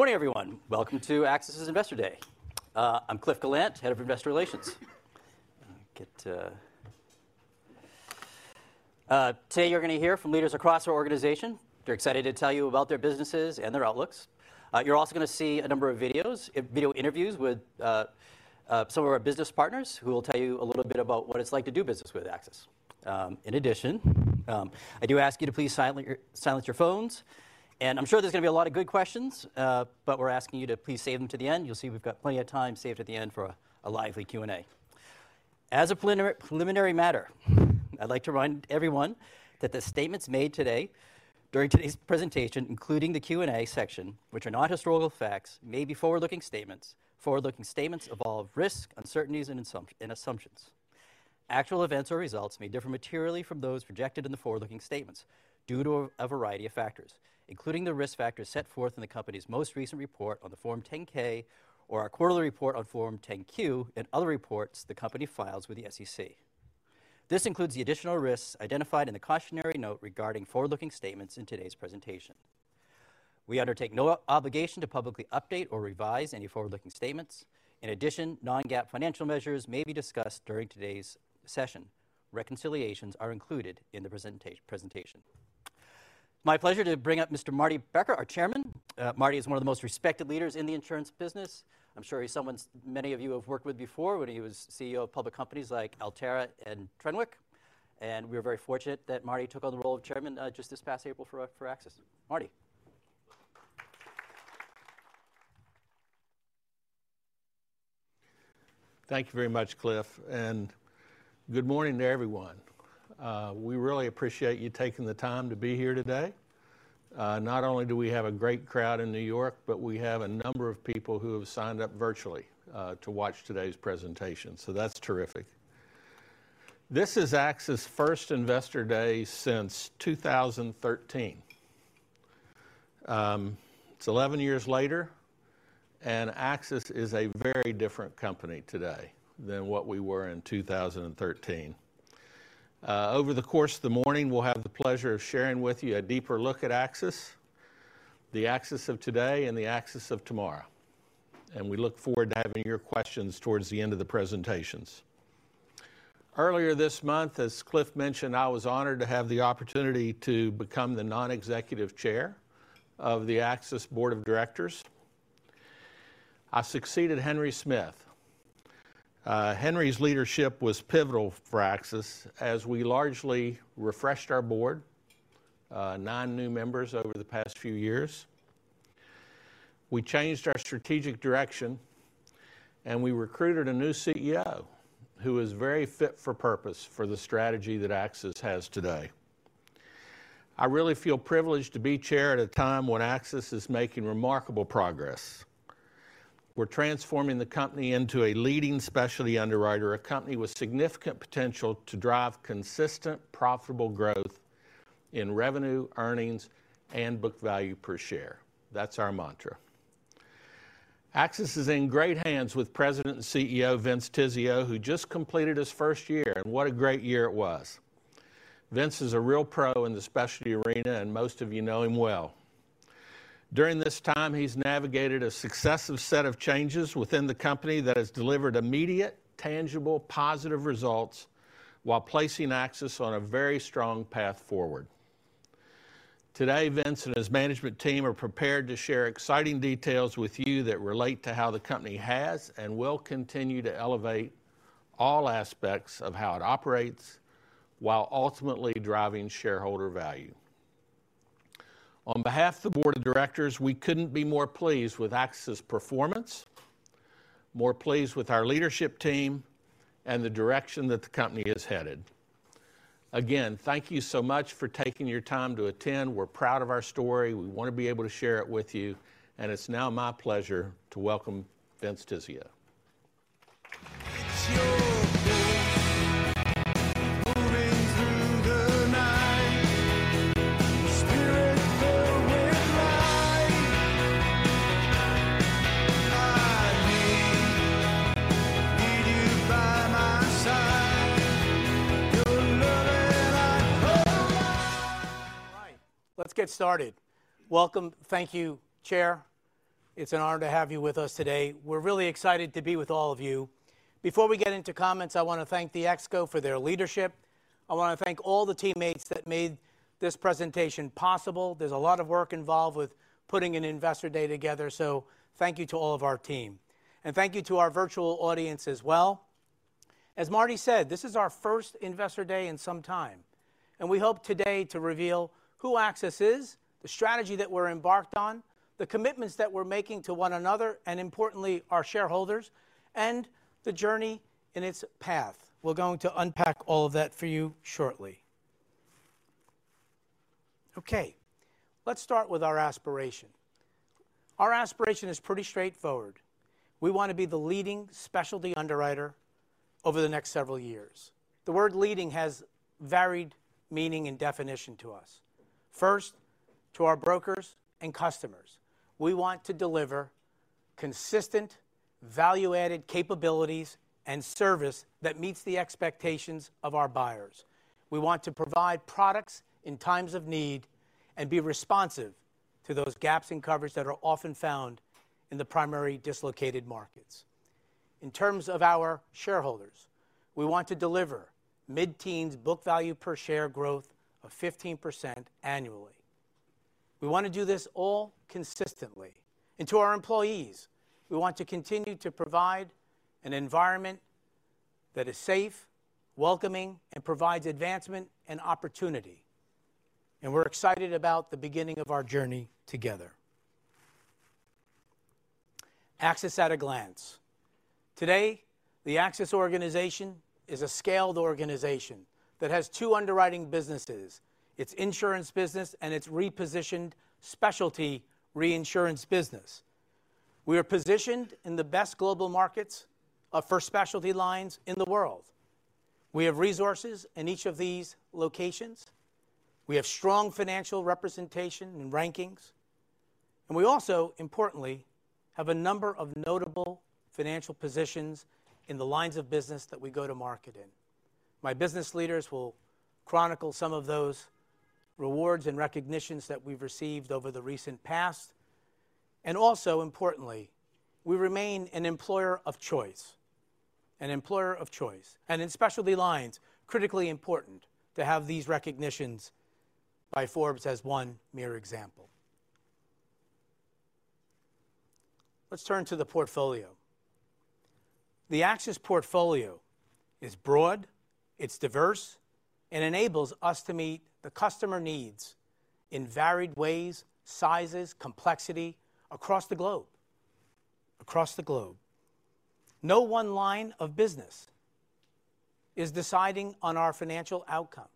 Good morning, everyone. Welcome to AXIS's Investor Day. I'm Cliff Gallant, Head of Investor Relations. Today you're gonna hear from leaders across our organization. They're excited to tell you about their businesses and their outlooks. You're also gonna see a number of videos, video interviews with some of our business partners, who will tell you a little bit about what it's like to do business with AXIS. In addition, I do ask you to please silence your phones, and I'm sure there's gonna be a lot of good questions, but we're asking you to please save them to the end. You'll see we've got plenty of time saved at the end for a lively Q&A. As a preliminary matter, I'd like to remind everyone that the statements made today during today's presentation, including the Q&A section, which are not historical facts, may be forward-looking statements. Forward-looking statements involve risks, uncertainties, and assumptions. Actual events or results may differ materially from those projected in the forward-looking statements due to a variety of factors, including the risk factors set forth in the company's most recent report on the Form 10-K or our quarterly report on Form 10-Q and other reports the company files with the SEC. This includes the additional risks identified in the cautionary note regarding forward-looking statements in today's presentation. We undertake no obligation to publicly update or revise any forward-looking statements. In addition, non-GAAP financial measures may be discussed during today's session. Reconciliations are included in the presentation. My pleasure to bring up Mr. Marty Becker, our Chairman. Marty is one of the most respected leaders in the insurance business. I'm sure he's someone many of you have worked with before when he was CEO of public companies like Alterra and Trenwick, and we're very fortunate that Marty took on the role of chairman just this past April for AXIS. Marty. Thank you very much, Cliff, and good morning to everyone. We really appreciate you taking the time to be here today. Not only do we have a great crowd in New York, but we have a number of people who have signed up virtually, to watch today's presentation, so that's terrific. This is AXIS' first Investor Day since 2013. It's 11 years later, and AXIS is a very different company today than what we were in 2013. Over the course of the morning, we'll have the pleasure of sharing with you a deeper look at AXIS, the AXIS of today and the AXIS of tomorrow, and we look forward to having your questions towards the end of the presentations. Earlier this month, as Cliff mentioned, I was honored to have the opportunity to become the non-executive chair of the AXIS Board of Directors. I succeeded Henry Smith. Henry's leadership was pivotal for AXIS, as we largely refreshed our board, nine new members over the past few years. We changed our strategic direction, and we recruited a new CEO, who is very fit for purpose for the strategy that AXIS has today. I really feel privileged to be chair at a time when AXIS is making remarkable progress. We're transforming the company into a leading specialty underwriter, a company with significant potential to drive consistent, profitable growth in revenue, earnings, and book value per share. That's our mantra. AXIS is in great hands with President and CEO Vince Tizzio, who just completed his first year, and what a great year it was! Vince is a real pro in the specialty arena, and most of you know him well. During this time, he's navigated a successive set of changes within the company that has delivered immediate, tangible, positive results, while placing AXIS on a very strong path forward. Today, Vince and his management team are prepared to share exciting details with you that relate to how the company has and will continue to elevate all aspects of how it operates, while ultimately driving shareholder value. On behalf of the board of directors, we couldn't be more pleased with AXIS' performance, more pleased with our leadership team, and the direction that the company is headed. Again, thank you so much for taking your time to attend. We're proud of our story. We want to be able to share it with you, and it's now my pleasure to welcome Vince Tizzio. All right, let's get started. Welcome. Thank you, Chair. It's an honor to have you with us today. We're really excited to be with all of you. Before we get into comments, I wanna thank the ExCo for their leadership. I wanna thank all the teammates that made this presentation possible. There's a lot of work involved with putting an Investor Day together, so thank you to all of our team, and thank you to our virtual audience as well. As Marty said, this is our first Investor Day in some time, and we hope today to reveal who AXIS is, the strategy that we're embarked on, the commitments that we're making to one another, and importantly, our shareholders, and the journey in its path. We're going to unpack all of that for you shortly. Okay, let's start with our aspiration. Our aspiration is pretty straightforward. We want to be the leading specialty underwriter over the next several years. The word leading has varied meaning and definition to us. First, to our brokers and customers, we want to deliver- Consistent, value-added capabilities and service that meets the expectations of our buyers. We want to provide products in times of need and be responsive to those gaps in coverage that are often found in the primary dislocated markets. In terms of our shareholders, we want to deliver mid-teens book value per share growth of 15% annually. We want to do this all consistently. And to our employees, we want to continue to provide an environment that is safe, welcoming, and provides advancement and opportunity, and we're excited about the beginning of our journey together. AXIS at a glance. Today, the AXIS organization is a scaled organization that has two underwriting businesses, its insurance business and its repositioned specialty reinsurance business. We are positioned in the best global markets, for specialty lines in the world. We have resources in each of these locations. We have strong financial representation and rankings, and we also, importantly, have a number of notable financial positions in the lines of business that we go to market in. My business leaders will chronicle some of those rewards and recognitions that we've received over the recent past, and also importantly, we remain an employer of choice, an employer of choice, and in specialty lines, critically important to have these recognitions by Forbes as one mere example. Let's turn to the portfolio. The AXIS portfolio is broad, it's diverse, and enables us to meet the customer needs in varied ways, sizes, complexity across the globe, across the globe. No one line of business is deciding on our financial outcome.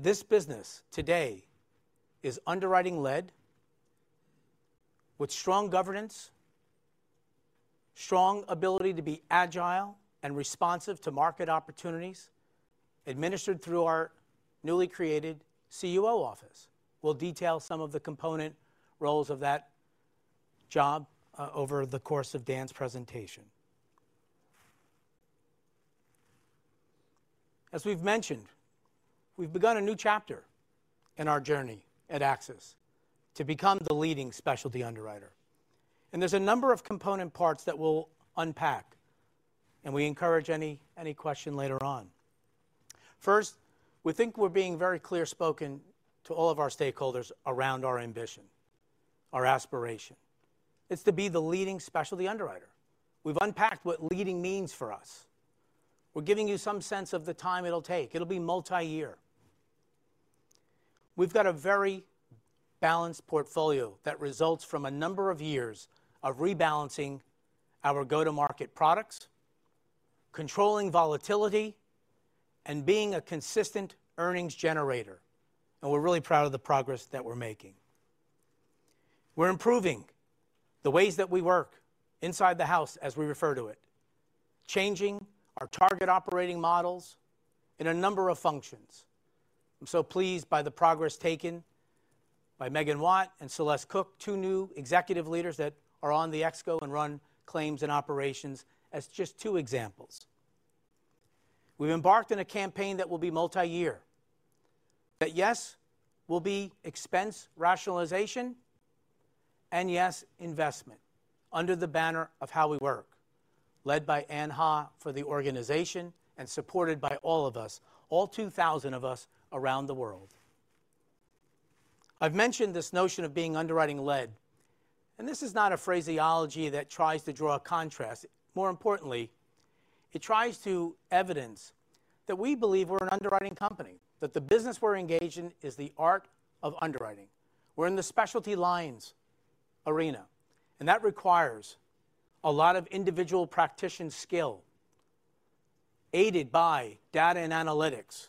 This business today is underwriting-led with strong governance, strong ability to be agile and responsive to market opportunities, administered through our newly created CUO office. We'll detail some of the component roles of that job over the course of Dan's presentation. As we've mentioned, we've begun a new chapter in our journey at AXIS to become the leading specialty underwriter, and there's a number of component parts that we'll unpack, and we encourage any, any question later on. First, we think we're being very clear-spoken to all of our stakeholders around our ambition, our aspiration. It's to be the leading specialty underwriter. We've unpacked what leading means for us. We're giving you some sense of the time it'll take. It'll be multi-year. We've got a very balanced portfolio that results from a number of years of rebalancing our go-to-market products, controlling volatility, and being a consistent earnings generator, and we're really proud of the progress that we're making. We're improving the ways that we work inside the house, as we refer to it, changing our target operating models in a number of functions. I'm so pleased by the progress taken by Megan Watt and Celeste Cook, two new executive leaders that are on the ExCo and run claims and operations, as just two examples. We've embarked on a campaign that will be multi-year, that, yes, will be expense rationalization, and yes, investment under the banner of How We Work, led by Ann Haugh for the organization and supported by all of us, all 2,000 of us around the world. I've mentioned this notion of being underwriting-led, and this is not a phraseology that tries to draw a contrast. More importantly, it tries to evidence that we believe we're an underwriting company, that the business we're engaged in is the art of underwriting. We're in the specialty lines arena, and that requires a lot of individual practitioner skill, aided by data and analytics,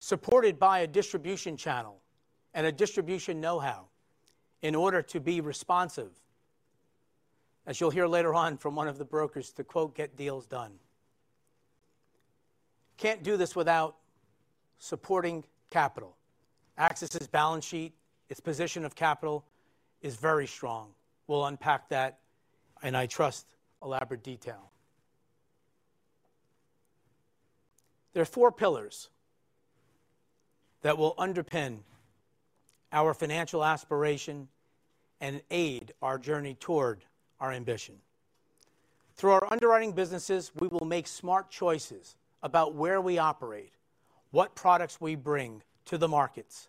supported by a distribution channel and a distribution know-how in order to be responsive, as you'll hear later on from one of the brokers, to, quote, "Get deals done." Can't do this without supporting capital. AXIS's balance sheet, its position of capital is very strong. We'll unpack that, and I'll elaborate in detail. There are four pillars that will underpin our financial aspiration and aid our journey toward our ambition. Through our underwriting businesses, we will make smart choices about where we operate, what products we bring to the markets,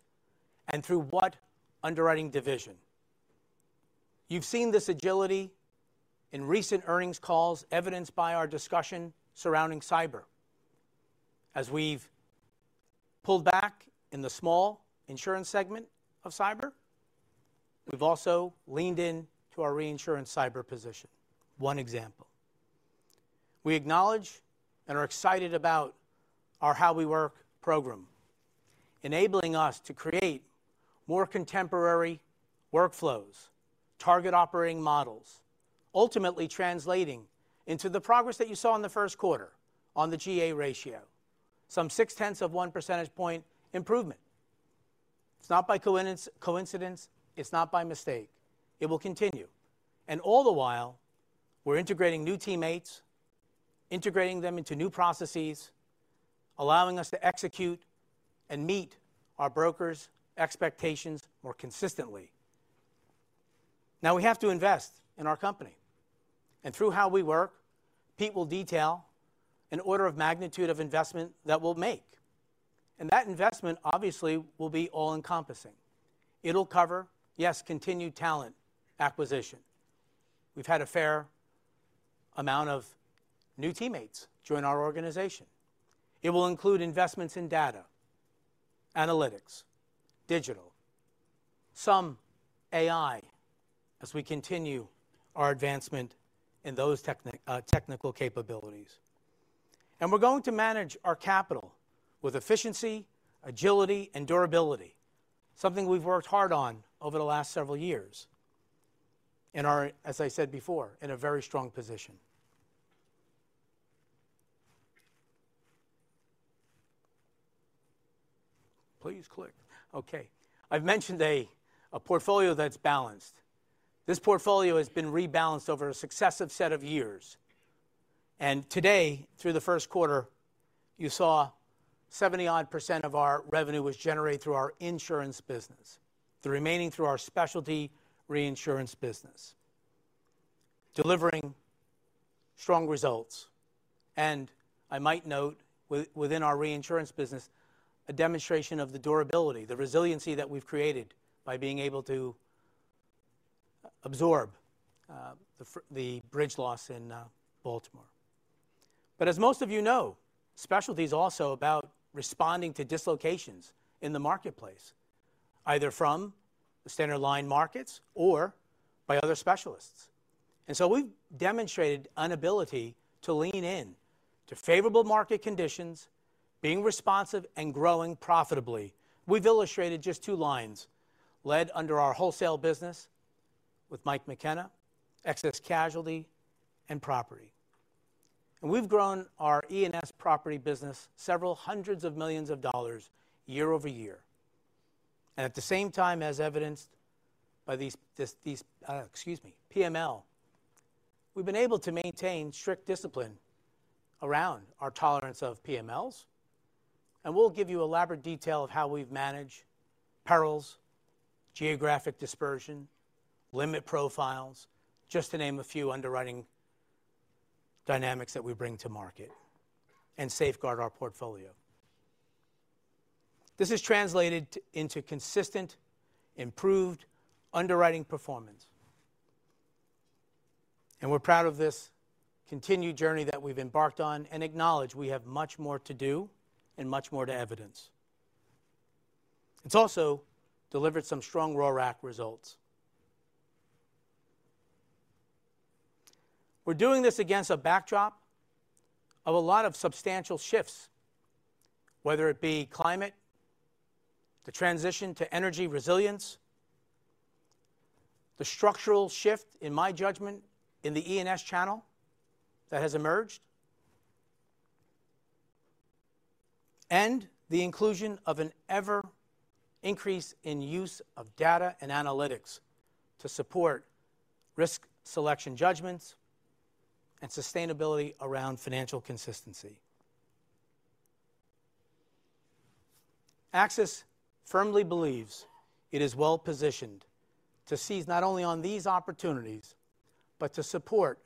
and through what underwriting division. You've seen this agility in recent earnings calls, evidenced by our discussion surrounding cyber. As we've pulled back in the small insurance segment of cyber, we've also leaned in to our reinsurance cyber position. One example. We acknowledge and are excited about our How We Work program, enabling us to create more contemporary workflows, target operating models, ultimately translating into the progress that you saw in the first quarter on the G&A ratio, some 0.6 percentage point improvement. It's not by coincidence, it's not by mistake. It will continue. And all the while, we're integrating new teammates, integrating them into new processes, allowing us to execute and meet our brokers' expectations more consistently. Now, we have to invest in our company, and through How We Work, Pete will detail an order of magnitude of investment that we'll make, and that investment obviously will be all-encompassing. It'll cover, yes, continued talent acquisition. We've had a fair amount of new teammates join our organization. It will include investments in data, analytics, digital, some AI, as we continue our advancement in those technical capabilities. And we're going to manage our capital with efficiency, agility, and durability, something we've worked hard on over the last several years, and are, as I said before, in a very strong position. Please click. Okay. I've mentioned a portfolio that's balanced. This portfolio has been rebalanced over a successive set of years, and today, through the first quarter, you saw 70-odd% of our revenue was generated through our insurance business, the remaining through our specialty reinsurance business, delivering strong results. And I might note, within our reinsurance business, a demonstration of the durability, the resiliency that we've created by being able to absorb the bridge loss in Baltimore. But as most of you know, specialty is also about responding to dislocations in the marketplace, either from the standard line markets or by other specialists. And so we've demonstrated an ability to lean in to favorable market conditions, being responsive and growing profitably. We've illustrated just two lines, led under our wholesale business with Mike McKenna, excess casualty and property. And we've grown our E&S property business several hundreds of millions of dollars year-over-year. And at the same time, as evidenced by these, excuse me, PML, we've been able to maintain strict discipline around our tolerance of PMLs, and we'll give you elaborate detail of how we've managed perils, geographic dispersion, limit profiles, just to name a few underwriting dynamics that we bring to market and safeguard our portfolio. This is translated into consistent, improved underwriting performance, and we're proud of this continued journey that we've embarked on and acknowledge we have much more to do and much more to evidence. It's also delivered some strong RoRAC results. We're doing this against a backdrop of a lot of substantial shifts, whether it be climate, the transition to energy resilience, the structural shift, in my judgment, in the E&S channel that has emerged, and the inclusion of an ever-increasing use of data and analytics to support risk selection judgments and sustainability around financial consistency. AXIS firmly believes it is well-positioned to seize not only on these opportunities, but to support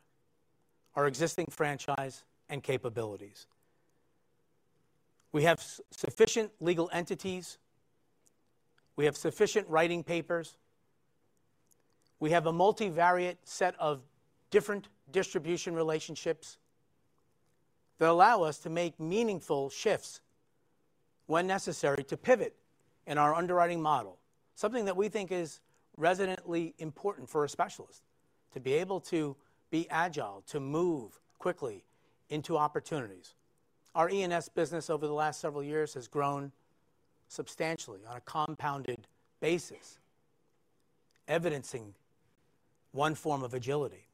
our existing franchise and capabilities. We have sufficient legal entities, we have sufficient writing papers, we have a multivariate set of different distribution relationships that allow us to make meaningful shifts when necessary to pivot in our underwriting model. Something that we think is resoundingly important for a specialist, to be able to be agile, to move quickly into opportunities. Our E&S business over the last several years has grown substantially on a compounded basis, evidencing one form of agility.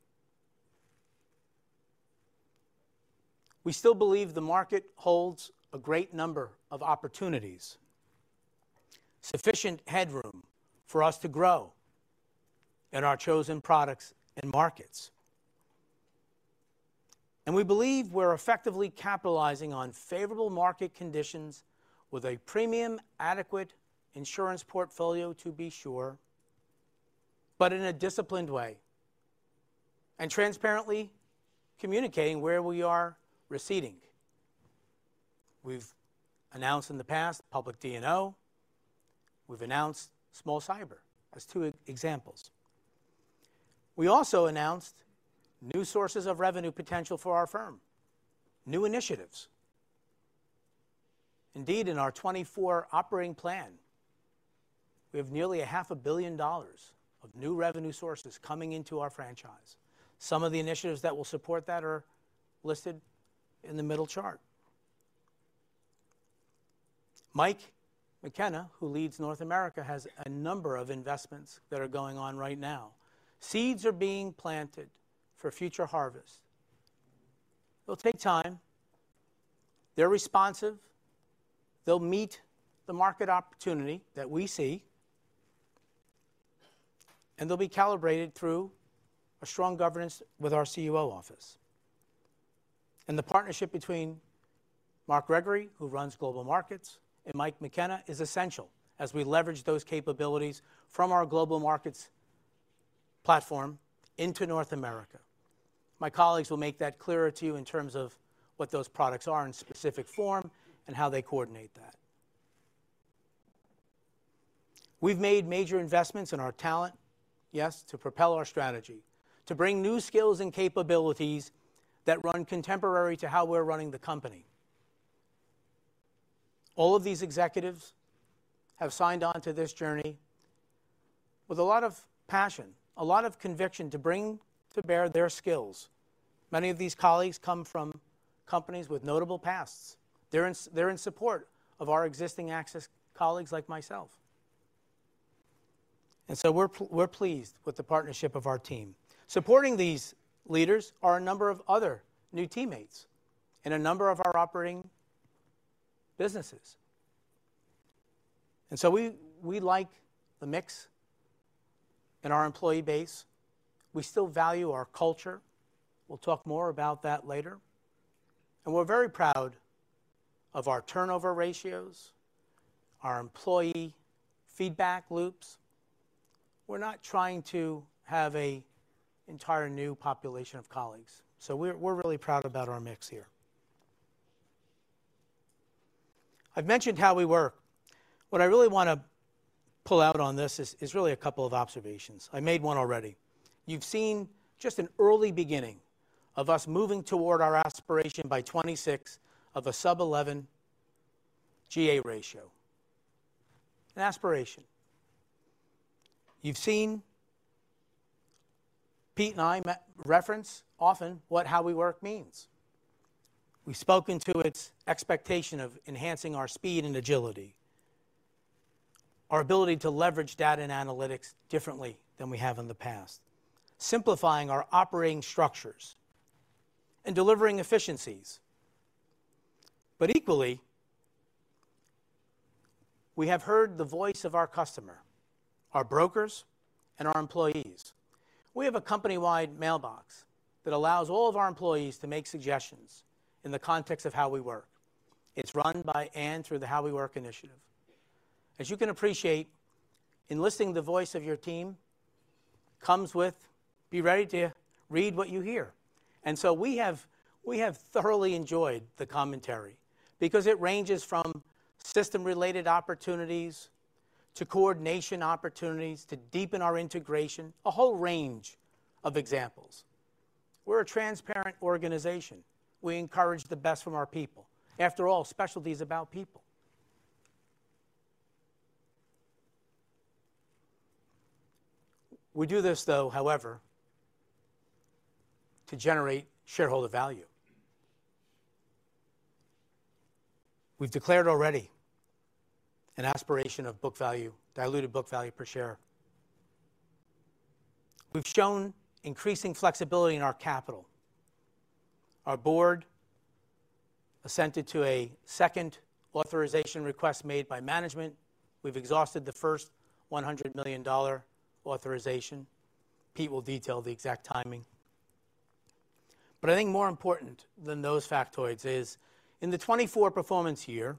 We still believe the market holds a great number of opportunities, sufficient headroom for us to grow in our chosen products and markets. And we believe we're effectively capitalizing on favorable market conditions with a premium, adequate insurance portfolio, to be sure, but in a disciplined way, and transparently communicating where we are ceding. We've announced in the past, Public D&O, we've announced Small Cyber as two examples. We also announced new sources of revenue potential for our firm, new initiatives. Indeed, in our 2024 operating plan, we have nearly $500 million of new revenue sources coming into our franchise. Some of the initiatives that will support that are listed in the middle chart.... Mike McKenna, who leads North America, has a number of investments that are going on right now. Seeds are being planted for future harvest. It'll take time. They're responsive, they'll meet the market opportunity that we see, and they'll be calibrated through a strong governance with our CUO office. And the partnership between Mark Gregory, who runs Global Markets, and Mike McKenna, is essential as we leverage those capabilities from our global markets platform into North America. My colleagues will make that clearer to you in terms of what those products are in specific form and how they coordinate that. We've made major investments in our talent, yes, to propel our strategy, to bring new skills and capabilities that run contemporary to how we're running the company. All of these executives have signed on to this journey with a lot of passion, a lot of conviction to bring to bear their skills. Many of these colleagues come from companies with notable pasts. They're in, they're in support of our existing AXIS colleagues like myself. And so we're pleased with the partnership of our team. Supporting these leaders are a number of other new teammates in a number of our operating businesses. And so we, we like the mix in our employee base. We still value our culture. We'll talk more about that later, and we're very proud of our turnover ratios, our employee feedback loops. We're not trying to have an entire new population of colleagues, so we're, we're really proud about our mix here. I've mentioned how we work. What I really wanna pull out on this is, is really a couple of observations. I made one already. You've seen just an early beginning of us moving toward our aspiration by 2026 of a sub-11 G&A ratio. An aspiration. You've seen Pete and I reference often what how we work means. We've spoken to its expectation of enhancing our speed and agility, our ability to leverage data and analytics differently than we have in the past, simplifying our operating structures, and delivering efficiencies. But equally, we have heard the voice of our customer, our brokers, and our employees. We have a company-wide mailbox that allows all of our employees to make suggestions in the context of how we work. It's run by Ann through the How We Work initiative. As you can appreciate, enlisting the voice of your team comes with, be ready to read what you hear. And so we have, we have thoroughly enjoyed the commentary because it ranges from system-related opportunities to coordination opportunities to deepen our integration, a whole range of examples. We're a transparent organization. We encourage the best from our people. After all, specialty is about people. We do this, though, however, to generate shareholder value. We've declared already an aspiration of book value, diluted book value per share. We've shown increasing flexibility in our capital. Our board assented to a second authorization request made by management. We've exhausted the first $100 million authorization. Pete will detail the exact timing. But I think more important than those factoids is, in the 2024 performance year,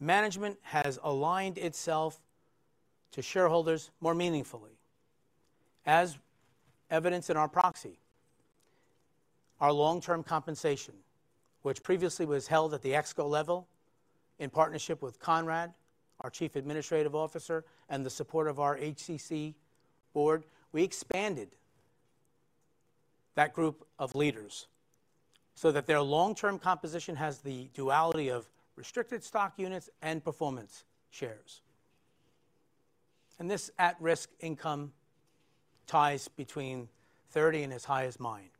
management has aligned itself to shareholders more meaningfully, as evidenced in our proxy. Our long-term compensation, which previously was held at the ExCo level, in partnership with Conrad, our Chief Administrative Officer, and the support of our HCC board, we expanded that group of leaders so that their long-term composition has the duality of restricted stock units and performance shares. And this at-risk income ties between 30 and as high as mine.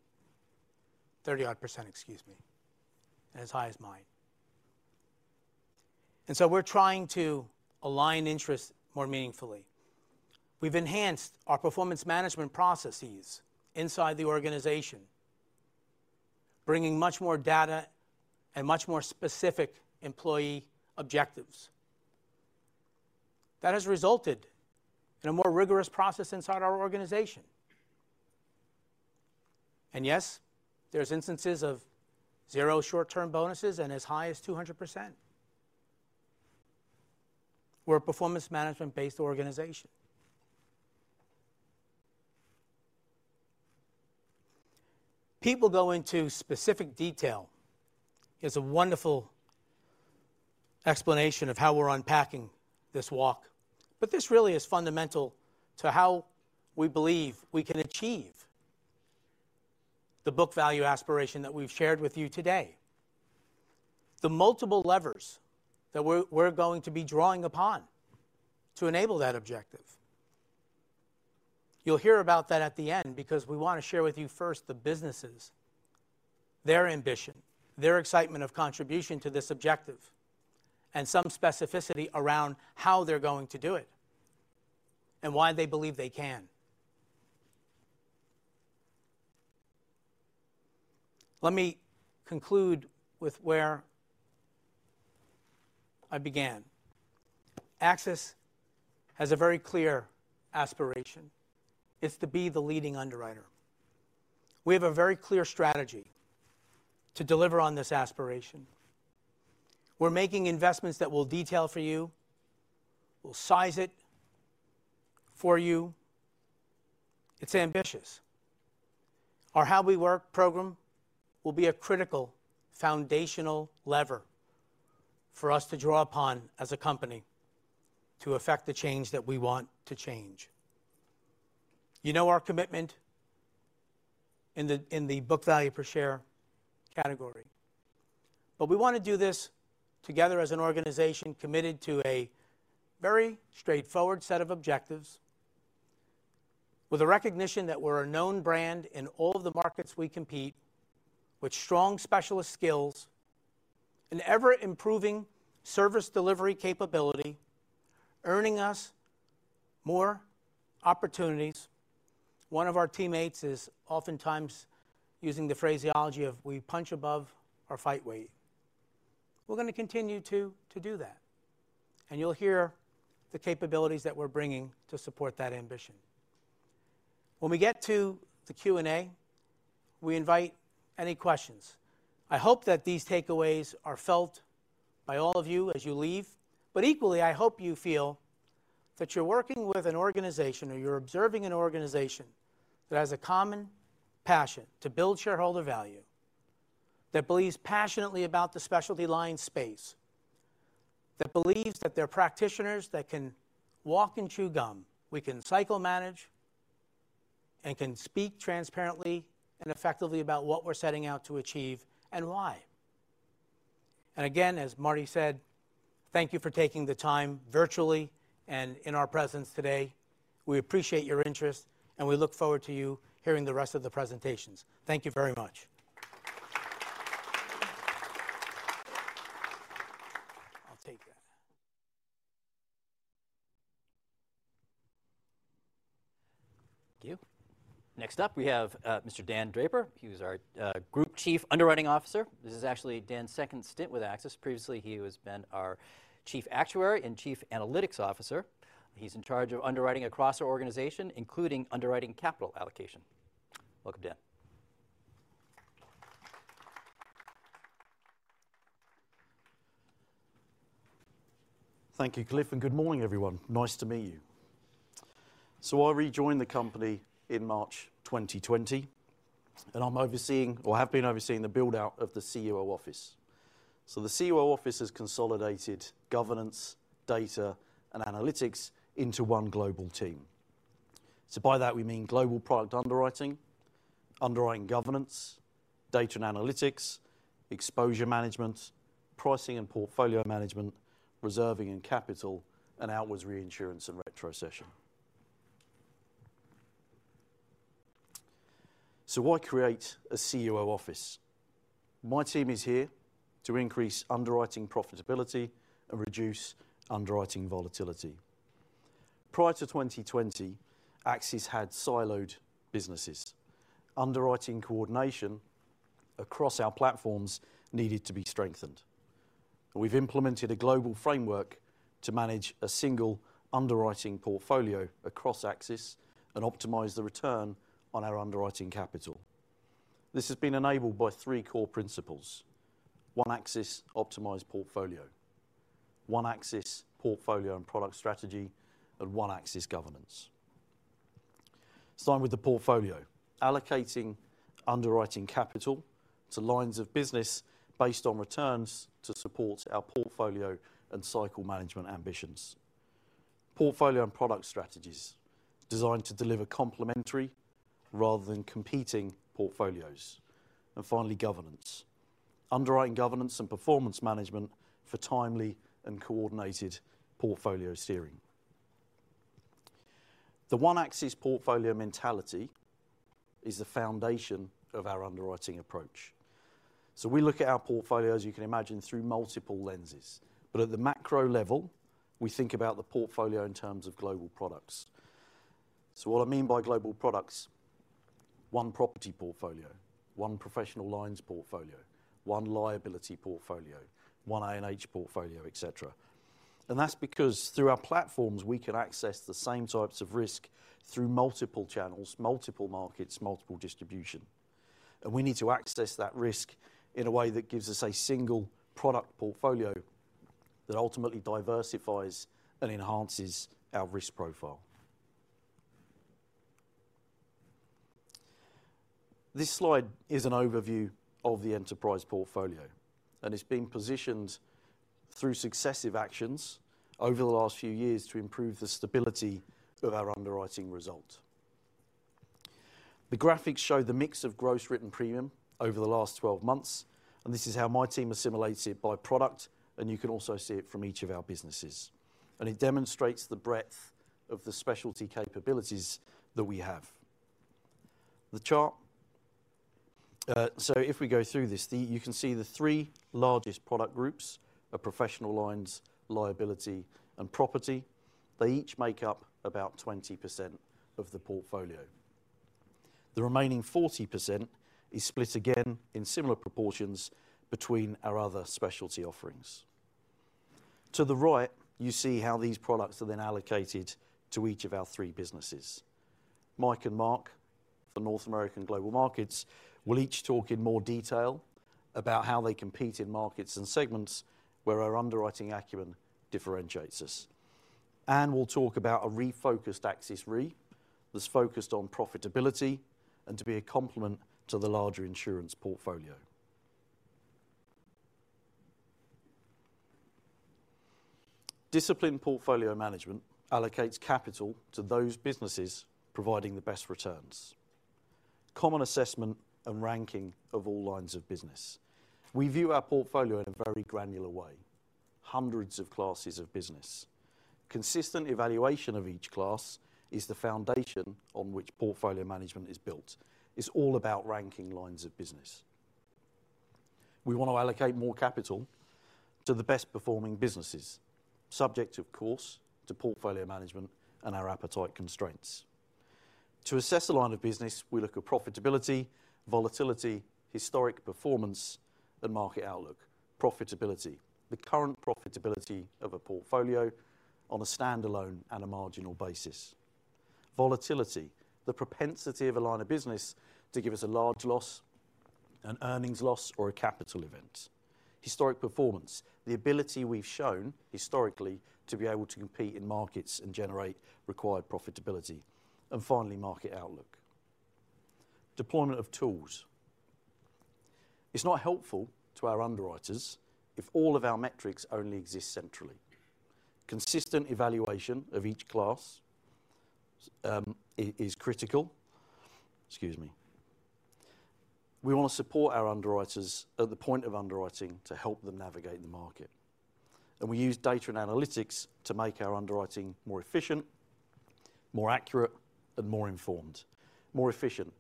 30-odd%, excuse me, and as high as mine. And so we're trying to align interests more meaningfully. We've enhanced our performance management processes inside the organization, bringing much more data and much more specific employee objectives. That has resulted in a more rigorous process inside our organization. And yes, there's instances of zero short-term bonuses and as high as 200%. We're a performance management-based organization. Pete will go into specific detail. He has a wonderful explanation of how we're unpacking this walk. But this really is fundamental to how we believe we can achieve the book value aspiration that we've shared with you today. The multiple levers that we're going to be drawing upon to enable that objective... You'll hear about that at the end because we wanna share with you first the businesses, their ambition, their excitement of contribution to this objective, and some specificity around how they're going to do it, and why they believe they can. Let me conclude with where I began. AXIS has a very clear aspiration. It's to be the leading underwriter. We have a very clear strategy to deliver on this aspiration. We're making investments that we'll detail for you, we'll size it for you. It's ambitious. Our How We Work program will be a critical foundational lever for us to draw upon as a company to effect the change that we want to change. You know our commitment in the, in the book value per share category, but we wanna do this together as an organization committed to a very straightforward set of objectives, with a recognition that we're a known brand in all of the markets we compete, with strong specialist skills, an ever-improving service delivery capability, earning us more opportunities. One of our teammates is oftentimes using the phraseology of, "We punch above our weight." We're gonna continue to, to do that, and you'll hear the capabilities that we're bringing to support that ambition. When we get to the Q&A, we invite any questions. I hope that these takeaways are felt by all of you as you leave, but equally, I hope you feel that you're working with an organization, or you're observing an organization, that has a common passion to build shareholder value, that believes passionately about the specialty line space, that believes that they're practitioners that can walk and chew gum. We can cycle manage, and can speak transparently and effectively about what we're setting out to achieve and why. And again, as Marty said, thank you for taking the time virtually and in our presence today. We appreciate your interest, and we look forward to you hearing the rest of the presentations. Thank you very much. I'll take that. Thank you. Next up, we have Mr. Dan Draper. He is our Group Chief Underwriting Officer. This is actually Dan's second stint with AXIS. Previously, he has been our Chief Actuary and Chief Analytics Officer. He's in charge of underwriting across our organization, including underwriting capital allocation. Welcome, Dan. Thank you, Cliff, and good morning, everyone. Nice to meet you. So I rejoined the company in March 2020, and I'm overseeing, or have been overseeing the build-out of the CUO office. So the CUO office has consolidated governance, data, and analytics into one global team. So by that we mean global product underwriting, underwriting governance, data and analytics, exposure management, pricing and portfolio management, reserving and capital, and outwards reinsurance and retrocession. So why create a CUO office? My team is here to increase underwriting profitability and reduce underwriting volatility. Prior to 2020, AXIS had siloed businesses. Underwriting coordination across our platforms needed to be strengthened. We've implemented a global framework to manage a single underwriting portfolio across AXIS and optimize the return on our underwriting capital. This has been enabled by three core principles: One AXIS optimized portfolio, One AXIS portfolio and product strategy, and One AXIS governance. Starting with the portfolio. Allocating underwriting capital to lines of business based on returns to support our portfolio and cycle management ambitions. Portfolio and product strategies designed to deliver complementary rather than competing portfolios. And finally, governance. Underwriting governance and performance management for timely and coordinated portfolio steering. The One AXIS portfolio mentality is the foundation of our underwriting approach. So we look at our portfolio, as you can imagine, through multiple lenses, but at the macro level, we think about the portfolio in terms of global products. So what I mean by global products, one property portfolio, one professional lines portfolio, one liability portfolio, one A&H portfolio, et cetera. And that's because through our platforms, we can access the same types of risk through multiple channels, multiple markets, multiple distribution. We need to access that risk in a way that gives us a single product portfolio that ultimately diversifies and enhances our risk profile. This slide is an overview of the enterprise portfolio, and it's been positioned through successive actions over the last few years to improve the stability of our underwriting result. The graphics show the mix of gross written premium over the last 12 months, and this is how my team assimilates it by product, and you can also see it from each of our businesses. It demonstrates the breadth of the specialty capabilities that we have. The chart, so if we go through this, you can see the three largest product groups are professional lines, liability, and property. They each make up about 20% of the portfolio. The remaining 40% is split again in similar proportions between our other specialty offerings. To the right, you see how these products are then allocated to each of our three businesses. Mike and Mark, for North America and Global Markets, will each talk in more detail about how they compete in markets and segments where our underwriting acumen differentiates us. We'll talk about a refocused AXIS Re, that's focused on profitability and to be a complement to the larger insurance portfolio. Disciplined portfolio management allocates capital to those businesses providing the best returns. Common assessment and ranking of all lines of business. We view our portfolio in a very granular way, hundreds of classes of business. Consistent evaluation of each class is the foundation on which portfolio management is built. It's all about ranking lines of business. We want to allocate more capital to the best performing businesses, subject of course, to portfolio management and our appetite constraints. To assess a line of business, we look at profitability, volatility, historic performance, and market outlook. Profitability, the current profitability of a portfolio on a standalone and a marginal basis. Volatility, the propensity of a line of business to give us a large loss, an earnings loss, or a capital event. Historic performance, the ability we've shown historically, to be able to compete in markets and generate required profitability, and finally, market outlook. Deployment of tools. It's not helpful to our underwriters if all of our metrics only exist centrally. Consistent evaluation of each class is critical. Excuse me. We want to support our underwriters at the point of underwriting to help them navigate the market, and we use data and analytics to make our underwriting more efficient, more accurate, and more informed. More efficient: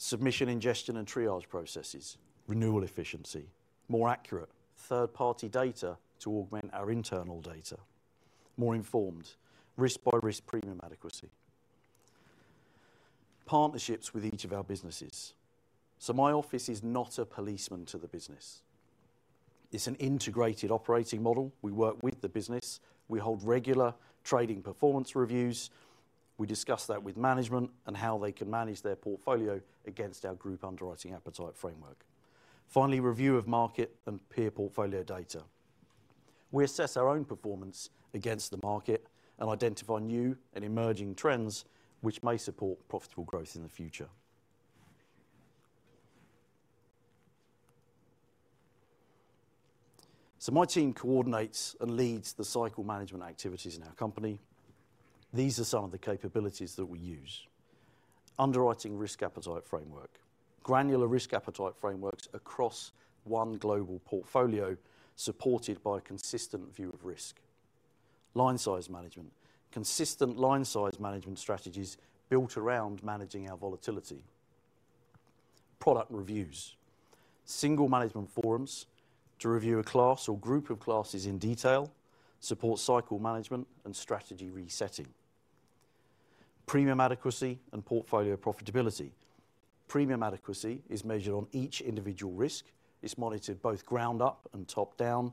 submission, ingestion, and triage processes, renewal efficiency. More accurate: third-party data to augment our internal data. More informed: risk-by-risk premium adequacy. Partnerships with each of our businesses. So my office is not a policeman to the business. It's an integrated operating model. We work with the business. We hold regular trading performance reviews. We discuss that with management and how they can manage their portfolio against our group underwriting appetite framework. Finally, review of market and peer portfolio data. We assess our own performance against the market and identify new and emerging trends which may support profitable growth in the future. So my team coordinates and leads the cycle management activities in our company. These are some of the capabilities that we use. Underwriting risk appetite framework. Granular risk appetite frameworks across one global portfolio, supported by a consistent view of risk. Line size management. Consistent line size management strategies built around managing our volatility. Product reviews. Single management forums to review a class or group of classes in detail, support cycle management, and strategy resetting. Premium adequacy and portfolio profitability. Premium adequacy is measured on each individual risk, it's monitored both ground up and top down,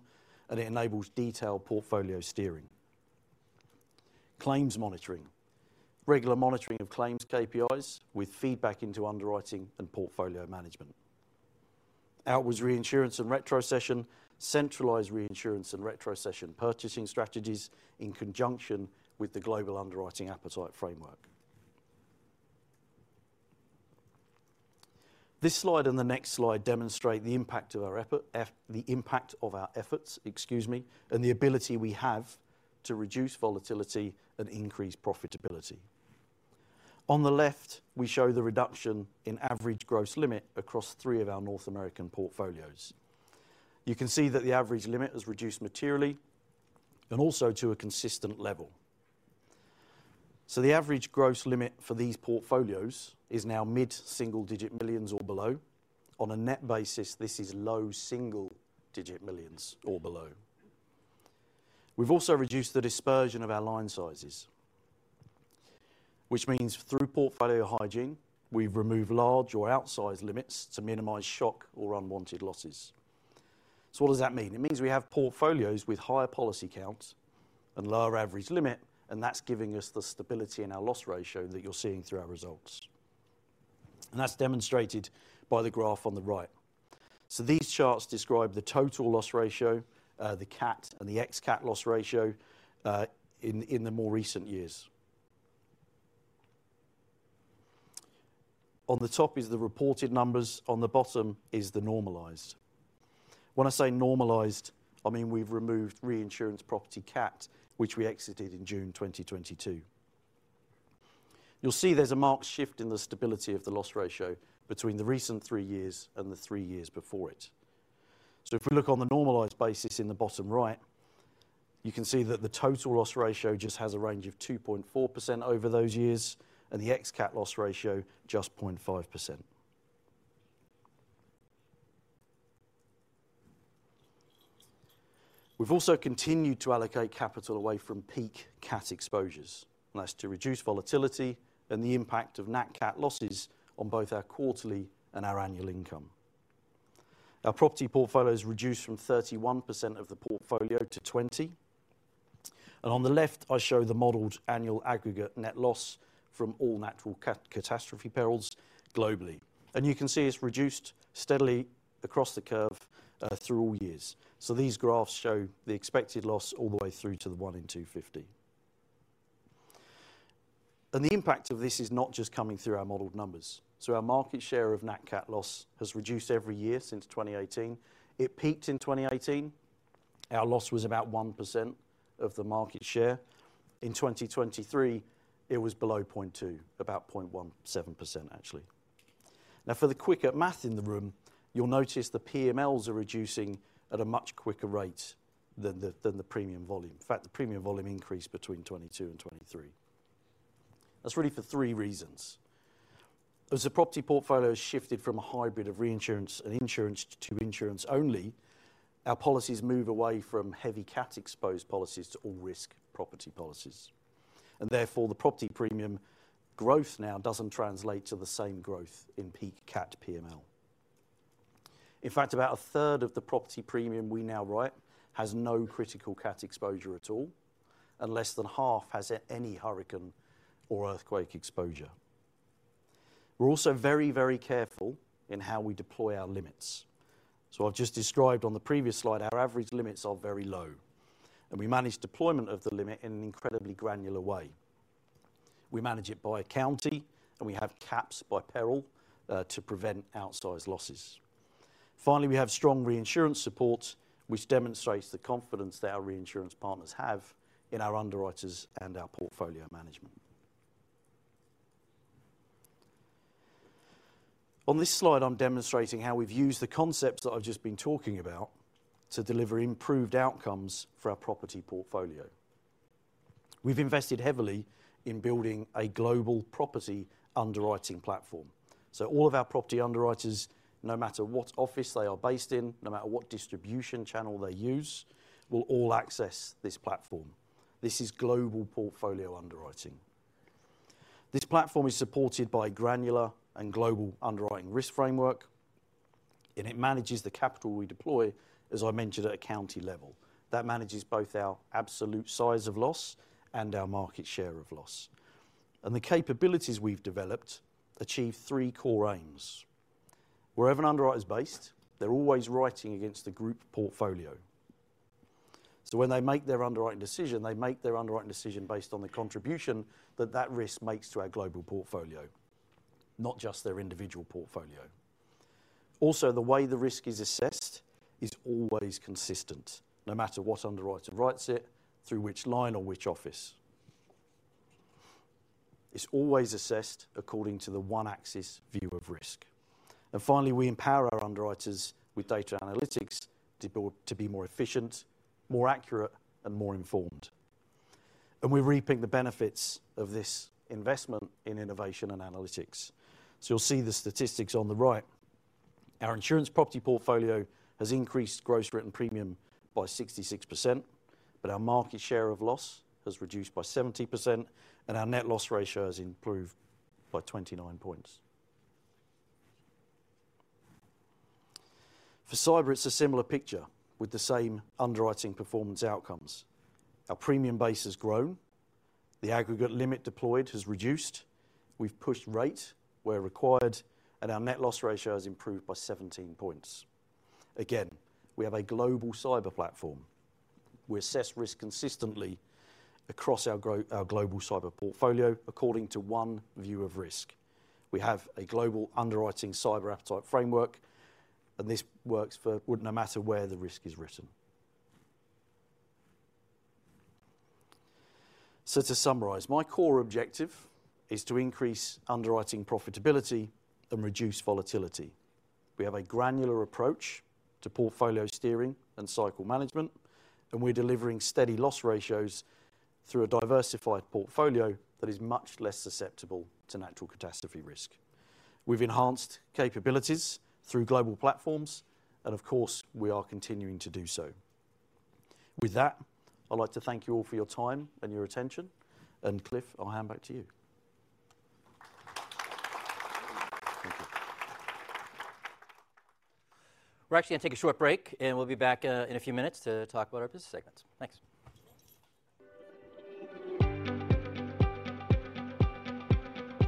and it enables detailed portfolio steering. Claims monitoring. Regular monitoring of claims KPIs with feedback into underwriting and portfolio management. Outwards reinsurance and retrocession. Centralized reinsurance and retrocession, purchasing strategies in conjunction with the global underwriting appetite framework. This slide and the next slide demonstrate the impact of our efforts, excuse me, and the ability we have to reduce volatility and increase profitability. On the left, we show the reduction in average gross limit across three of our North American portfolios. You can see that the average limit has reduced materially, and also to a consistent level. So the average gross limit for these portfolios is now mid-single-digit millions or below. On a net basis, this is low single-digit millions or below. We've also reduced the dispersion of our line sizes, which means through portfolio hygiene, we've removed large or outsized limits to minimize shock or unwanted losses. So what does that mean? It means we have portfolios with higher policy counts and lower average limit, and that's giving us the stability in our loss ratio that you're seeing through our results, and that's demonstrated by the graph on the right. So these charts describe the total loss ratio, the cat and the ex cat loss ratio, in the more recent years. On the top is the reported numbers, on the bottom is the normalized.... When I say normalized, I mean we've removed reinsurance property cat, which we exited in June 2022. You'll see there's a marked shift in the stability of the loss ratio between the recent three years and the three years before it. So if we look on the normalized basis in the bottom right, you can see that the total loss ratio just has a range of 2.4% over those years, and the ex-cat loss ratio just 0.5%. We've also continued to allocate capital away from peak cat exposures, and that's to reduce volatility and the impact of nat cat losses on both our quarterly and our annual income. Our property portfolio has reduced from 31% of the portfolio to 20%, and on the left I show the modeled annual aggregate net loss from all natural catastrophe perils globally. And you can see it's reduced steadily across the curve through all years. So these graphs show the expected loss all the way through to the 1 in 250. And the impact of this is not just coming through our modeled numbers. So our market share of nat cat loss has reduced every year since 2018. It peaked in 2018. Our loss was about 1% of the market share. In 2023, it was below 0.2, about 0.17%, actually. Now, for the quicker math in the room, you'll notice the PMLs are reducing at a much quicker rate than the premium volume. In fact, the premium volume increased between 2022 and 2023. That's really for three reasons. As the property portfolio shifted from a hybrid of reinsurance and insurance to insurance only, our policies move away from heavy cat exposed policies to all risk property policies, and therefore, the property premium growth now doesn't translate to the same growth in peak cat PML. In fact, about a third of the property premium we now write has no critical cat exposure at all, and less than half has any hurricane or earthquake exposure. We're also very, very careful in how we deploy our limits. So I've just described on the previous slide, our average limits are very low, and we manage deployment of the limit in an incredibly granular way. We manage it by county, and we have caps by peril to prevent outsized losses. Finally, we have strong reinsurance support, which demonstrates the confidence that our reinsurance partners have in our underwriters and our portfolio management. On this slide, I'm demonstrating how we've used the concepts that I've just been talking about to deliver improved outcomes for our property portfolio. We've invested heavily in building a global property underwriting platform. So all of our property underwriters, no matter what office they are based in, no matter what distribution channel they use, will all access this platform. This is global portfolio underwriting. This platform is supported by granular and global underwriting risk framework, and it manages the capital we deploy, as I mentioned, at a county level. That manages both our absolute size of loss and our market share of loss. And the capabilities we've developed achieve three core aims. Wherever an underwriter is based, they're always writing against the group portfolio. So when they make their underwriting decision, they make their underwriting decision based on the contribution that that risk makes to our global portfolio, not just their individual portfolio. Also, the way the risk is assessed is always consistent, no matter what underwriter writes it, through which line or which office. It's always assessed according to the one AXIS view of risk. And finally, we empower our underwriters with data analytics to be more efficient, more accurate, and more informed. And we're reaping the benefits of this investment in innovation and analytics. So you'll see the statistics on the right. Our insurance property portfolio has increased gross written premium by 66%, but our market share of loss has reduced by 70%, and our net loss ratio has improved by 29 points. For cyber, it's a similar picture, with the same underwriting performance outcomes. Our premium base has grown, the aggregate limit deployed has reduced, we've pushed rate where required, and our net loss ratio has improved by 17 points. Again, we have a global cyber platform. We assess risk consistently across our global cyber portfolio according to one view of risk. We have a global underwriting cyber appetite framework, and this works for... well, no matter where the risk is written. So to summarize, my core objective is to increase underwriting profitability and reduce volatility. We have a granular approach to portfolio steering and cycle management, and we're delivering steady loss ratios through a diversified portfolio that is much less susceptible to natural catastrophe risk. We've enhanced capabilities through global platforms, and of course, we are continuing to do so. With that, I'd like to thank you all for your time and your attention, and Cliff, I'll hand back to you. Thank you. We're actually going to take a short break, and we'll be back in a few minutes to talk about our business segments. Thanks.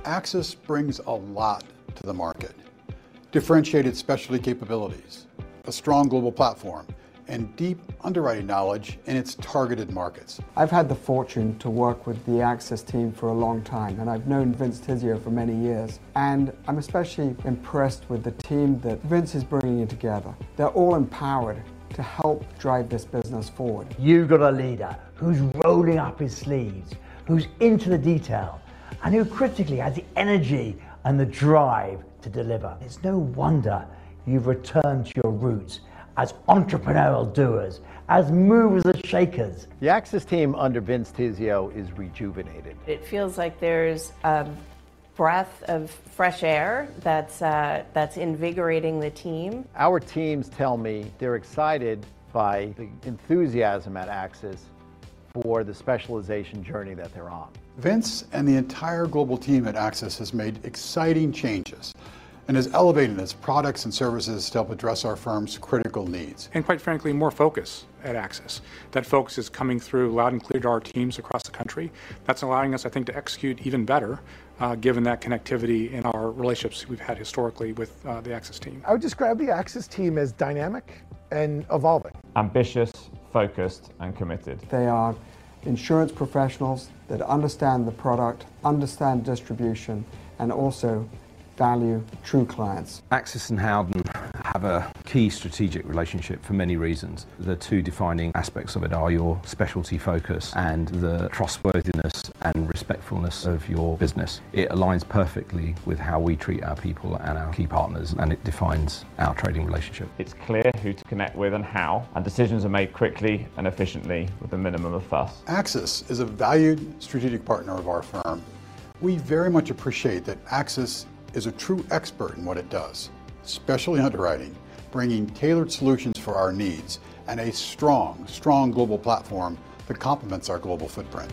AXIS brings a lot to the market. Differentiated specialty capabilities, a strong global platform... and deep underwriting knowledge in its targeted markets. I've had the fortune to work with the AXIS team for a long time, and I've known Vince Tizzio for many years, and I'm especially impressed with the team that Vince is bringing in together. They're all empowered to help drive this business forward. You've got a leader who's rolling up his sleeves, who's into the detail, and who critically has the energy and the drive to deliver. It's no wonder you've returned to your roots as entrepreneurial doers, as movers and shakers. The AXIS team under Vince Tizzio is rejuvenated. It feels like there's a breath of fresh air that's, that's invigorating the team. Our teams tell me they're excited by the enthusiasm at AXIS for the specialization journey that they're on. Vince and the entire global team at AXIS has made exciting changes and has elevated its products and services to help address our firm's critical needs. Quite frankly, more focus at AXIS. That focus is coming through loud and clear to our teams across the country. That's allowing us, I think, to execute even better, given that connectivity in our relationships we've had historically with the AXIS team. I would describe the AXIS team as dynamic and evolving. Ambitious, focused, and committed. They are insurance professionals that understand the product, understand distribution, and also value true clients. AXIS and Howden have a key strategic relationship for many reasons. The two defining aspects of it are your specialty focus and the trustworthiness and respectfulness of your business. It aligns perfectly with how we treat our people and our key partners, and it defines our trading relationship. It's clear who to connect with and how, and decisions are made quickly and efficiently with a minimum of fuss. AXIS is a valued strategic partner of our firm. We very much appreciate that AXIS is a true expert in what it does, especially underwriting, bringing tailored solutions for our needs and a strong, strong global platform that complements our global footprint.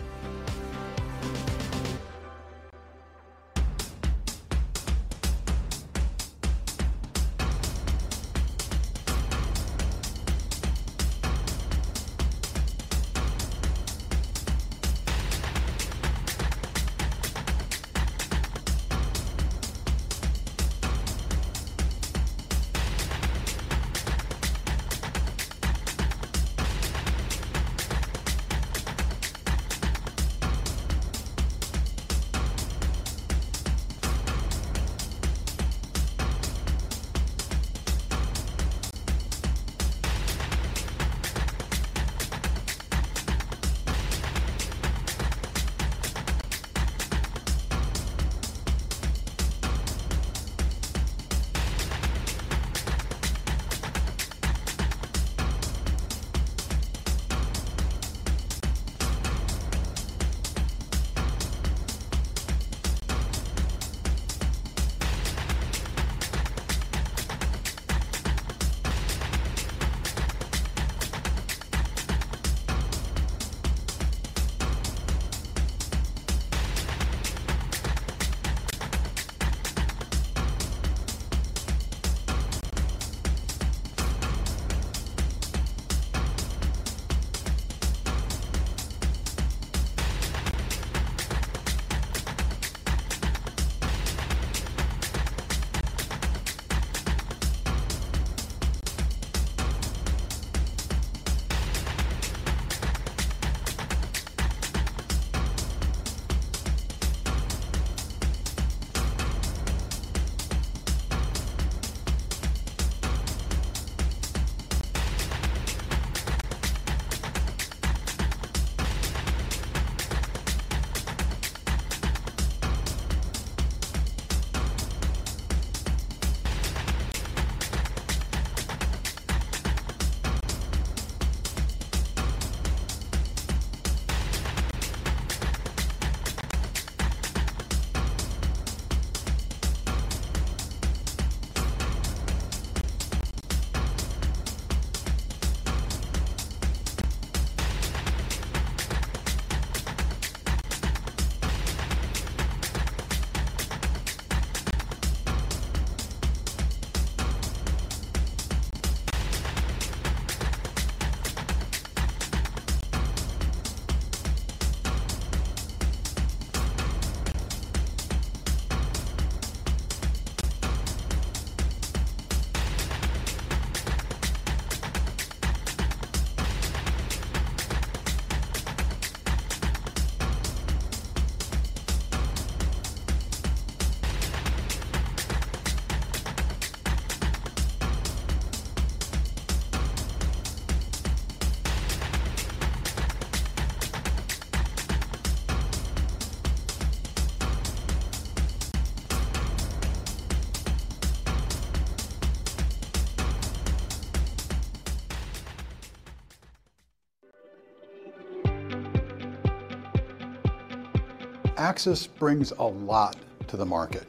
AXIS brings a lot to the market: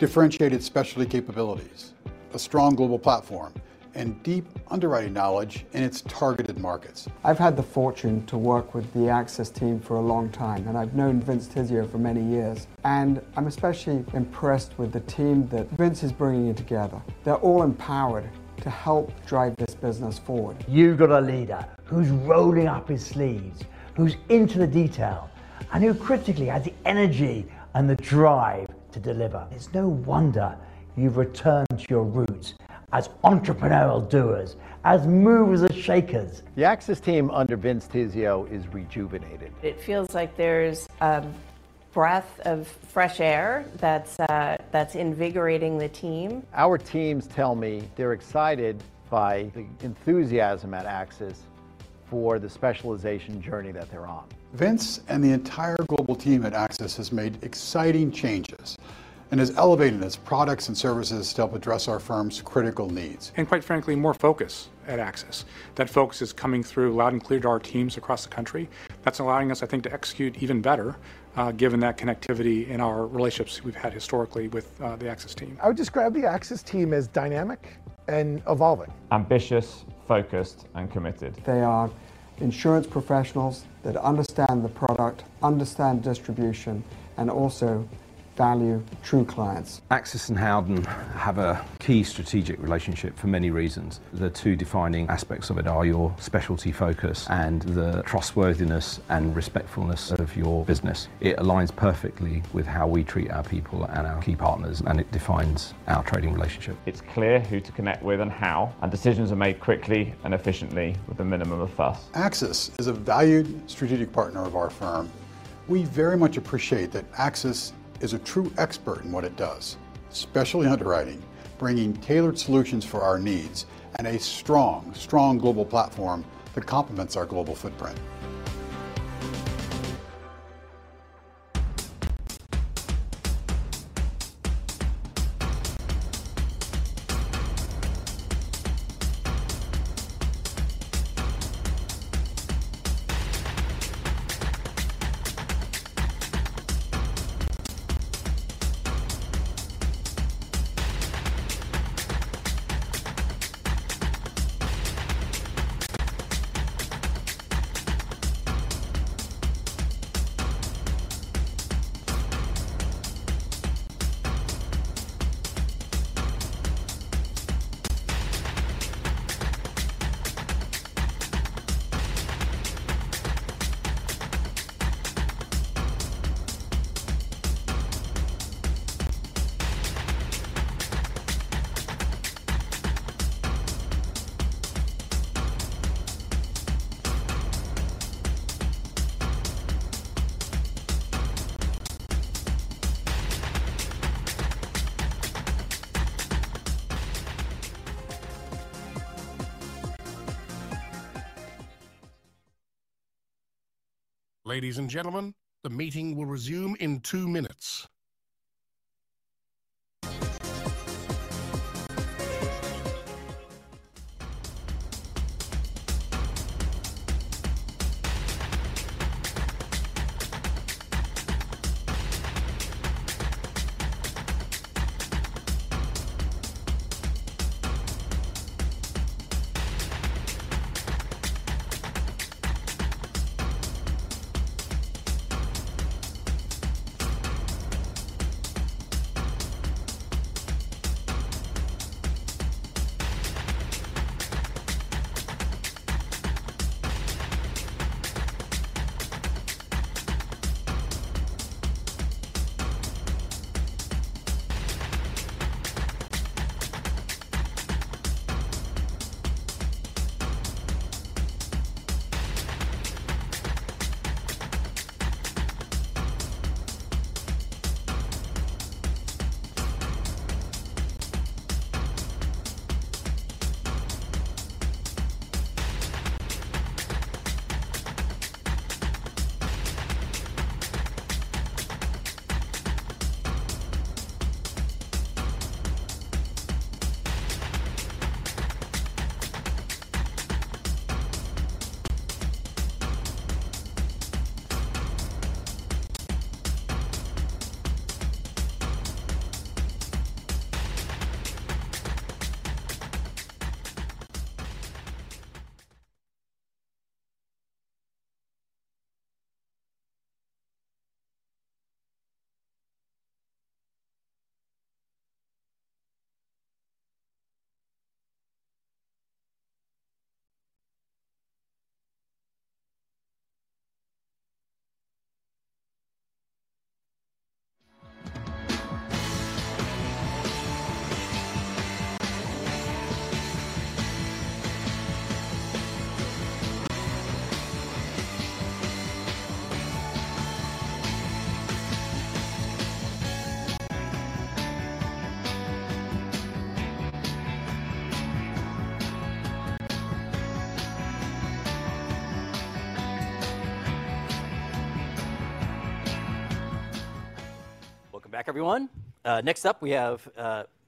differentiated specialty capabilities, a strong global platform, and deep underwriting knowledge in its targeted markets. I've had the fortune to work with the AXIS team for a long time, and I've known Vince Tizzio for many years, and I'm especially impressed with the team that Vince is bringing in together. They're all empowered to help drive this business forward. You've got a leader who's rolling up his sleeves, who's into the detail, and who critically has the energy and the drive to deliver. It's no wonder you've returned to your roots as entrepreneurial doers, as movers and shakers. The AXIS team under Vince Tizzio is rejuvenated. It feels like there's a breath of fresh air that's invigorating the team. Our teams tell me they're excited by the enthusiasm at AXIS for the specialization journey that they're on. Vince and the entire global team at AXIS has made exciting changes and has elevated its products and services to help address our firm's critical needs. Quite frankly, more focus at AXIS. That focus is coming through loud and clear to our teams across the country. That's allowing us, I think, to execute even better, given that connectivity in our relationships we've had historically with the AXIS team. I would describe the AXIS team as dynamic and evolving. Ambitious, focused, and committed. They are insurance professionals that understand the product, understand distribution, and also value true clients. AXIS and Howden have a key strategic relationship for many reasons. The two defining aspects of it are your specialty focus and the trustworthiness and respectfulness of your business. It aligns perfectly with how we treat our people and our key partners, and it defines our trading relationship. It's clear who to connect with and how, and decisions are made quickly and efficiently with a minimum of fuss. AXIS is a valued strategic partner of our firm. We very much appreciate that AXIS is a true expert in what it does, especially underwriting, bringing tailored solutions for our needs and a strong, strong global platform that complements our global footprint. Ladies and gentlemen, the meeting will resume in two minutes. Welcome back, everyone. Next up, we have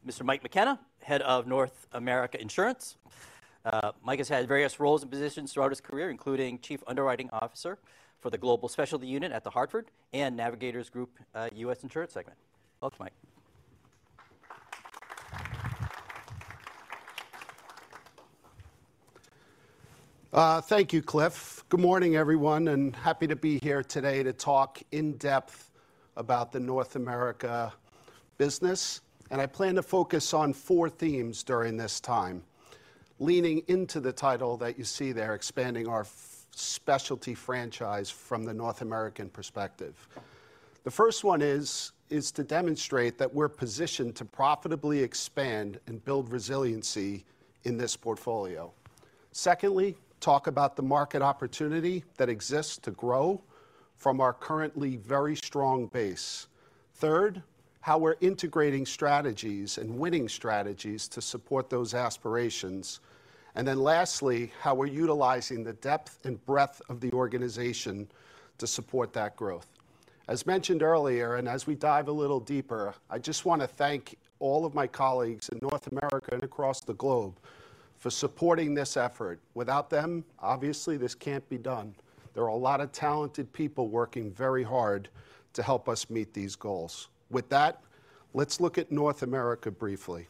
Mr. Mike McKenna, Head of North America Insurance. Mike has had various roles and positions throughout his career, including Chief Underwriting Officer for the Global Specialty Unit at The Hartford and Navigators Group, U.S. Insurance segment. Welcome, Mike. Thank you, Cliff. Good morning, everyone, and happy to be here today to talk in depth about the North America business. I plan to focus on four themes during this time, leaning into the title that you see there, expanding our specialty franchise from the North American perspective. The first one is to demonstrate that we're positioned to profitably expand and build resiliency in this portfolio. Secondly, talk about the market opportunity that exists to grow from our currently very strong base. Third, how we're integrating strategies and winning strategies to support those aspirations. Then lastly, how we're utilizing the depth and breadth of the organization to support that growth. As mentioned earlier, and as we dive a little deeper, I just wanna thank all of my colleagues in North America and across the globe for supporting this effort. Without them, obviously, this can't be done. There are a lot of talented people working very hard to help us meet these goals. With that, let's look at North America briefly.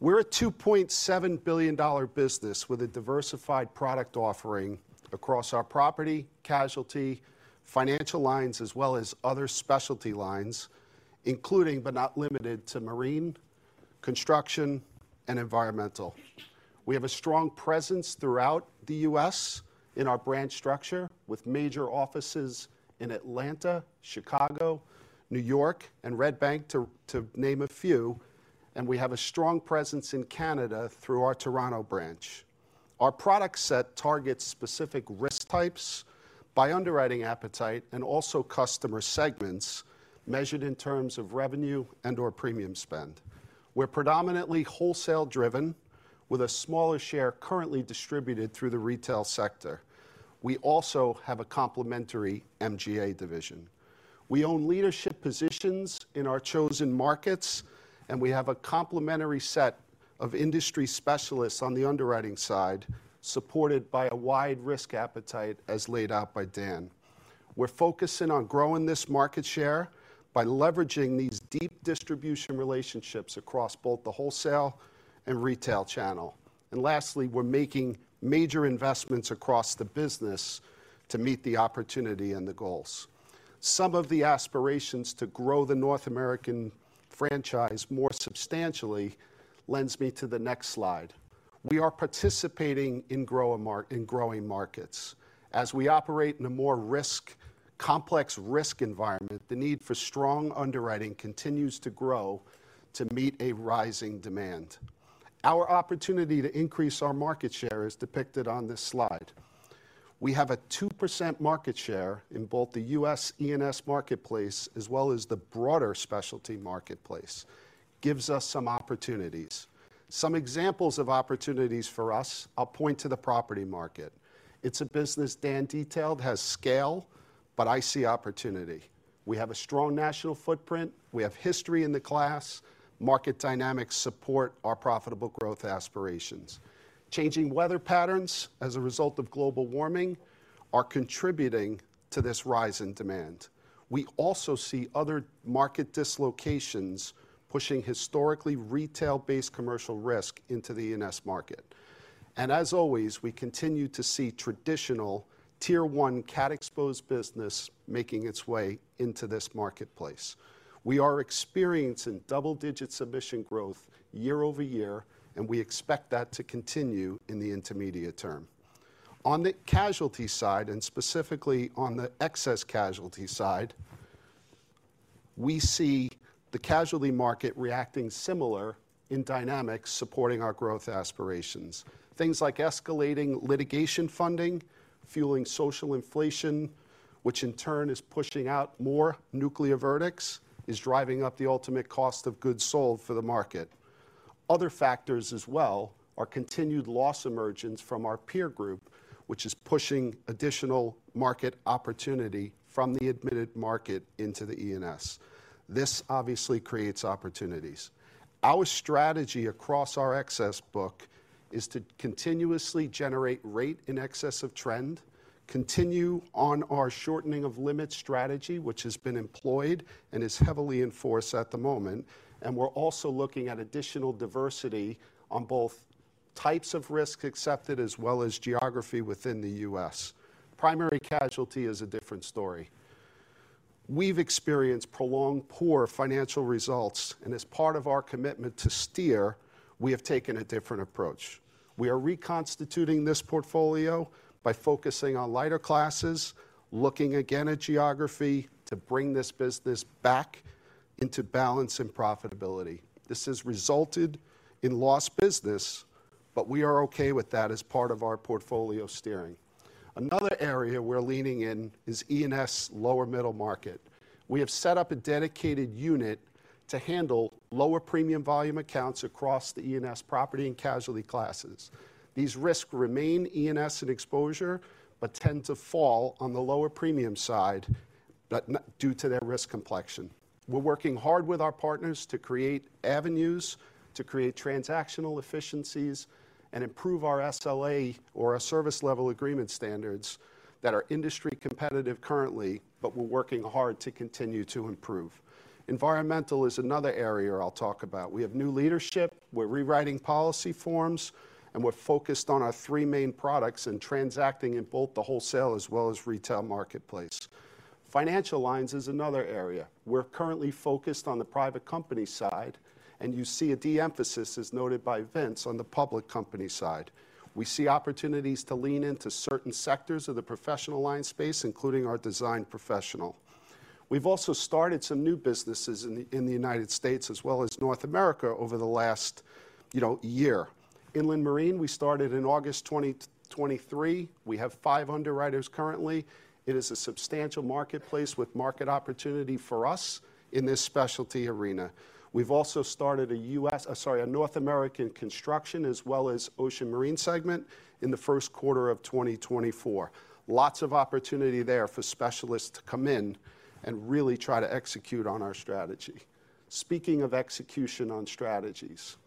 We're a $2.7 billion business with a diversified product offering across our property, casualty, financial lines, as well as other specialty lines, including, but not limited to marine, construction, and environmental. We have a strong presence throughout the U.S. in our branch structure, with major offices in Atlanta, Chicago, New York, and Red Bank, to name a few, and we have a strong presence in Canada through our Toronto branch. Our product set targets specific risk types by underwriting appetite and also customer segments measured in terms of revenue and/or premium spend. We're predominantly wholesale-driven, with a smaller share currently distributed through the retail sector. We also have a complementary MGA division. We own leadership positions in our chosen markets, and we have a complementary set of industry specialists on the underwriting side, supported by a wide risk appetite, as laid out by Dan. We're focusing on growing this market share by leveraging these deep distribution relationships across both the wholesale and retail channel. And lastly, we're making major investments across the business to meet the opportunity and the goals. Some of the aspirations to grow the North American franchise more substantially leads me to the next slide. We are participating in growing markets. As we operate in a more complex risk environment, the need for strong underwriting continues to grow to meet a rising demand. Our opportunity to increase our market share is depicted on this slide. We have a 2% market share in both the U.S. E&S marketplace, as well as the broader specialty marketplace, gives us some opportunities. Some examples of opportunities for us, I'll point to the property market. It's a business Dan detailed, has scale, but I see opportunity. We have a strong national footprint. We have history in the class. Market dynamics support our profitable growth aspirations. Changing weather patterns, as a result of global warming, are contributing to this rise in demand. We also see other market dislocations pushing historically retail-based commercial risk into the E&S market. And as always, we continue to see traditional Tier 1 cat-exposed business making its way into this marketplace. We are experiencing double-digit submission growth year-over-year, and we expect that to continue in the intermediate term. On the casualty side, and specifically on the excess casualty side, we see the casualty market reacting similar in dynamics, supporting our growth aspirations. Things like escalating litigation funding, fueling social inflation, which in turn is pushing out more nuclear verdicts, is driving up the ultimate cost of goods sold for the market. Other factors as well are continued loss emergence from our peer group, which is pushing additional market opportunity from the admitted market into the E&S. This obviously creates opportunities. Our strategy across our excess book is to continuously generate rate in excess of trend, continue on our shortening of limits strategy, which has been employed and is heavily in force at the moment, and we're also looking at additional diversity on both types of risk accepted, as well as geography within the U.S. Primary casualty is a different story. We've experienced prolonged poor financial results, and as part of our commitment to steer, we have taken a different approach. We are reconstituting this portfolio by focusing on lighter classes, looking again at geography to bring this business back into balance and profitability. This has resulted in lost business, but we are okay with that as part of our portfolio steering. Another area we're leaning in is E&S lower middle market. We have set up a dedicated unit to handle lower premium volume accounts across the E&S property and casualty classes. These risks remain E&S in exposure, but tend to fall on the lower premium side, but due to their risk complexion. We're working hard with our partners to create avenues, to create transactional efficiencies, and improve our SLA or our service level agreement standards that are industry competitive currently, but we're working hard to continue to improve. Environmental is another area I'll talk about. We have new leadership, we're rewriting policy forms, and we're focused on our three main products and transacting in both the wholesale as well as retail marketplace. Financial lines is another area. We're currently focused on the private company side, and you see a de-emphasis, as noted by Vince, on the public company side. We see opportunities to lean into certain sectors of the professional line space, including our design professional.... We've also started some new businesses in the United States as well as North America over the last, you know, year. Inland Marine, we started in August 2023. We have five underwriters currently. It is a substantial marketplace with market opportunity for us in this specialty arena. We've also started a North American construction as well as ocean marine segment in the first quarter of 2024. Lots of opportunity there for specialists to come in and really try to execute on our strategy. Speaking of execution on strategies,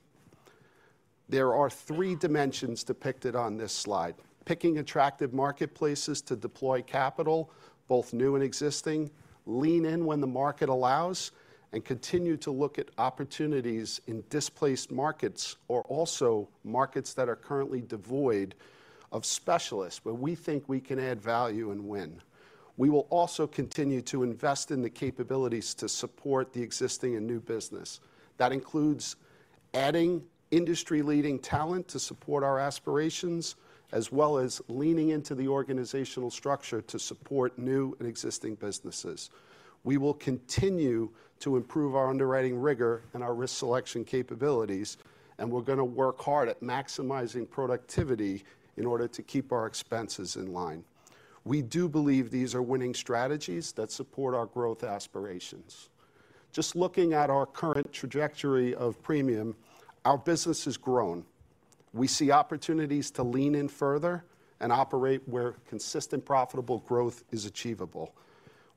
there are three dimensions depicted on this slide: picking attractive marketplaces to deploy capital, both new and existing, lean in when the market allows, and continue to look at opportunities in displaced markets or also markets that are currently devoid of specialists, where we think we can add value and win. We will also continue to invest in the capabilities to support the existing and new business. That includes adding industry-leading talent to support our aspirations, as well as leaning into the organizational structure to support new and existing businesses. We will continue to improve our underwriting rigor and our risk selection capabilities, and we're gonna work hard at maximizing productivity in order to keep our expenses in line. We do believe these are winning strategies that support our growth aspirations. Just looking at our current trajectory of premium, our business has grown. We see opportunities to lean in further and operate where consistent, profitable growth is achievable.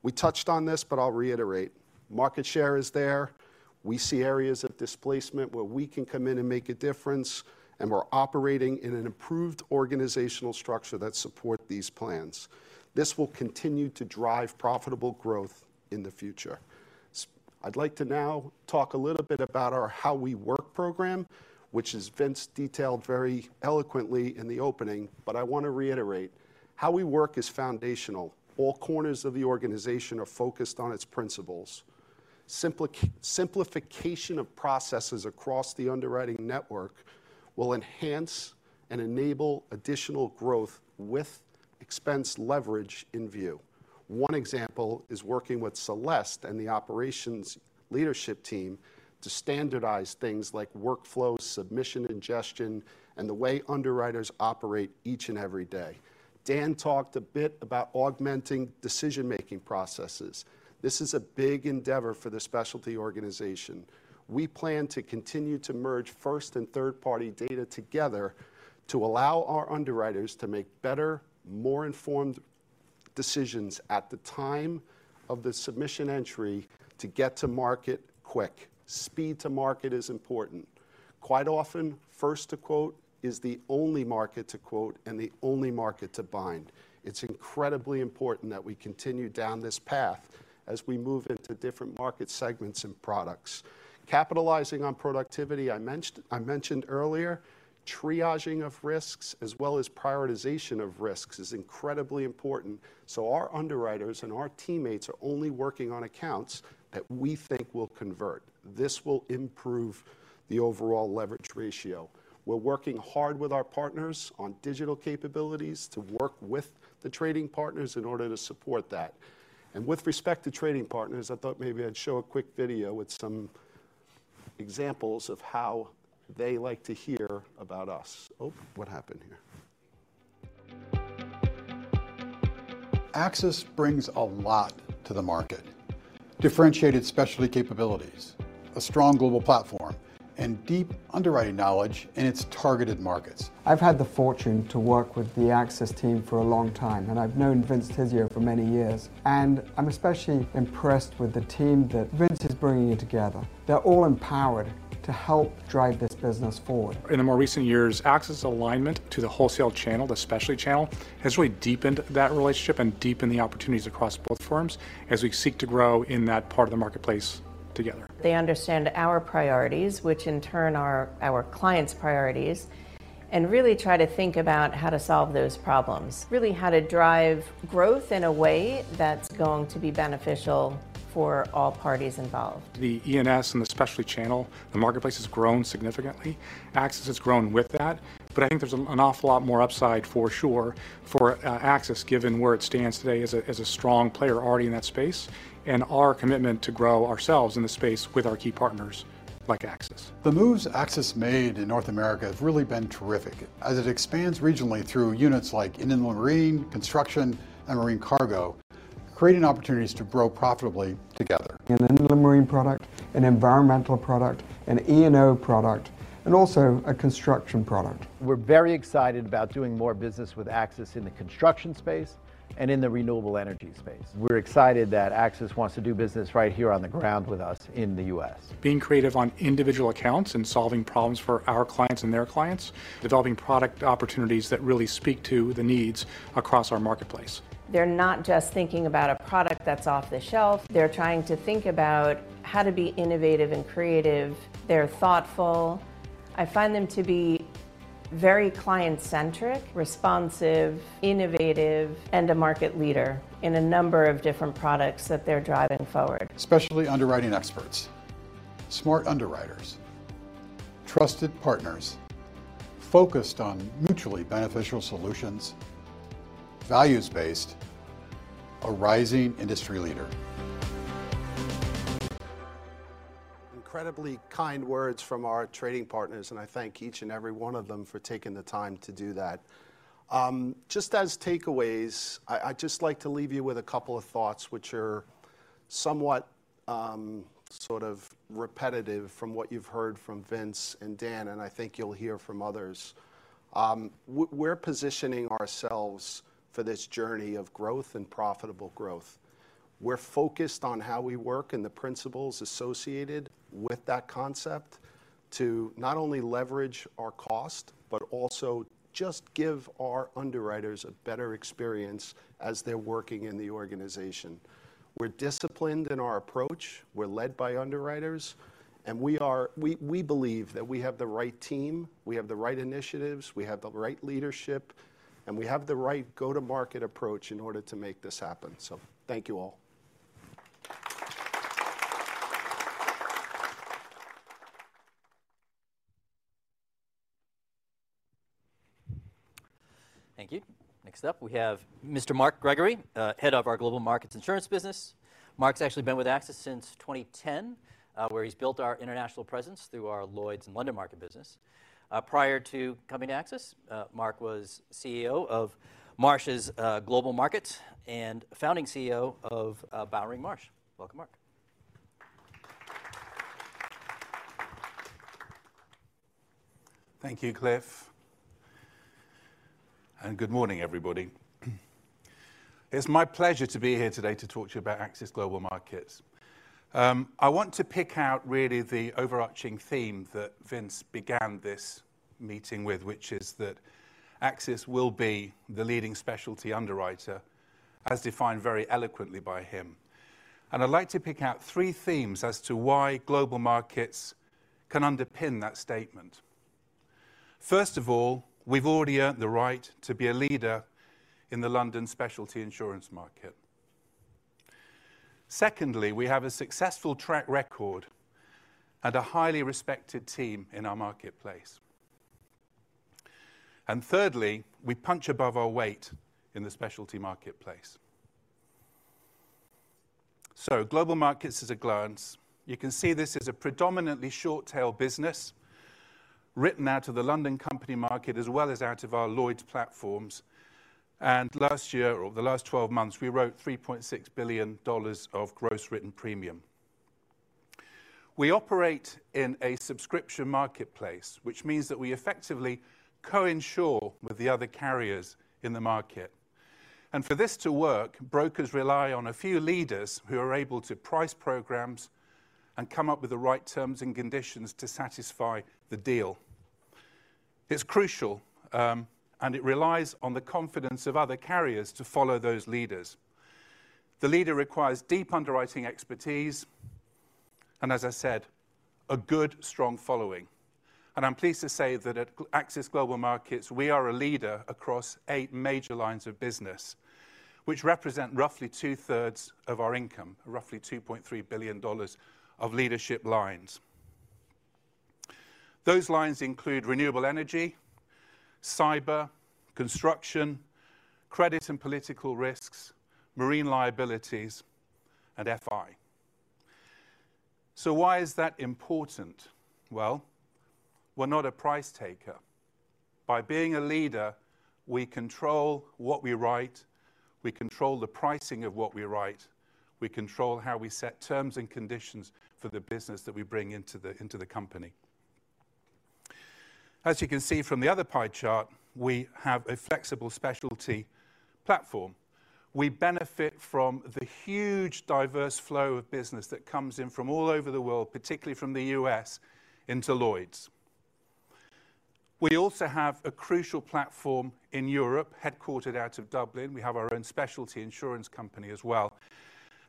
We touched on this, but I'll reiterate: market share is there. We see areas of displacement where we can come in and make a difference, and we're operating in an improved organizational structure that support these plans. This will continue to drive profitable growth in the future. I'd like to now talk a little bit about our How We Work program, which has Vince detailed very eloquently in the opening, but I want to reiterate, How We Work is foundational. All corners of the organization are focused on its principles. Simplification of processes across the underwriting network will enhance and enable additional growth with expense leverage in view. One example is working with Celeste and the operations leadership team to standardize things like workflow, submission, ingestion, and the way underwriters operate each and every day. Dan talked a bit about augmenting decision-making processes. This is a big endeavor for the specialty organization. We plan to continue to merge first- and third-party data together to allow our underwriters to make better, more informed decisions at the time of the submission entry to get to market quick. Speed to market is important. Quite often, first to quote is the only market to quote and the only market to bind. It's incredibly important that we continue down this path as we move into different market segments and products. Capitalizing on productivity, I mentioned earlier, triaging of risks as well as prioritization of risks is incredibly important, so our underwriters and our teammates are only working on accounts that we think will convert. This will improve the overall leverage ratio. We're working hard with our partners on digital capabilities to work with the trading partners in order to support that. And with respect to trading partners, I thought maybe I'd show a quick video with some examples of how they like to hear about us. Oh, what happened here? AXIS brings a lot to the market: differentiated specialty capabilities, a strong global platform, and deep underwriting knowledge in its targeted markets. I've had the fortune to work with the AXIS team for a long time, and I've known Vince Tizzio for many years, and I'm especially impressed with the team that Vince is bringing in together. They're all empowered to help drive this business forward. In the more recent years, AXIS' alignment to the wholesale channel, the specialty channel, has really deepened that relationship and deepened the opportunities across both firms as we seek to grow in that part of the marketplace together. They understand our priorities, which in turn are our clients' priorities, and really try to think about how to solve those problems, really how to drive growth in a way that's going to be beneficial for all parties involved. The E&S and the specialty channel, the marketplace has grown significantly. AXIS has grown with that, but I think there's an awful lot more upside for sure for AXIS, given where it stands today as a strong player already in that space, and our commitment to grow ourselves in the space with our key partners like AXIS. The moves AXIS made in North America have really been terrific as it expands regionally through units like Inland Marine, Construction, and Marine Cargo, creating opportunities to grow profitably together. An Inland Marine product, an environmental product, an E&O product, and also a construction product. We're very excited about doing more business with AXIS in the construction space and in the renewable energy space. We're excited that AXIS wants to do business right here on the ground with us in the US. Being creative on individual accounts and solving problems for our clients and their clients, developing product opportunities that really speak to the needs across our marketplace. They're not just thinking about a product that's off the shelf. They're trying to think about how to be innovative and creative. They're thoughtful. I find them to be very client-centric, responsive, innovative, and a market leader in a number of different products that they're driving forward. Especially underwriting experts, smart underwriters. Trusted partners focused on mutually beneficial solutions, values-based, a rising industry leader. Incredibly kind words from our trading partners, and I thank each and every one of them for taking the time to do that. Just as takeaways, I'd just like to leave you with a couple of thoughts which are somewhat sort of repetitive from what you've heard from Vince and Dan, and I think you'll hear from others. We're positioning ourselves for this journey of growth and profitable growth. We're focused on How We Work and the principles associated with that concept to not only leverage our cost, but also just give our underwriters a better experience as they're working in the organization. We're disciplined in our approach, we're led by underwriters, and we believe that we have the right team, we have the right initiatives, we have the right leadership, and we have the right go-to-market approach in order to make this happen. So thank you all. Thank you. Next up, we have Mr. Mark Gregory, head of our Global Markets Insurance business. Mark's actually been with AXIS since 2010, where he's built our international presence through our Lloyd's and London Market business. Prior to coming to AXIS, Mark was CEO of Marsh's Global Markets, and founding CEO of Bowring Marsh. Welcome, Mark. Thank you, Cliff, and good morning, everybody. It's my pleasure to be here today to talk to you about AXIS Global Markets. I want to pick out really the overarching theme that Vince began this meeting with, which is that AXIS will be the leading specialty underwriter, as defined very eloquently by him. I'd like to pick out three themes as to why Global Markets can underpin that statement. First of all, we've already earned the right to be a leader in the London specialty insurance market. Secondly, we have a successful track record and a highly respected team in our marketplace. And thirdly, we punch above our weight in the specialty marketplace. Global Markets at a glance. You can see this is a predominantly short-tail business, written out of the London company market as well as out of our Lloyd's platforms, and last year, or the last twelve months, we wrote $3.6 billion of gross written premium. We operate in a subscription marketplace, which means that we effectively co-insure with the other carriers in the market, and for this to work, brokers rely on a few leaders who are able to price programs and come up with the right terms and conditions to satisfy the deal. It's crucial, and it relies on the confidence of other carriers to follow those leaders. The leader requires deep underwriting expertise, and as I said, a good, strong following. I'm pleased to say that at AXIS Global Markets, we are a leader across eight major lines of business, which represent roughly two-thirds of our income, roughly $2.3 billion of leadership lines. Those lines include renewable energy, cyber, construction, credit and political risks, marine liabilities, and FI. So why is that important? Well, we're not a price taker. By being a leader, we control what we write, we control the pricing of what we write, we control how we set terms and conditions for the business that we bring into the company. As you can see from the other pie chart, we have a flexible specialty platform. We benefit from the huge diverse flow of business that comes in from all over the world, particularly from the U.S. into Lloyd's. We also have a crucial platform in Europe, headquartered out of Dublin. We have our own specialty insurance company as well,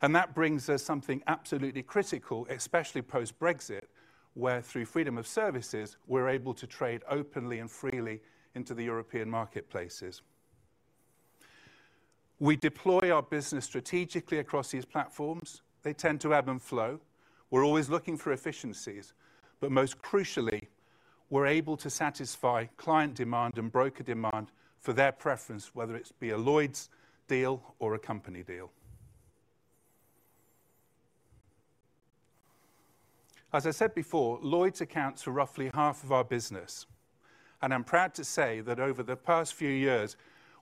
and that brings us something absolutely critical, especially post-Brexit, where through freedom of services, we're able to trade openly and freely into the European marketplaces. We deploy our business strategically across these platforms. They tend to ebb and flow. We're always looking for efficiencies, but most crucially, we're able to satisfy client demand and broker demand for their preference, whether it's a Lloyd's deal or a company deal. As I said before, Lloyd's accounts for roughly half of our business, and I'm proud to say that over the past few years,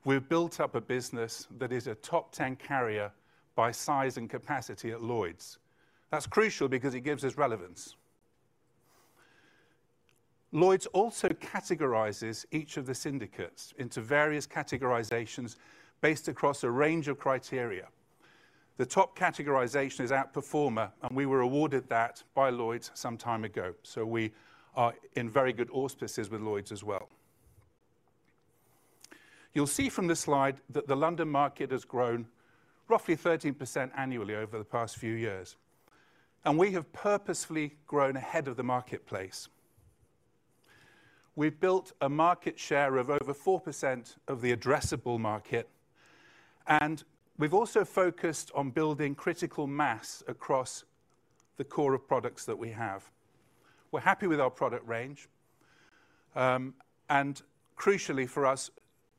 we've built up a business that is a top 10 carrier by size and capacity at Lloyd's. That's crucial because it gives us relevance. Lloyd's also categorizes each of the syndicates into various categorizations based across a range of criteria. The top categorization is Outperformer, and we were awarded that by Lloyd's some time ago, so we are in very good auspices with Lloyd's as well. You'll see from this slide that the London market has grown roughly 13% annually over the past few years, and we have purposefully grown ahead of the marketplace. We've built a market share of over 4% of the addressable market... and we've also focused on building critical mass across the core of products that we have. We're happy with our product range. And crucially for us,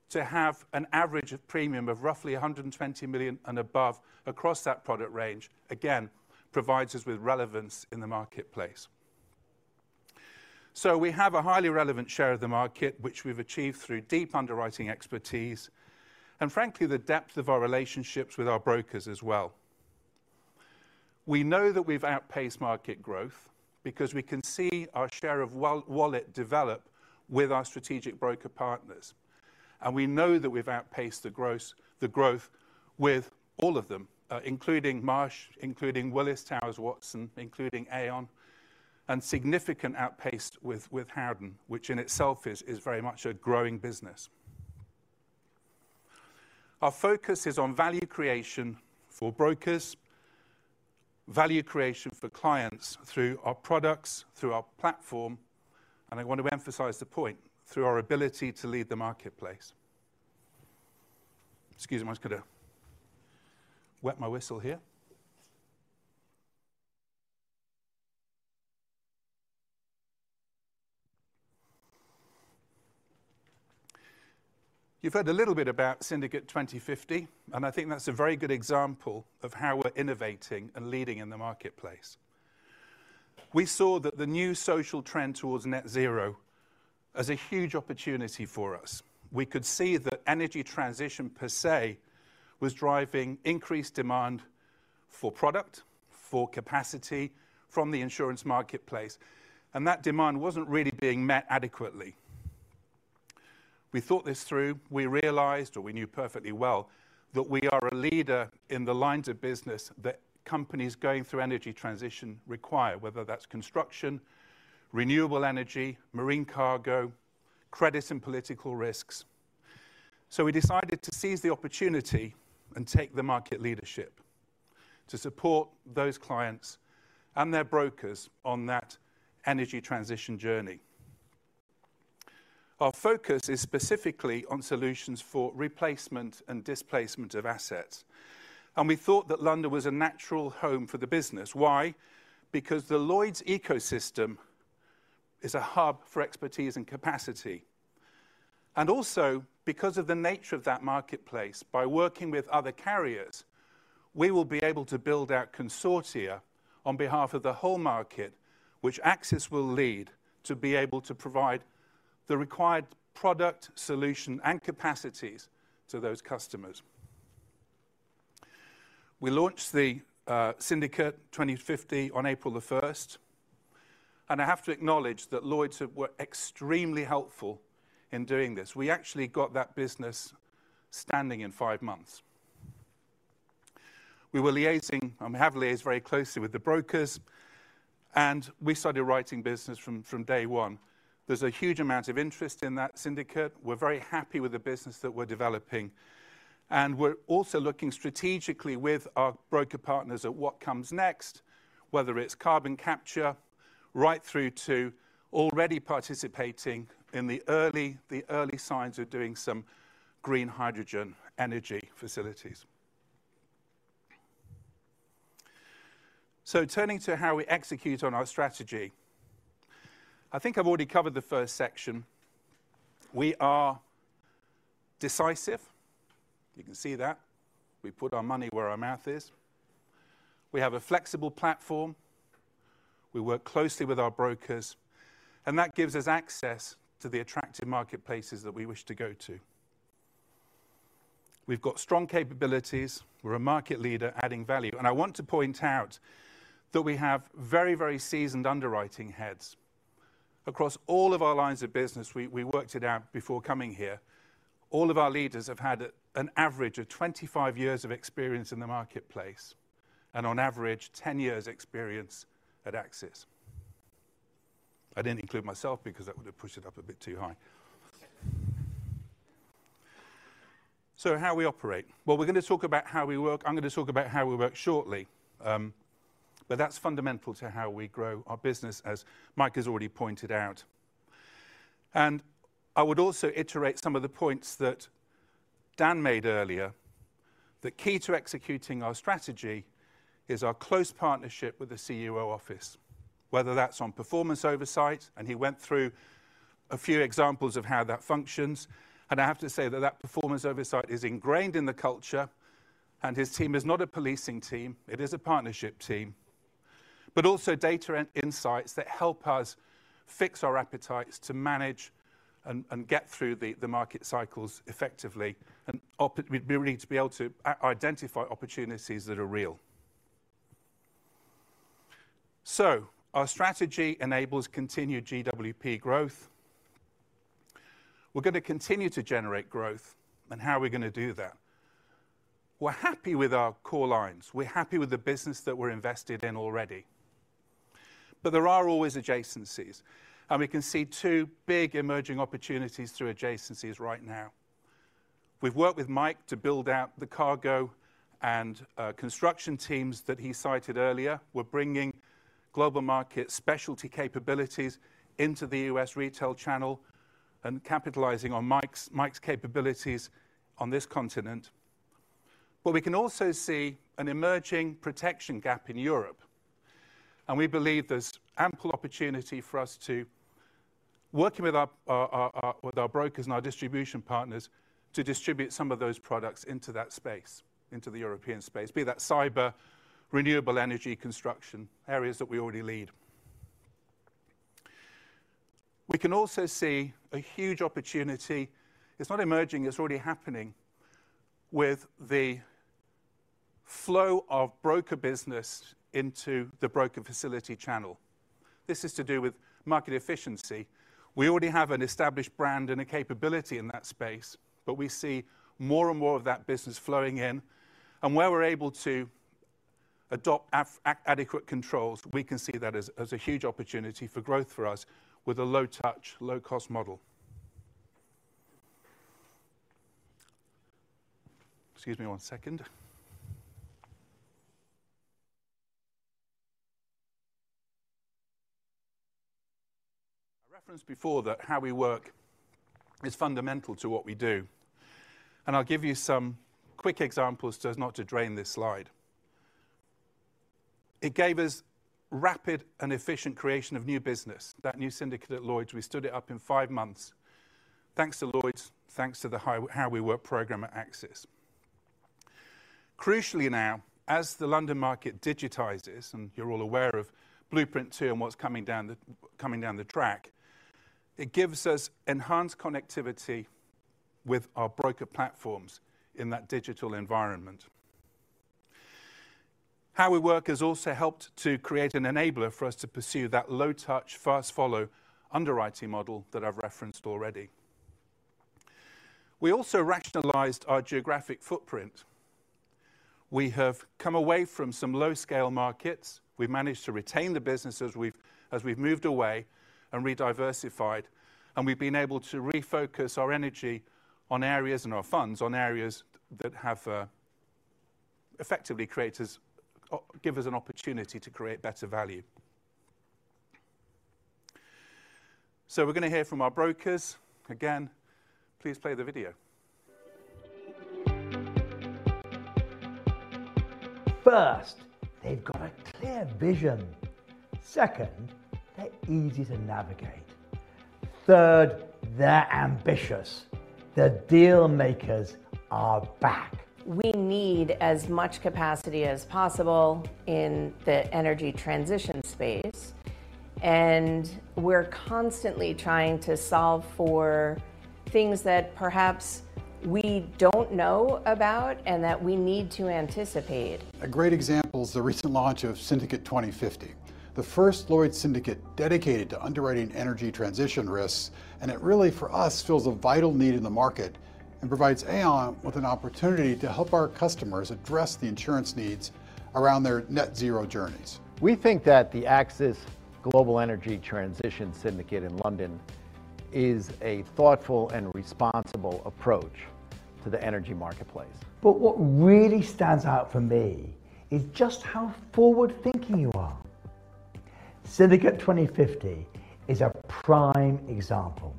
to have an average of premium of roughly $120 million and above across that product range, again, provides us with relevance in the marketplace. So we have a highly relevant share of the market, which we've achieved through deep underwriting expertise and frankly, the depth of our relationships with our brokers as well. We know that we've outpaced market growth because we can see our share of wallet develop with our strategic broker partners, and we know that we've outpaced the gross, the growth with all of them, including Marsh, including Willis Towers Watson, including Aon, and significantly outpaced with Howden, which in itself is very much a growing business. Our focus is on value creation for brokers, value creation for clients through our products, through our platform, and I want to emphasize the point, through our ability to lead the marketplace. Excuse me, I'm just gonna wet my whistle here. You've heard a little bit about Syndicate 2050, and I think that's a very good example of how we're innovating and leading in the marketplace. We saw that the new social trend towards net zero as a huge opportunity for us. We could see that energy transition per se, was driving increased demand for product, for capacity from the insurance marketplace, and that demand wasn't really being met adequately. We thought this through. We realized, or we knew perfectly well, that we are a leader in the lines of business that companies going through energy transition require, whether that's construction, renewable energy, marine cargo, credits and political risks. So we decided to seize the opportunity and take the market leadership to support those clients and their brokers on that energy transition journey. Our focus is specifically on solutions for replacement and displacement of assets, and we thought that London was a natural home for the business. Why? Because the Lloyd's ecosystem is a hub for expertise and capacity, and also because of the nature of that marketplace, by working with other carriers, we will be able to build out consortia on behalf of the whole market, which AXIS will lead, to be able to provide the required product solution and capacities to those customers. We launched the Syndicate 2050 on April 1, and I have to acknowledge that Lloyd's were extremely helpful in doing this. We actually got that business standing in 5 months. We were liaising, and we have liaised very closely with the brokers, and we started writing business from, from day one. There's a huge amount of interest in that syndicate. We're very happy with the business that we're developing, and we're also looking strategically with our broker partners at what comes next, whether it's carbon capture, right through to already participating in the early signs of doing some green hydrogen energy facilities. So turning to how we execute on our strategy, I think I've already covered the first section. We are decisive. You can see that. We put our money where our mouth is. We have a flexible platform. We work closely with our brokers, and that gives us access to the attractive marketplaces that we wish to go to. We've got strong capabilities. We're a market leader adding value, and I want to point out that we have very, very seasoned underwriting heads. Across all of our lines of business, we worked it out before coming here. All of our leaders have had an average of 25 years of experience in the marketplace, and on average, 10 years experience at AXIS. I didn't include myself because that would have pushed it up a bit too high. So how we operate? Well, we're gonna talk about how we work. I'm gonna talk about how we work shortly, but that's fundamental to how we grow our business, as Mike has already pointed out. I would also iterate some of the points that Dan made earlier. The key to executing our strategy is our close partnership with the CUO office, whether that's on performance oversight, and he went through a few examples of how that functions. I have to say that performance oversight is ingrained in the culture, and his team is not a policing team, it is a partnership team, but also data and insights that help us fix our appetites to manage and get through the market cycles effectively, and we need to be able to identify opportunities that are real. So our strategy enables continued GWP growth. We're gonna continue to generate growth, and how are we gonna do that? We're happy with our core lines. We're happy with the business that we're invested in already. But there are always adjacencies, and we can see two big emerging opportunities through adjacencies right now. We've worked with Mike to build out the cargo and construction teams that he cited earlier. We're bringing-... global market specialty capabilities into the U.S. retail channel and capitalizing on Mike's capabilities on this continent. But we can also see an emerging protection gap in Europe, and we believe there's ample opportunity for us to, working with our brokers and our distribution partners, to distribute some of those products into that space, into the European space, be that cyber, renewable energy, construction, areas that we already lead. We can also see a huge opportunity, it's not emerging, it's already happening, with the flow of broker business into the broker facility channel. This is to do with market efficiency. We already have an established brand and a capability in that space, but we see more and more of that business flowing in. And where we're able to adopt adequate controls, we can see that as a huge opportunity for growth for us with a low touch, low cost model. Excuse me one second. I referenced before that How We Work is fundamental to what we do, and I'll give you some quick examples so as not to drain this slide. It gave us rapid and efficient creation of new business. That new syndicate at Lloyd's, we stood it up in five months thanks to Lloyd's, thanks to the How We Work program at AXIS. Crucially now, as the London market digitizes, and you're all aware of Blueprint Two and what's coming down the track, it gives us enhanced connectivity with our broker platforms in that digital environment. How We Work has also helped to create an enabler for us to pursue that low touch, fast follow underwriting model that I've referenced already. We also rationalized our geographic footprint. We have come away from some low scale markets. We've managed to retain the business as we've, as we've moved away and rediversified, and we've been able to refocus our energy on areas and our funds on areas that have, effectively created us give us an opportunity to create better value. So we're going to hear from our brokers. Again, please play the video. First, they've got a clear vision. Second, they're easy to navigate. Third, they're ambitious. The deal makers are back. We need as much capacity as possible in the energy transition space, and we're constantly trying to solve for things that perhaps we don't know about and that we need to anticipate. A great example is the recent launch of Syndicate 2050, the first Lloyd's syndicate dedicated to underwriting energy transition risks, and it really, for us, fills a vital need in the market and provides Aon with an opportunity to help our customers address the insurance needs around their net zero journeys. We think that the AXIS Global Energy Transition Syndicate in London is a thoughtful and responsible approach to the energy marketplace. But what really stands out for me is just how forward thinking you are. Syndicate 2050 is a prime example.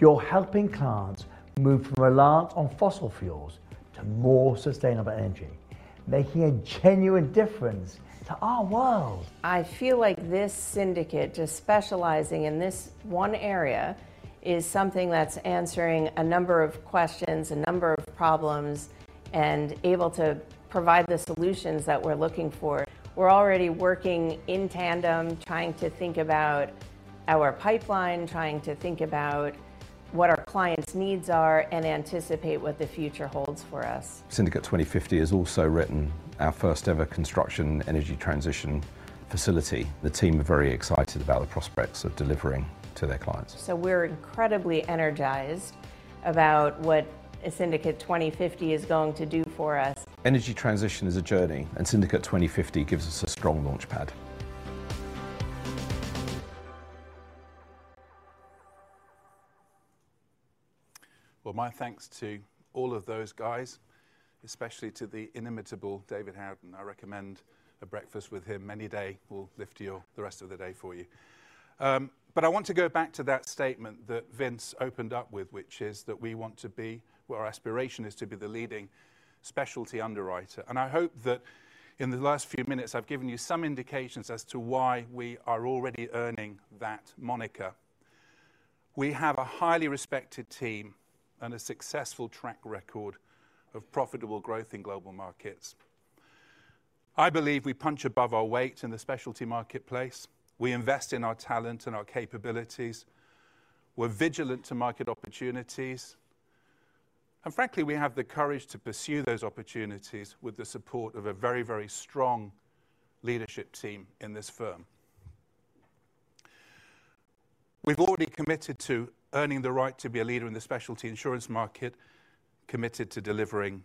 You're helping clients move from reliance on fossil fuels to more sustainable energy, making a genuine difference to our world. I feel like this syndicate, just specializing in this one area, is something that's answering a number of questions, a number of problems, and able to provide the solutions that we're looking for. We're already working in tandem, trying to think about our pipeline, trying to think about what our clients' needs are and anticipate what the future holds for us. Syndicate 2050 has also written our first ever construction energy transition facility. The team are very excited about the prospects of delivering to their clients. So we're incredibly energized about what Syndicate 2050 is going to do for us. Energy transition is a journey, and Syndicate 2050 gives us a strong launchpad. Well, my thanks to all of those guys, especially to the inimitable David Howden. I recommend a breakfast with him any day will lift your, the rest of the day for you. But I want to go back to that statement that Vince opened up with, which is that we want to be... well, our aspiration is to be the leading specialty underwriter. And I hope that in the last few minutes I've given you some indications as to why we are already earning that moniker. We have a highly respected team and a successful track record of profitable growth in global markets. I believe we punch above our weight in the specialty marketplace. We invest in our talent and our capabilities. We're vigilant to market opportunities, and frankly, we have the courage to pursue those opportunities with the support of a very, very strong leadership team in this firm. We've already committed to earning the right to be a leader in the specialty insurance market, committed to delivering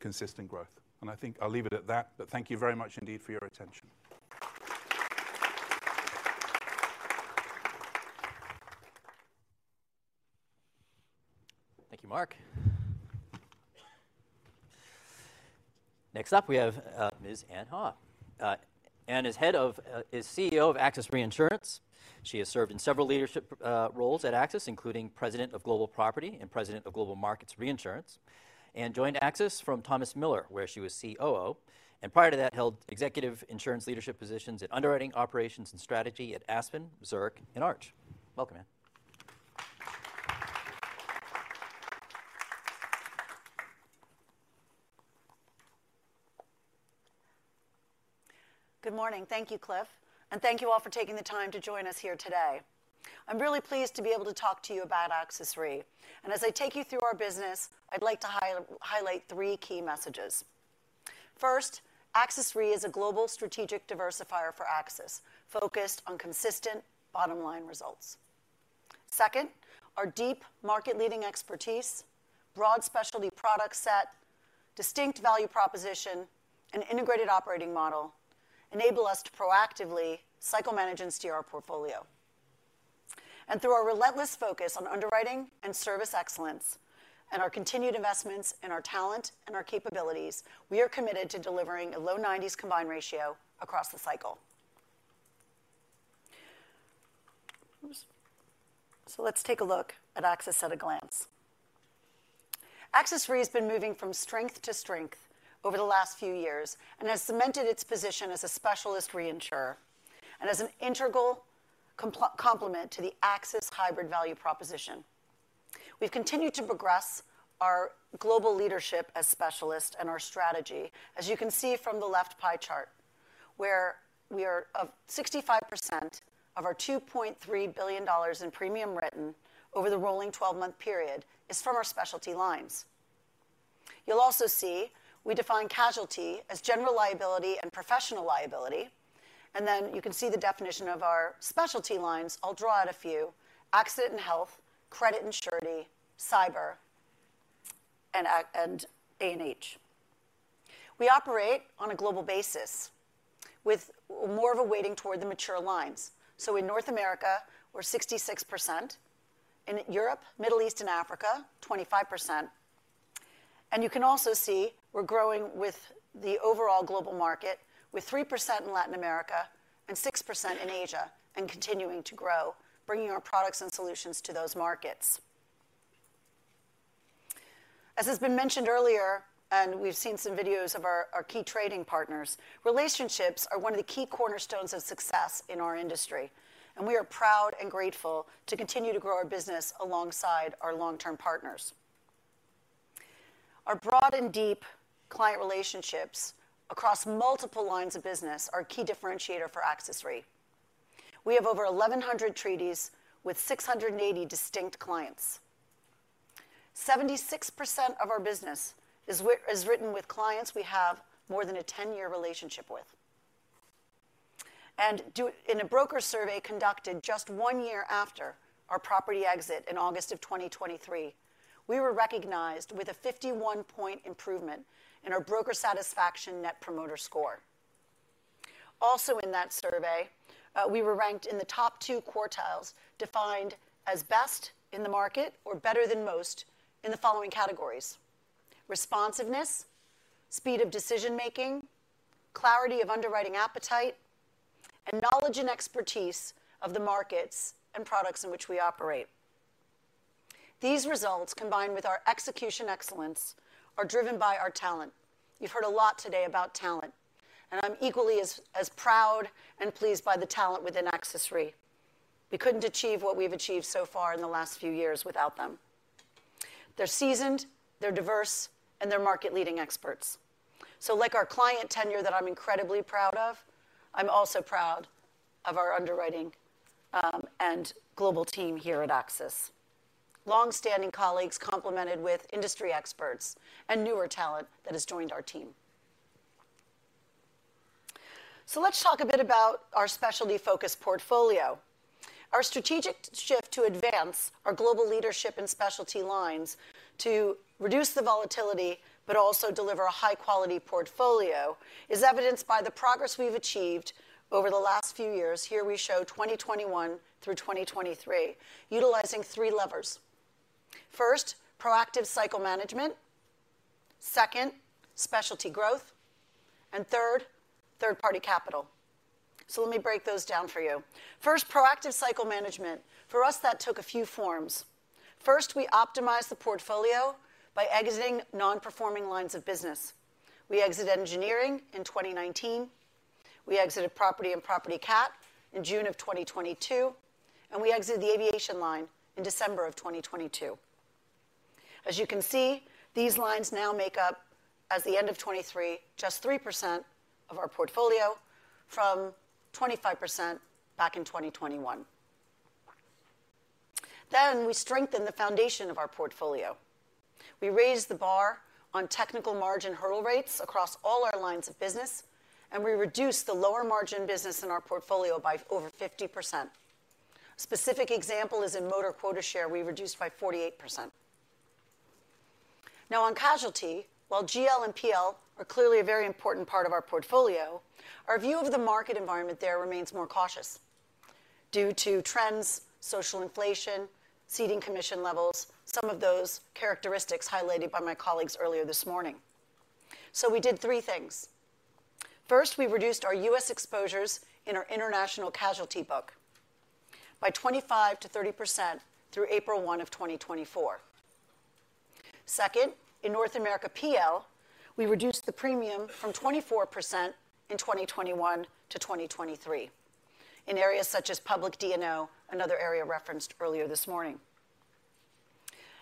consistent growth, and I think I'll leave it at that. But thank you very much indeed for your attention. Thank you, Mark. Next up, we have, Ms. Anne Haugh. Anne is CEO of AXIS Reinsurance. She has served in several leadership roles at AXIS, including President of Global Property and President of Global Markets Reinsurance, and joined AXIS from Thomas Miller, where she was COO, and prior to that, held executive insurance leadership positions in underwriting operations and strategy at Aspen, Zurich, and Arch. Welcome, Anne. Good morning. Thank you, Cliff, and thank you all for taking the time to join us here today. I'm really pleased to be able to talk to you about AXIS Re. And as I take you through our business, I'd like to highlight three key messages. First, AXIS Re is a global strategic diversifier for AXIS, focused on consistent bottom line results. Second, our deep market-leading expertise, broad specialty product set, distinct value proposition, and integrated operating model enable us to proactively cycle manage and steer our portfolio. Through our relentless focus on underwriting and service excellence, and our continued investments in our talent and our capabilities, we are committed to delivering a low 90s combined ratio across the cycle. Oops. Let's take a look at AXIS at a glance. AXIS Re has been moving from strength to strength over the last few years and has cemented its position as a specialist reinsurer and as an integral complement to the AXIS hybrid value proposition. We've continued to progress our global leadership as specialists and our strategy, as you can see from the left pie chart, where 65% of our $2.3 billion in premium written over the rolling twelve-month period is from our specialty lines. You'll also see we define casualty as general liability and professional liability, and then you can see the definition of our specialty lines. I'll draw out a few: accident and health, credit and surety, cyber, and A&H. We operate on a global basis with more of a weighting toward the mature lines. So in North America, we're 66%. In Europe, Middle East, and Africa, 25%. You can also see we're growing with the overall global market, with 3% in Latin America and 6% in Asia, and continuing to grow, bringing our products and solutions to those markets. As has been mentioned earlier, and we've seen some videos of our key trading partners, relationships are one of the key cornerstones of success in our industry, and we are proud and grateful to continue to grow our business alongside our long-term partners. Our broad and deep client relationships across multiple lines of business are a key differentiator for AXIS Re. We have over 1,100 treaties with 680 distinct clients. 76% of our business is written with clients we have more than a 10-year relationship with. In a broker survey conducted just one year after our property exit in August of 2023, we were recognized with a 51-point improvement in our broker satisfaction Net Promoter Score. Also in that survey, we were ranked in the top two quartiles, defined as best in the market or better than most in the following categories: responsiveness, speed of decision-making, clarity of underwriting appetite, and knowledge and expertise of the markets and products in which we operate. These results, combined with our execution excellence, are driven by our talent. You've heard a lot today about talent, and I'm equally as, as proud and pleased by the talent within AXIS Re. We couldn't achieve what we've achieved so far in the last few years without them. They're seasoned, they're diverse, and they're market-leading experts. So like our client tenure that I'm incredibly proud of, I'm also proud of our underwriting and global team here at AXIS. Long-standing colleagues complemented with industry experts and newer talent that has joined our team. So let's talk a bit about our specialty-focused portfolio. Our strategic shift to advance our global leadership in specialty lines, to reduce the volatility but also deliver a high-quality portfolio, is evidenced by the progress we've achieved over the last few years. Here we show 2021 through 2023, utilizing three levers. First, proactive cycle management, second, specialty growth, and third, third-party capital. So let me break those down for you. First, proactive cycle management. For us, that took a few forms. First, we optimized the portfolio by exiting non-performing lines of business. We exited engineering in 2019, we exited property and property cat in June of 2022, and we exited the aviation line in December of 2022. As you can see, these lines now make up, as the end of 2023, just 3% of our portfolio from 25% back in 2021. Then we strengthened the foundation of our portfolio. We raised the bar on technical margin hurdle rates across all our lines of business, and we reduced the lower margin business in our portfolio by over 50%. Specific example is in motor quota share, we reduced by 48%. Now, on casualty, while GL and PL are clearly a very important part of our portfolio, our view of the market environment there remains more cautious due to trends, social inflation, ceding commission levels, some of those characteristics highlighted by my colleagues earlier this morning. So we did three things. First, we reduced our U.S. exposures in our international casualty book by 25%-30% through April 1, 2024. Second, in North America PL, we reduced the premium from 24% in 2021 to 2023 in areas such as public D&O, another area referenced earlier this morning.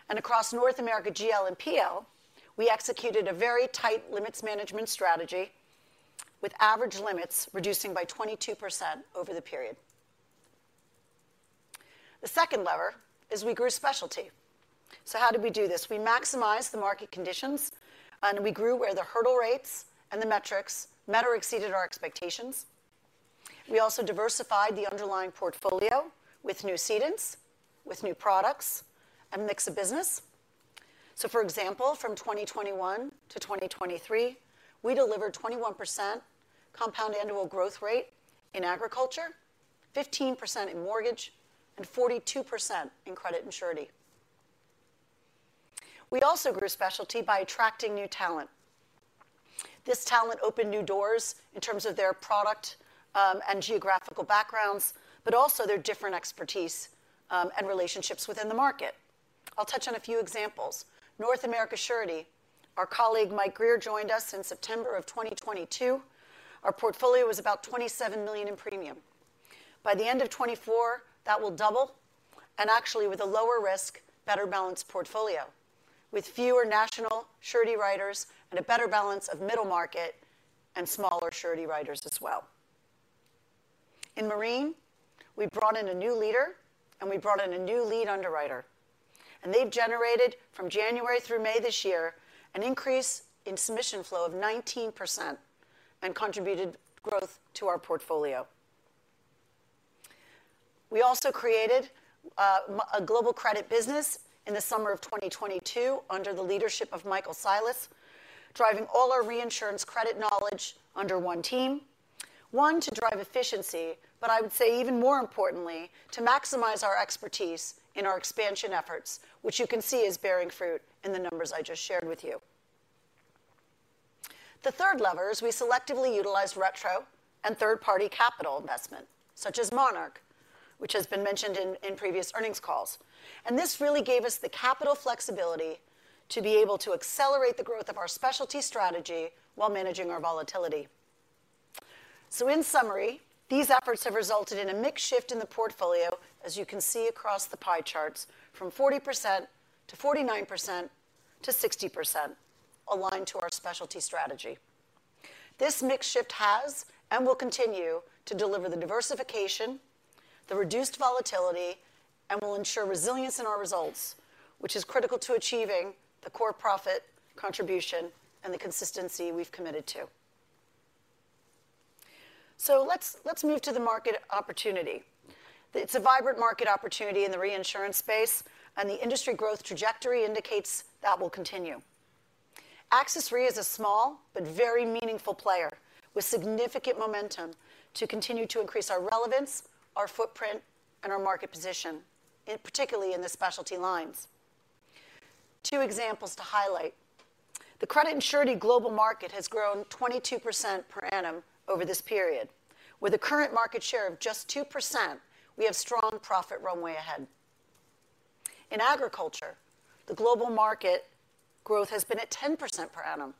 And across North America GL and PL, we executed a very tight limits management strategy, with average limits reducing by 22% over the period. The second lever is we grew specialty. So how did we do this? We maximized the market conditions, and we grew where the hurdle rates and the metrics met or exceeded our expectations. We also diversified the underlying portfolio with new cedents, with new products, and mix of business. So, for example, from 2021 to 2023, we delivered 21% compound annual growth rate in agriculture, 15% in mortgage, and 42% in credit and surety. We also grew specialty by attracting new talent. This talent opened new doors in terms of their product and geographical backgrounds, but also their different expertise and relationships within the market. I'll touch on a few examples. North America Surety, our colleague Mike Greer, joined us in September of 2022. Our portfolio was about $27 million in premium. By the end of 2024, that will double, and actually with a lower risk, better balanced portfolio, with fewer national surety writers and a better balance of middle market and smaller surety writers as well. In marine, we brought in a new leader, and we brought in a new lead underwriter, and they've generated, from January through May this year, an increase in submission flow of 19% and contributed growth to our portfolio. We also created a global credit business in the summer of 2022 under the leadership of Michael Silas, driving all our reinsurance credit knowledge under one team. One, to drive efficiency, but I would say even more importantly, to maximize our expertise in our expansion efforts, which you can see is bearing fruit in the numbers I just shared with you. The third lever is we selectively utilized retro and third-party capital investment, such as Monarch, which has been mentioned in previous earnings calls. And this really gave us the capital flexibility to be able to accelerate the growth of our specialty strategy while managing our volatility. So in summary, these efforts have resulted in a mix shift in the portfolio, as you can see across the pie charts, from 40% to 49% to 60%, aligned to our specialty strategy. This mix shift has, and will continue, to deliver the diversification, the reduced volatility, and will ensure resilience in our results, which is critical to achieving the core profit contribution and the consistency we've committed to. So let's, let's move to the market opportunity. It's a vibrant market opportunity in the reinsurance space, and the industry growth trajectory indicates that will continue. AXIS Re is a small but very meaningful player with significant momentum to continue to increase our relevance, our footprint, and our market position, particularly in the specialty lines. Two examples to highlight. The credit and surety global market has grown 22% per annum over this period. With a current market share of just 2%, we have strong profit runway ahead. In agriculture, the global market growth has been at 10% per annum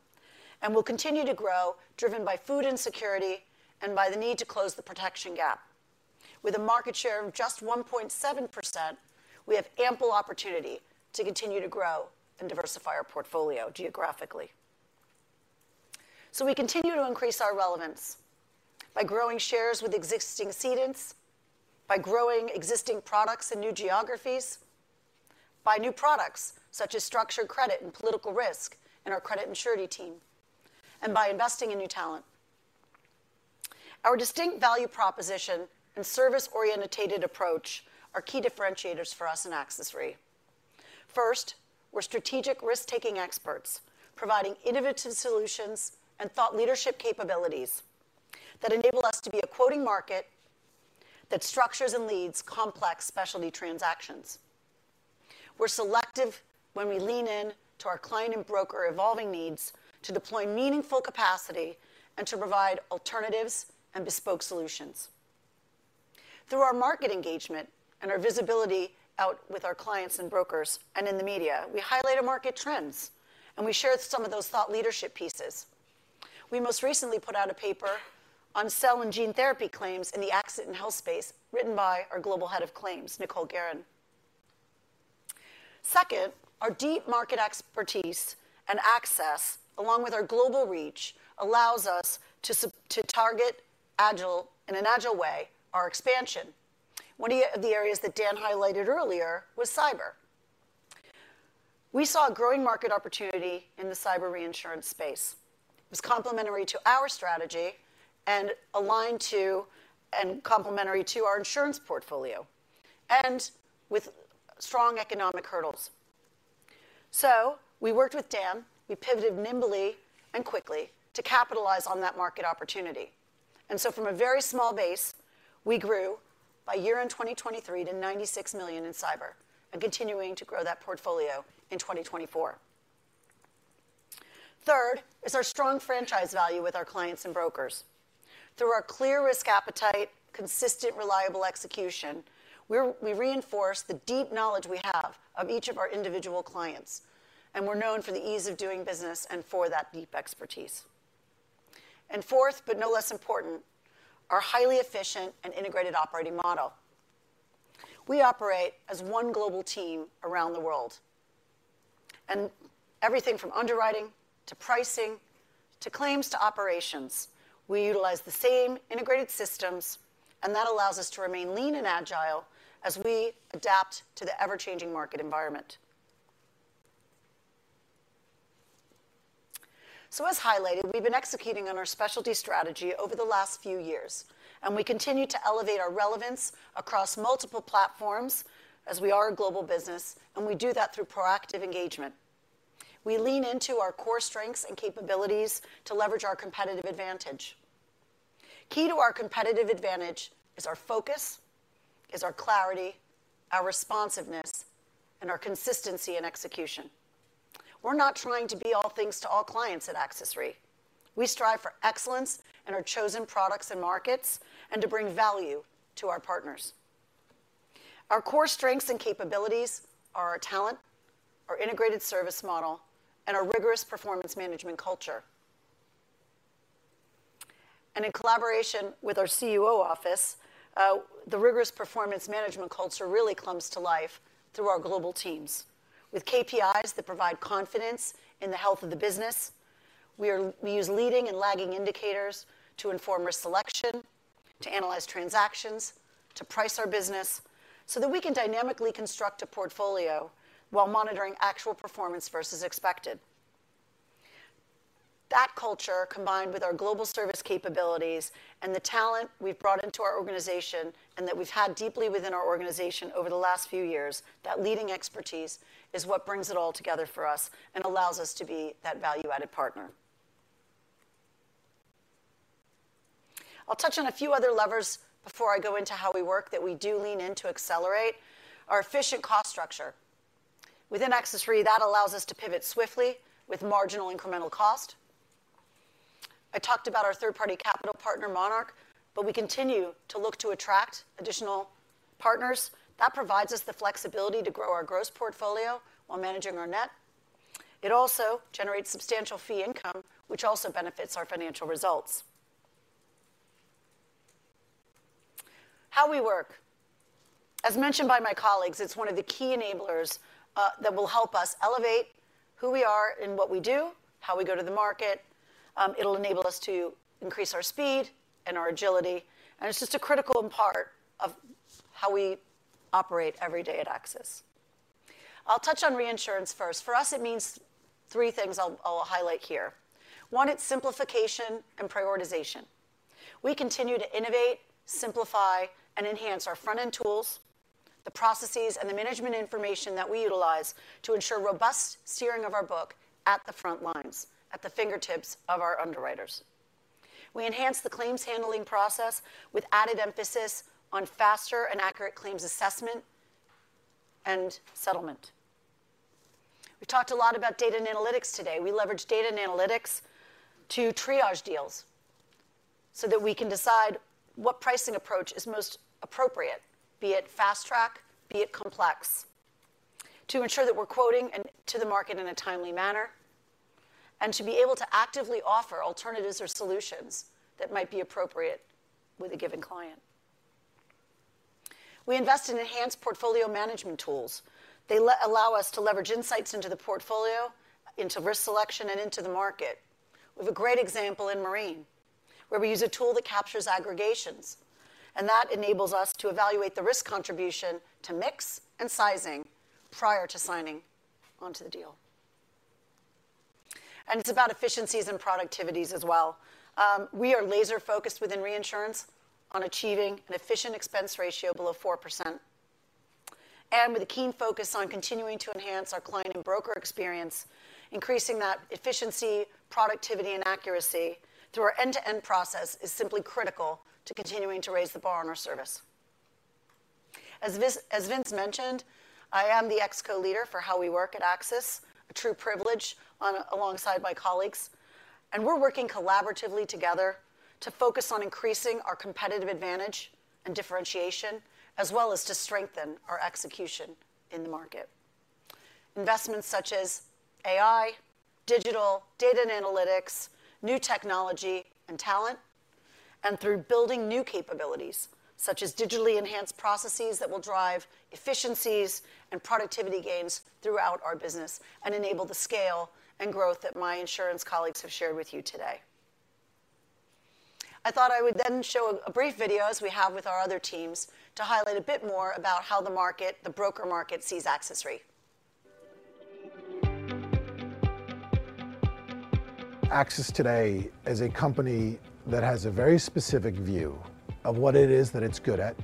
and will continue to grow, driven by food insecurity and by the need to close the protection gap. With a market share of just 1.7%, we have ample opportunity to continue to grow and diversify our portfolio geographically. So we continue to increase our relevance by growing shares with existing cedents, by growing existing products in new geographies, by new products, such as structured credit and political risk in our credit and surety team, and by investing in new talent. Our distinct value proposition and service-oriented approach are key differentiators for us in AXIS Re. First, we're strategic risk-taking experts, providing innovative solutions and thought leadership capabilities that enable us to be a quoting market that structures and leads complex specialty transactions. We're selective when we lean in to our client and broker evolving needs to deploy meaningful capacity and to provide alternatives and bespoke solutions. Through our market engagement and our visibility out with our clients and brokers and in the media, we highlight our market trends, and we share some of those thought leadership pieces. We most recently put out a paper on cell and gene therapy claims in the accident and health space, written by our Global Head of Claims, Nicole Guerin. Second, our deep market expertise and access, along with our global reach, allows us to sub- to target agile, in an agile way, our expansion. One of the areas that Dan highlighted earlier was cyber. We saw a growing market opportunity in the cyber reinsurance space. It was complementary to our strategy and aligned to and complementary to our insurance portfolio... and with strong economic hurdles. So we worked with Dan, we pivoted nimbly and quickly to capitalize on that market opportunity. And so from a very small base, we grew by year-end 2023 to $96 million in cyber, and continuing to grow that portfolio in 2024. Third is our strong franchise value with our clients and brokers. Through our clear risk appetite, consistent, reliable execution, we reinforce the deep knowledge we have of each of our individual clients, and we're known for the ease of doing business and for that deep expertise. And fourth, but no less important, our highly efficient and integrated operating model. We operate as one global team around the world, and everything from underwriting, to pricing, to claims, to operations, we utilize the same integrated systems, and that allows us to remain lean and agile as we adapt to the ever-changing market environment. So, as highlighted, we've been executing on our specialty strategy over the last few years, and we continue to elevate our relevance across multiple platforms as we are a global business, and we do that through proactive engagement. We lean into our core strengths and capabilities to leverage our competitive advantage. Key to our competitive advantage is our focus, is our clarity, our responsiveness, and our consistency in execution. We're not trying to be all things to all clients at AXIS Re. We strive for excellence in our chosen products and markets, and to bring value to our partners. Our core strengths and capabilities are our talent, our integrated service model, and our rigorous performance management culture. In collaboration with our CUO office, the rigorous performance management culture really comes to life through our global teams. With KPIs that provide confidence in the health of the business, we use leading and lagging indicators to inform risk selection, to analyze transactions, to price our business, so that we can dynamically construct a portfolio while monitoring actual performance versus expected. That culture, combined with our global service capabilities and the talent we've brought into our organization and that we've had deeply within our organization over the last few years, that leading expertise, is what brings it all together for us and allows us to be that value-added partner. I'll touch on a few other levers before I go into how we work, that we do lean in to accelerate our efficient cost structure. Within AXIS Re, that allows us to pivot swiftly with marginal incremental cost. I talked about our third-party capital partner, Monarch, but we continue to look to attract additional partners. That provides us the flexibility to grow our gross portfolio while managing our net. It also generates substantial fee income, which also benefits our financial results. How we work. As mentioned by my colleagues, it's one of the key enablers that will help us elevate who we are and what we do, how we go to the market. It'll enable us to increase our speed and our agility, and it's just a critical part of how we operate every day at AXIS. I'll touch on reinsurance first. For us, it means three things I'll highlight here. One, it's simplification and prioritization. We continue to innovate, simplify, and enhance our front-end tools, the processes, and the management information that we utilize to ensure robust steering of our book at the front lines, at the fingertips of our underwriters. We enhance the claims handling process with added emphasis on faster and accurate claims assessment and settlement. We talked a lot about data and analytics today. We leverage data and analytics to triage deals so that we can decide what pricing approach is most appropriate, be it fast track, be it complex, to ensure that we're quoting and to the market in a timely manner, and to be able to actively offer alternatives or solutions that might be appropriate with a given client. We invest in enhanced portfolio management tools. They allow us to leverage insights into the portfolio, into risk selection, and into the market. We have a great example in Marine, where we use a tool that captures aggregations, and that enables us to evaluate the risk contribution to mix and sizing prior to signing onto the deal. And it's about efficiencies and productivities as well. We are laser-focused within reinsurance on achieving an efficient expense ratio below 4%. And with a keen focus on continuing to enhance our client and broker experience, increasing that efficiency, productivity, and accuracy through our end-to-end process is simply critical to continuing to raise the bar on our service. As Vince mentioned, I am the ExCo leader for How We Work at AXIS, a true privilege alongside my colleagues, and we're working collaboratively together to focus on increasing our competitive advantage and differentiation, as well as to strengthen our execution in the market. Investments such as AI, digital, data and analytics, new technology and talent, and through building new capabilities, such as digitally enhanced processes that will drive efficiencies and productivity gains throughout our business and enable the scale and growth that my insurance colleagues have shared with you today. I thought I would then show a brief video, as we have with our other teams, to highlight a bit more about how the market, the broker market, sees AXIS Re. AXIS today is a company that has a very specific view of what it is that it's good at,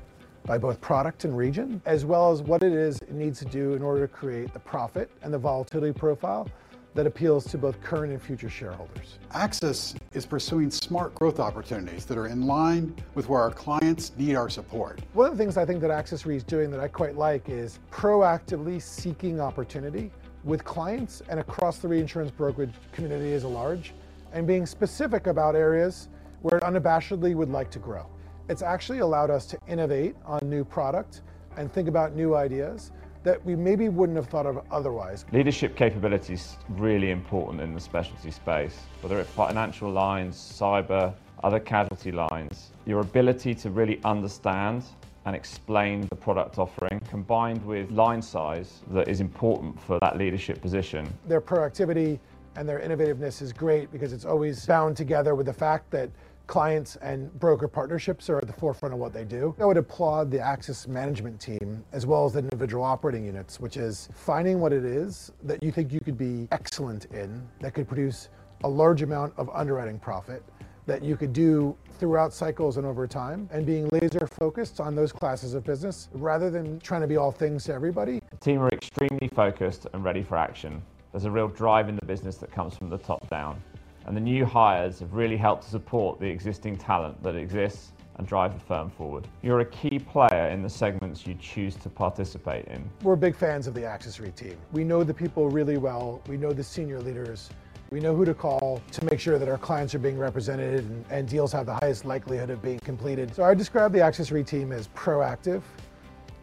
by both product and region, as well as what it is it needs to do in order to create the profit and the volatility profile that appeals to both current and future shareholders. AXIS is pursuing smart growth opportunities that are in line with where our clients need our support. One of the things I think that AXIS Re is doing that I quite like is proactively seeking opportunity with clients and across the reinsurance brokerage community as a large, and being specific about areas where it unabashedly would like to grow. It's actually allowed us to innovate on new product and think about new ideas that we maybe wouldn't have thought of otherwise. Leadership capability is really important in the specialty space, whether it's financial lines, cyber, other casualty lines. Your ability to really understand and explain the product offering, combined with line size, that is important for that leadership position. Their proactivity and their innovativeness is great because it's always bound together with the fact that clients and broker partnerships are at the forefront of what they do. I would applaud the AXIS management team, as well as the individual operating units, which is finding what it is that you think you could be excellent in, that could produce a large amount of underwriting profit, that you could do throughout cycles and over time, and being laser focused on those classes of business, rather than trying to be all things to everybody. The team are extremely focused and ready for action. There's a real drive in the business that comes from the top down, and the new hires have really helped to support the existing talent that exists and drive the firm forward. You're a key player in the segments you choose to participate in. We're big fans of the AXIS Re team. We know the people really well. We know the senior leaders. We know who to call to make sure that our clients are being represented, and deals have the highest likelihood of being completed. So I describe the AXIS Re team as proactive,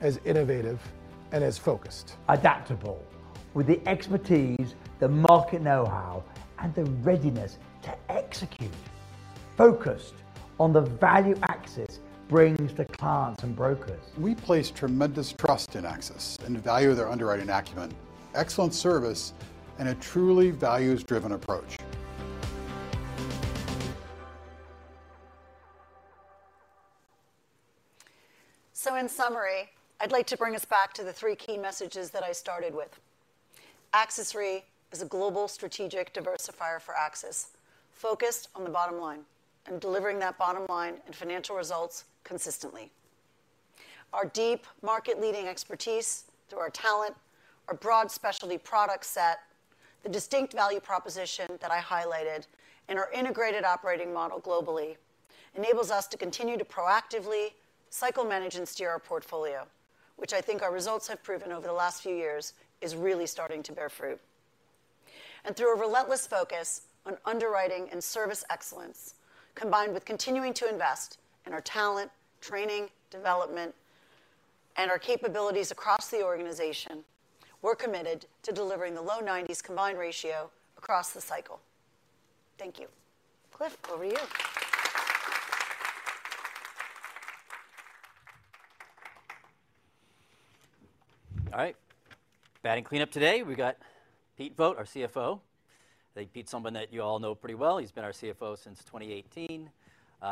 as innovative, and as focused. Adaptable, with the expertise, the market know-how, and the readiness to execute. Focused on the value AXIS brings to clients and brokers. We place tremendous trust in AXIS and value their underwriting acumen, excellent service, and a truly values-driven approach. So in summary, I'd like to bring us back to the three key messages that I started with. AXIS Re is a global strategic diversifier for AXIS, focused on the bottom line and delivering that bottom line and financial results consistently. Our deep market-leading expertise, through our talent, our broad specialty product set, the distinct value proposition that I highlighted, and our integrated operating model globally, enables us to continue to proactively cycle, manage, and steer our portfolio, which I think our results have proven over the last few years, is really starting to bear fruit. And through a relentless focus on underwriting and service excellence, combined with continuing to invest in our talent, training, development, and our capabilities across the organization, we're committed to delivering the low 90s combined ratio across the cycle. Thank you. Cliff, over to you. All right. Batting cleanup today, we've got Pete Vogt, our CFO. I think Pete's someone that you all know pretty well. He's been our CFO since 2018.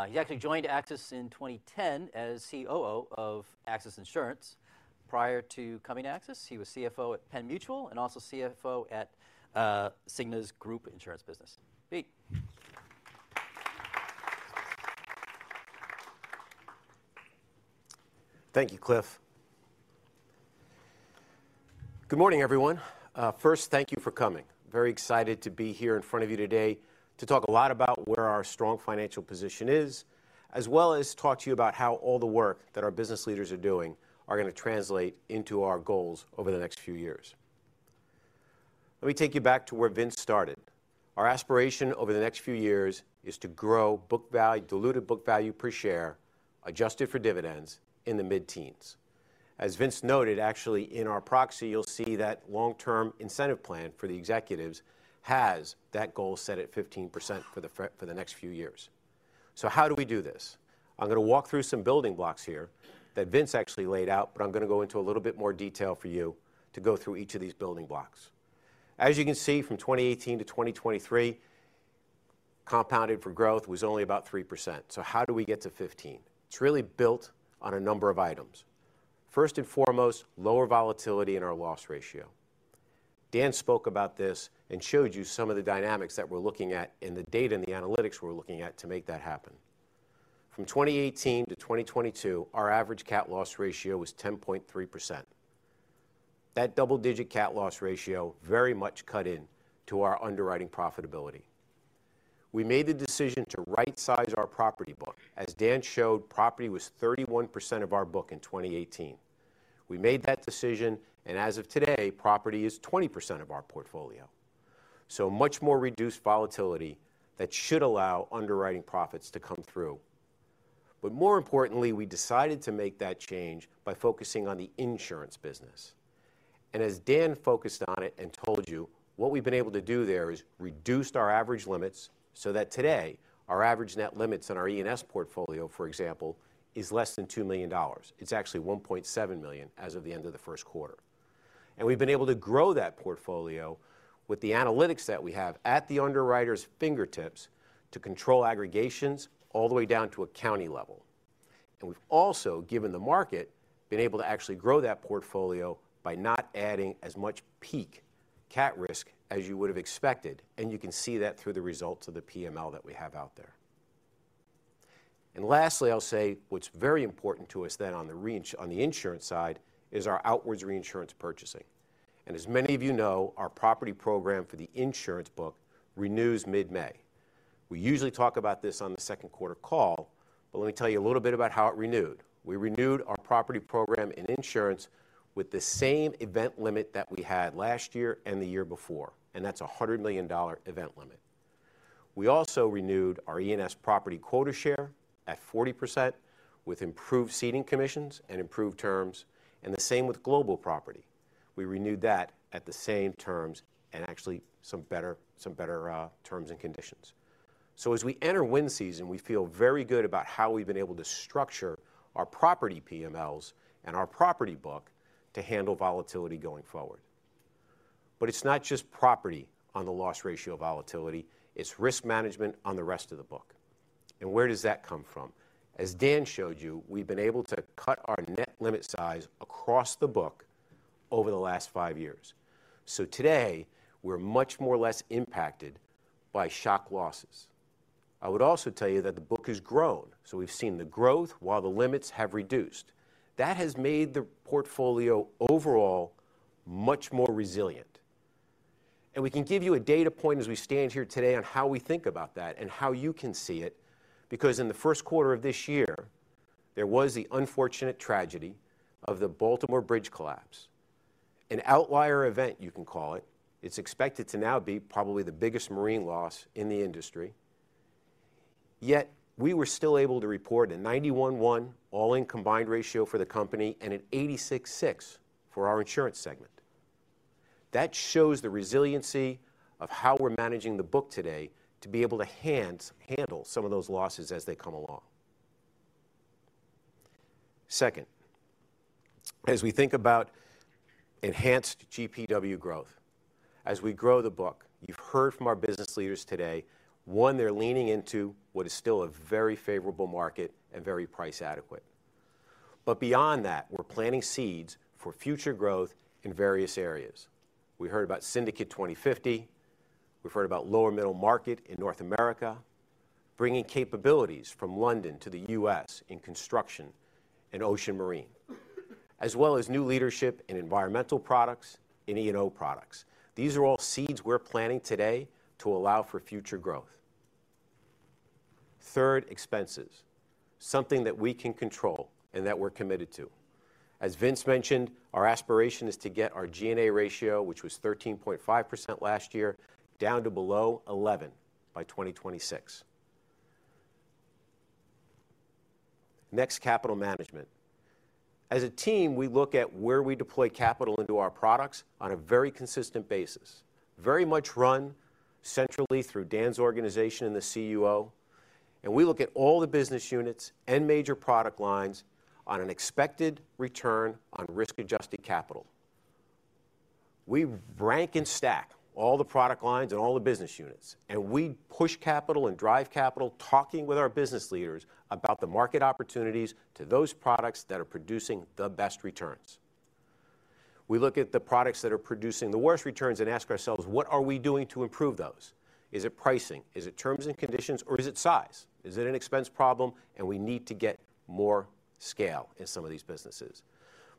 He actually joined AXIS in 2010 as COO of AXIS Insurance. Prior to coming to AXIS, he was CFO at Penn Mutual, and also CFO at Cigna's group insurance business. Pete. Thank you, Cliff. Good morning, everyone. First, thank you for coming. Very excited to be here in front of you today to talk a lot about where our strong financial position is, as well as talk to you about how all the work that our business leaders are doing are going to translate into our goals over the next few years. Let me take you back to where Vince started. Our aspiration over the next few years is to grow book value, diluted book value per share, adjusted for dividends, in the mid-teens. As Vince noted, actually, in our proxy, you'll see that long-term incentive plan for the executives has that goal set at 15% for the next few years. So how do we do this? I'm going to walk through some building blocks here that Vince actually laid out, but I'm going to go into a little bit more detail for you to go through each of these building blocks. As you can see, from 2018 to 2023, compounded for growth was only about 3%. So how do we get to 15? It's really built on a number of items. First and foremost, lower volatility in our loss ratio. Dan spoke about this and showed you some of the dynamics that we're looking at and the data and the analytics we're looking at to make that happen. From 2018 to 2022, our average cat loss ratio was 10.3%. That double-digit cat loss ratio very much cut in to our underwriting profitability. We made the decision to rightsize our property book. As Dan showed, property was 31% of our book in 2018. We made that decision, and as of today, property is 20% of our portfolio. So much more reduced volatility that should allow underwriting profits to come through. But more importantly, we decided to make that change by focusing on the insurance business. And as Dan focused on it and told you, what we've been able to do there is reduced our average limits, so that today, our average net limits on our E&S portfolio, for example, is less than $2 million. It's actually $1.7 million as of the end of the first quarter. And we've been able to grow that portfolio with the analytics that we have at the underwriter's fingertips to control aggregations all the way down to a county level. And we've also, given the market, been able to actually grow that portfolio by not adding as much peak cat risk as you would have expected, and you can see that through the results of the PML that we have out there. And lastly, I'll say what's very important to us then on the insurance side, is our outwards reinsurance purchasing. And as many of you know, our property program for the insurance book renews mid-May. We usually talk about this on the second quarter call, but let me tell you a little bit about how it renewed. We renewed our property program and insurance with the same event limit that we had last year and the year before, and that's a $100 million event limit. We also renewed our E&S property quota share at 40%, with improved ceding commissions and improved terms, and the same with global property. We renewed that at the same terms and actually some better, some better, terms and conditions. So as we enter wind season, we feel very good about how we've been able to structure our property PMLs and our property book to handle volatility going forward. But it's not just property on the loss ratio of volatility, it's risk management on the rest of the book. And where does that come from? As Dan showed you, we've been able to cut our net limit size across the book over the last five years. So today, we're much more or less impacted by shock losses. I would also tell you that the book has grown, so we've seen the growth while the limits have reduced. That has made the portfolio overall much more resilient. We can give you a data point as we stand here today on how we think about that and how you can see it, because in the first quarter of this year, there was the unfortunate tragedy of the Baltimore bridge collapse. An outlier event, you can call it. It's expected to now be probably the biggest marine loss in the industry. Yet, we were still able to report a 91.1 all-in combined ratio for the company and an 86.6 for our insurance segment. That shows the resiliency of how we're managing the book today to be able to handle some of those losses as they come along. Second, as we think about enhanced GWP growth, as we grow the book, you've heard from our business leaders today, one, they're leaning into what is still a very favorable market and very price adequate. But beyond that, we're planting seeds for future growth in various areas. We heard about Syndicate 2050. We've heard about lower middle market in North America, bringing capabilities from London to the US in construction and ocean marine, as well as new leadership in environmental products and E&O products. These are all seeds we're planting today to allow for future growth. Third, expenses. Something that we can control and that we're committed to. As Vince mentioned, our aspiration is to get our G&A ratio, which was 13.5% last year, down to below 11% by 2026. Next, capital management. As a team, we look at where we deploy capital into our products on a very consistent basis. Very much run centrally through Dan's organization and the CUO, and we look at all the business units and major product lines on an expected return on risk-adjusted capital. We rank and stack all the product lines and all the business units, and we push capital and drive capital, talking with our business leaders about the market opportunities to those products that are producing the best returns. We look at the products that are producing the worst returns and ask ourselves: What are we doing to improve those? Is it pricing? Is it terms and conditions, or is it size? Is it an expense problem and we need to get more scale in some of these businesses?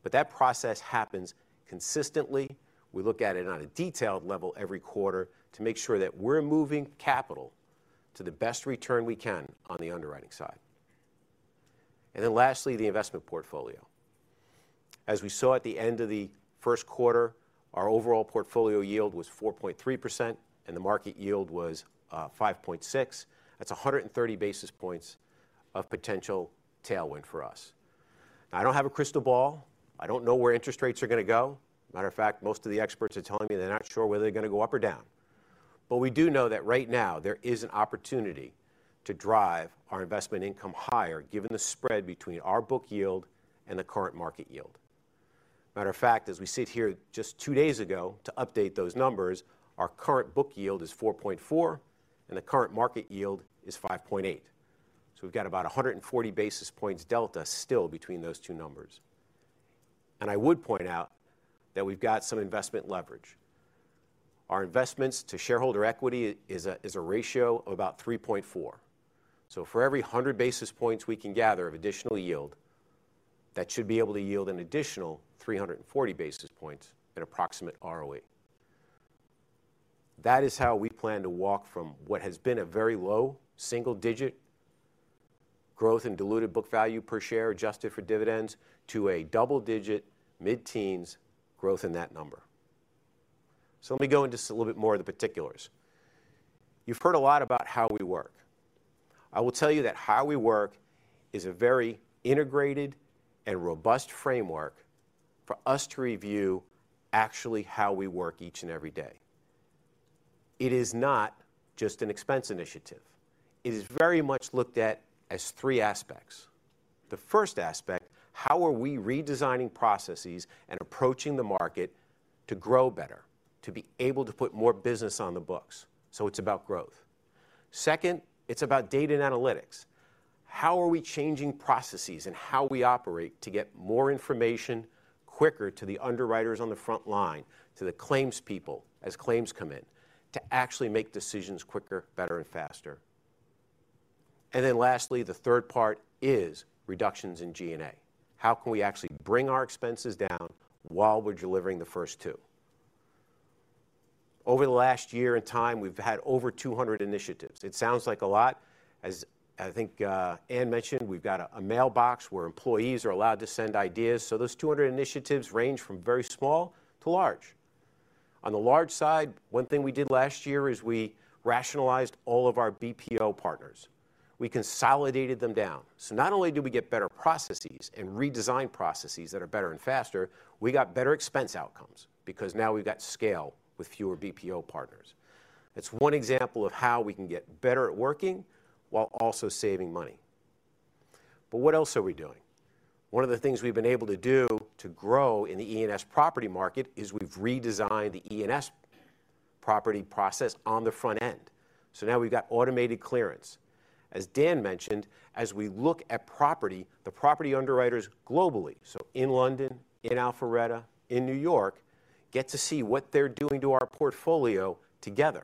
But that process happens consistently. We look at it on a detailed level every quarter to make sure that we're moving capital to the best return we can on the underwriting side. And then lastly, the investment portfolio. As we saw at the end of the first quarter, our overall portfolio yield was 4.3%, and the market yield was 5.6%. That's 130 basis points of potential tailwind for us. Now, I don't have a crystal ball. I don't know where interest rates are gonna go. Matter of fact, most of the experts are telling me they're not sure whether they're gonna go up or down. But we do know that right now, there is an opportunity to drive our investment income higher, given the spread between our book yield and the current market yield. Matter of fact, as we sit here just two days ago to update those numbers, our current book yield is 4.4, and the current market yield is 5.8. So we've got about 140 basis points delta still between those two numbers. And I would point out that we've got some investment leverage. Our investments to shareholder equity is a ratio of about 3.4. So for every 100 basis points we can gather of additional yield, that should be able to yield an additional 340 basis points at approximate ROE. That is how we plan to walk from what has been a very low single-digit growth in diluted book value per share, adjusted for dividends, to a double-digit, mid-teens growth in that number. So let me go into just a little bit more of the particulars. You've heard a lot about How We Work. I will tell you that How We Work is a very integrated and robust framework for us to review actually how we work each and every day. It is not just an expense initiative. It is very much looked at as three aspects. The first aspect: How are we redesigning processes and approaching the market to grow better, to be able to put more business on the books? So it's about growth... Second, it's about data and analytics. How are we changing processes and how we operate to get more information quicker to the underwriters on the front line, to the claims people as claims come in, to actually make decisions quicker, better, and faster? And then lastly, the third part is reductions in G&A. How can we actually bring our expenses down while we're delivering the first two? Over the last year and time, we've had over 200 initiatives. It sounds like a lot. As I think, Ann mentioned, we've got a mailbox where employees are allowed to send ideas. So those 200 initiatives range from very small to large. On the large side, one thing we did last year is we rationalized all of our BPO partners. We consolidated them down. So not only did we get better processes and redesigned processes that are better and faster, we got better expense outcomes, because now we've got scale with fewer BPO partners. That's one example of how we can get better at working while also saving money. But what else are we doing? One of the things we've been able to do to grow in the E&S property market is we've redesigned the E&S property process on the front end. So now we've got automated clearance. As Dan mentioned, as we look at property, the property underwriters globally, so in London, in Alpharetta, in New York, get to see what they're doing to our portfolio together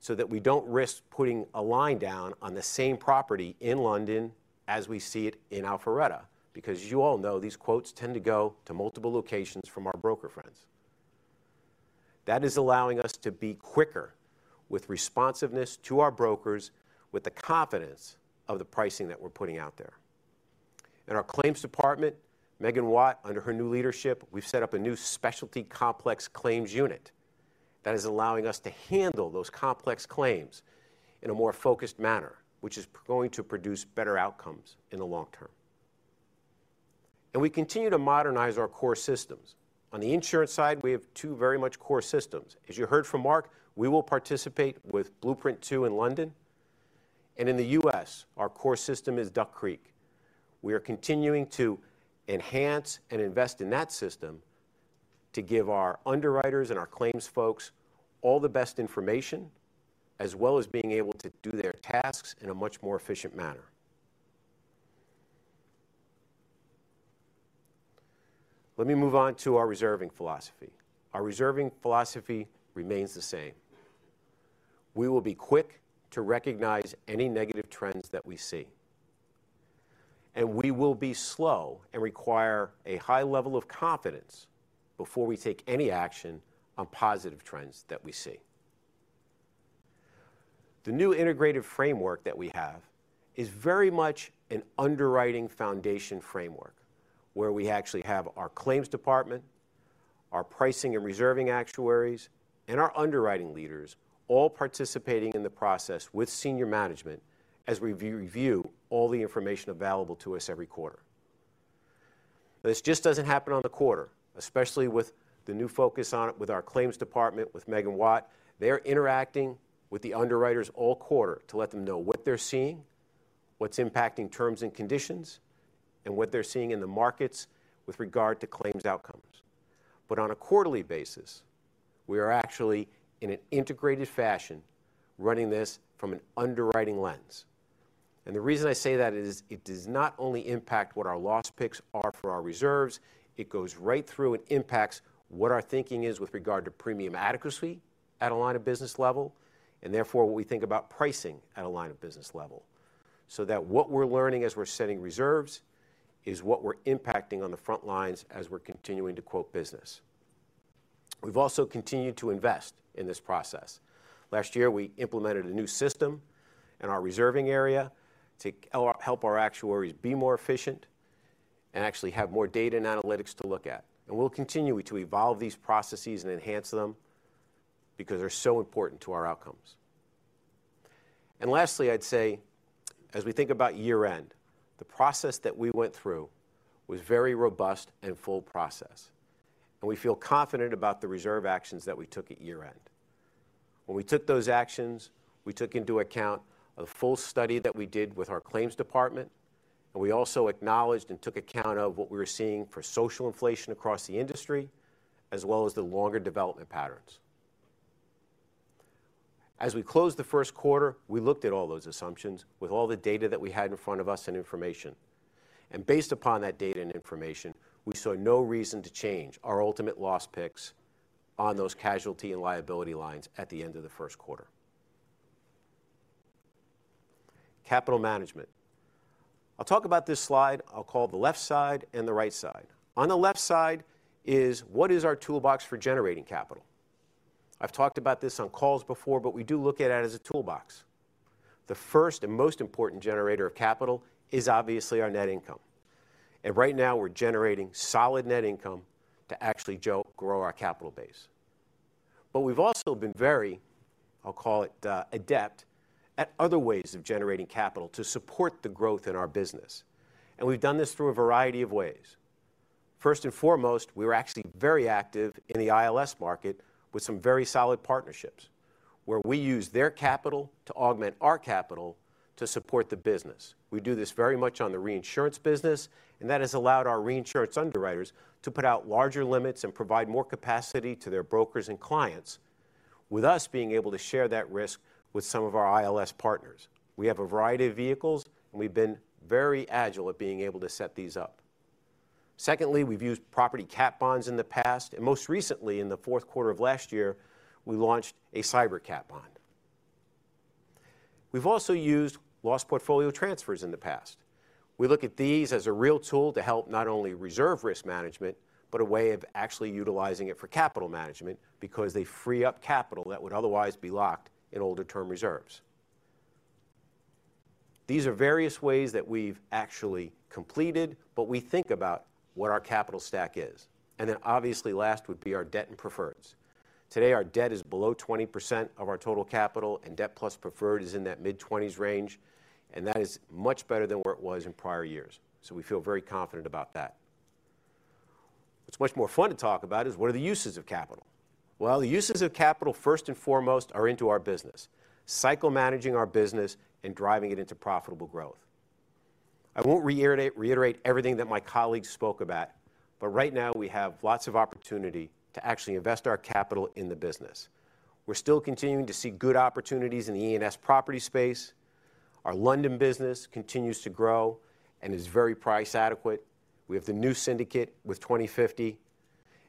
so that we don't risk putting a line down on the same property in London as we see it in Alpharetta, because you all know, these quotes tend to go to multiple locations from our broker friends. That is allowing us to be quicker with responsiveness to our brokers, with the confidence of the pricing that we're putting out there. In our claims department, Megan Watt, under her new leadership, we've set up a new specialty complex claims unit that is allowing us to handle those complex claims in a more focused manner, which is going to produce better outcomes in the long term. We continue to modernize our core systems. On the insurance side, we have two very much core systems. As you heard from Mark, we will participate with Blueprint Two in London, and in the U.S., our core system is Duck Creek. We are continuing to enhance and invest in that system to give our underwriters and our claims folks all the best information, as well as being able to do their tasks in a much more efficient manner. Let me move on to our reserving philosophy. Our reserving philosophy remains the same. We will be quick to recognize any negative trends that we see, and we will be slow and require a high level of confidence before we take any action on positive trends that we see. The new integrated framework that we have is very much an underwriting foundation framework, where we actually have our claims department, our pricing and reserving actuaries, and our underwriting leaders all participating in the process with senior management as we re-review all the information available to us every quarter. This just doesn't happen on the quarter, especially with the new focus on it, with our claims department, with Megan Watt. They're interacting with the underwriters all quarter to let them know what they're seeing, what's impacting terms and conditions, and what they're seeing in the markets with regard to claims outcomes. But on a quarterly basis, we are actually, in an integrated fashion, running this from an underwriting lens. The reason I say that is it does not only impact what our loss picks are for our reserves, it goes right through and impacts what our thinking is with regard to premium adequacy at a line of business level, and therefore, what we think about pricing at a line of business level. So that what we're learning as we're setting reserves is what we're impacting on the front lines as we're continuing to quote business. We've also continued to invest in this process. Last year, we implemented a new system in our reserving area to help our actuaries be more efficient and actually have more data and analytics to look at. We'll continue to evolve these processes and enhance them because they're so important to our outcomes. And lastly, I'd say, as we think about year-end, the process that we went through was very robust and full process, and we feel confident about the reserve actions that we took at year-end. When we took those actions, we took into account a full study that we did with our claims department, and we also acknowledged and took account of what we were seeing for social inflation across the industry, as well as the longer development patterns. As we closed the first quarter, we looked at all those assumptions with all the data that we had in front of us and information, and based upon that data and information, we saw no reason to change our ultimate loss picks on those casualty and liability lines at the end of the first quarter. Capital management. I'll talk about this slide, I'll call the left side and the right side. On the left side is, what is our toolbox for generating capital? I've talked about this on calls before, but we do look at it as a toolbox. The first and most important generator of capital is obviously our net income, and right now, we're generating solid net income to actually grow our capital base. But we've also been very, I'll call it, adept at other ways of generating capital to support the growth in our business, and we've done this through a variety of ways. First and foremost, we were actually very active in the ILS market with some very solid partnerships, where we use their capital to augment our capital to support the business. We do this very much on the reinsurance business, and that has allowed our reinsurance underwriters to put out larger limits and provide more capacity to their brokers and clients.... With us being able to share that risk with some of our ILS partners. We have a variety of vehicles, and we've been very agile at being able to set these up. Secondly, we've used property cat bonds in the past, and most recently, in the fourth quarter of last year, we launched a cyber cat bond. We've also used loss portfolio transfers in the past. We look at these as a real tool to help not only reserve risk management, but a way of actually utilizing it for capital management because they free up capital that would otherwise be locked in older term reserves. These are various ways that we've actually completed, but we think about what our capital stack is, and then obviously last would be our debt and preferreds. Today, our debt is below 20% of our total capital, and debt plus preferred is in that mid-20s range, and that is much better than where it was in prior years. So we feel very confident about that. What's much more fun to talk about is: What are the uses of capital? Well, the uses of capital, first and foremost, are into our business, cycle managing our business and driving it into profitable growth. I won't reiterate everything that my colleagues spoke about, but right now we have lots of opportunity to actually invest our capital in the business. We're still continuing to see good opportunities in the E&S property space. Our London business continues to grow and is very price adequate. We have the new syndicate with 2050,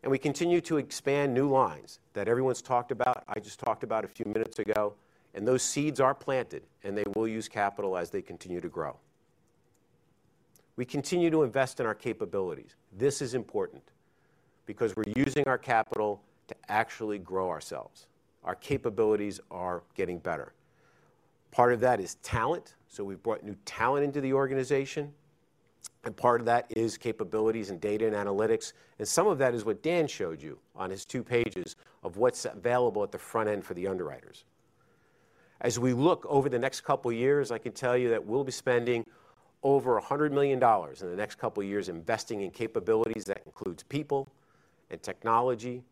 and we continue to expand new lines that everyone's talked about, I just talked about a few minutes ago, and those seeds are planted, and they will use capital as they continue to grow. We continue to invest in our capabilities. This is important because we're using our capital to actually grow ourselves. Our capabilities are getting better. Part of that is talent, so we've brought new talent into the organization, and part of that is capabilities and data and analytics. And some of that is what Dan showed you on his 2 pages of what's available at the front end for the underwriters. As we look over the next couple of years, I can tell you that we'll be spending over $100 million in the next couple of years investing in capabilities that includes people and technology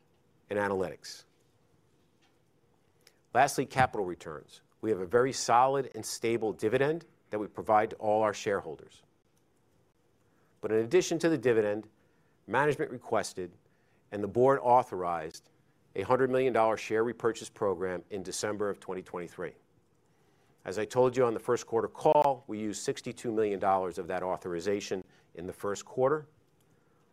and analytics. Lastly, capital returns. We have a very solid and stable dividend that we provide to all our shareholders. In addition to the dividend, management requested, and the board authorized a $100 million share repurchase program in December 2023. As I told you on the first quarter call, we used $62 million of that authorization in the first quarter.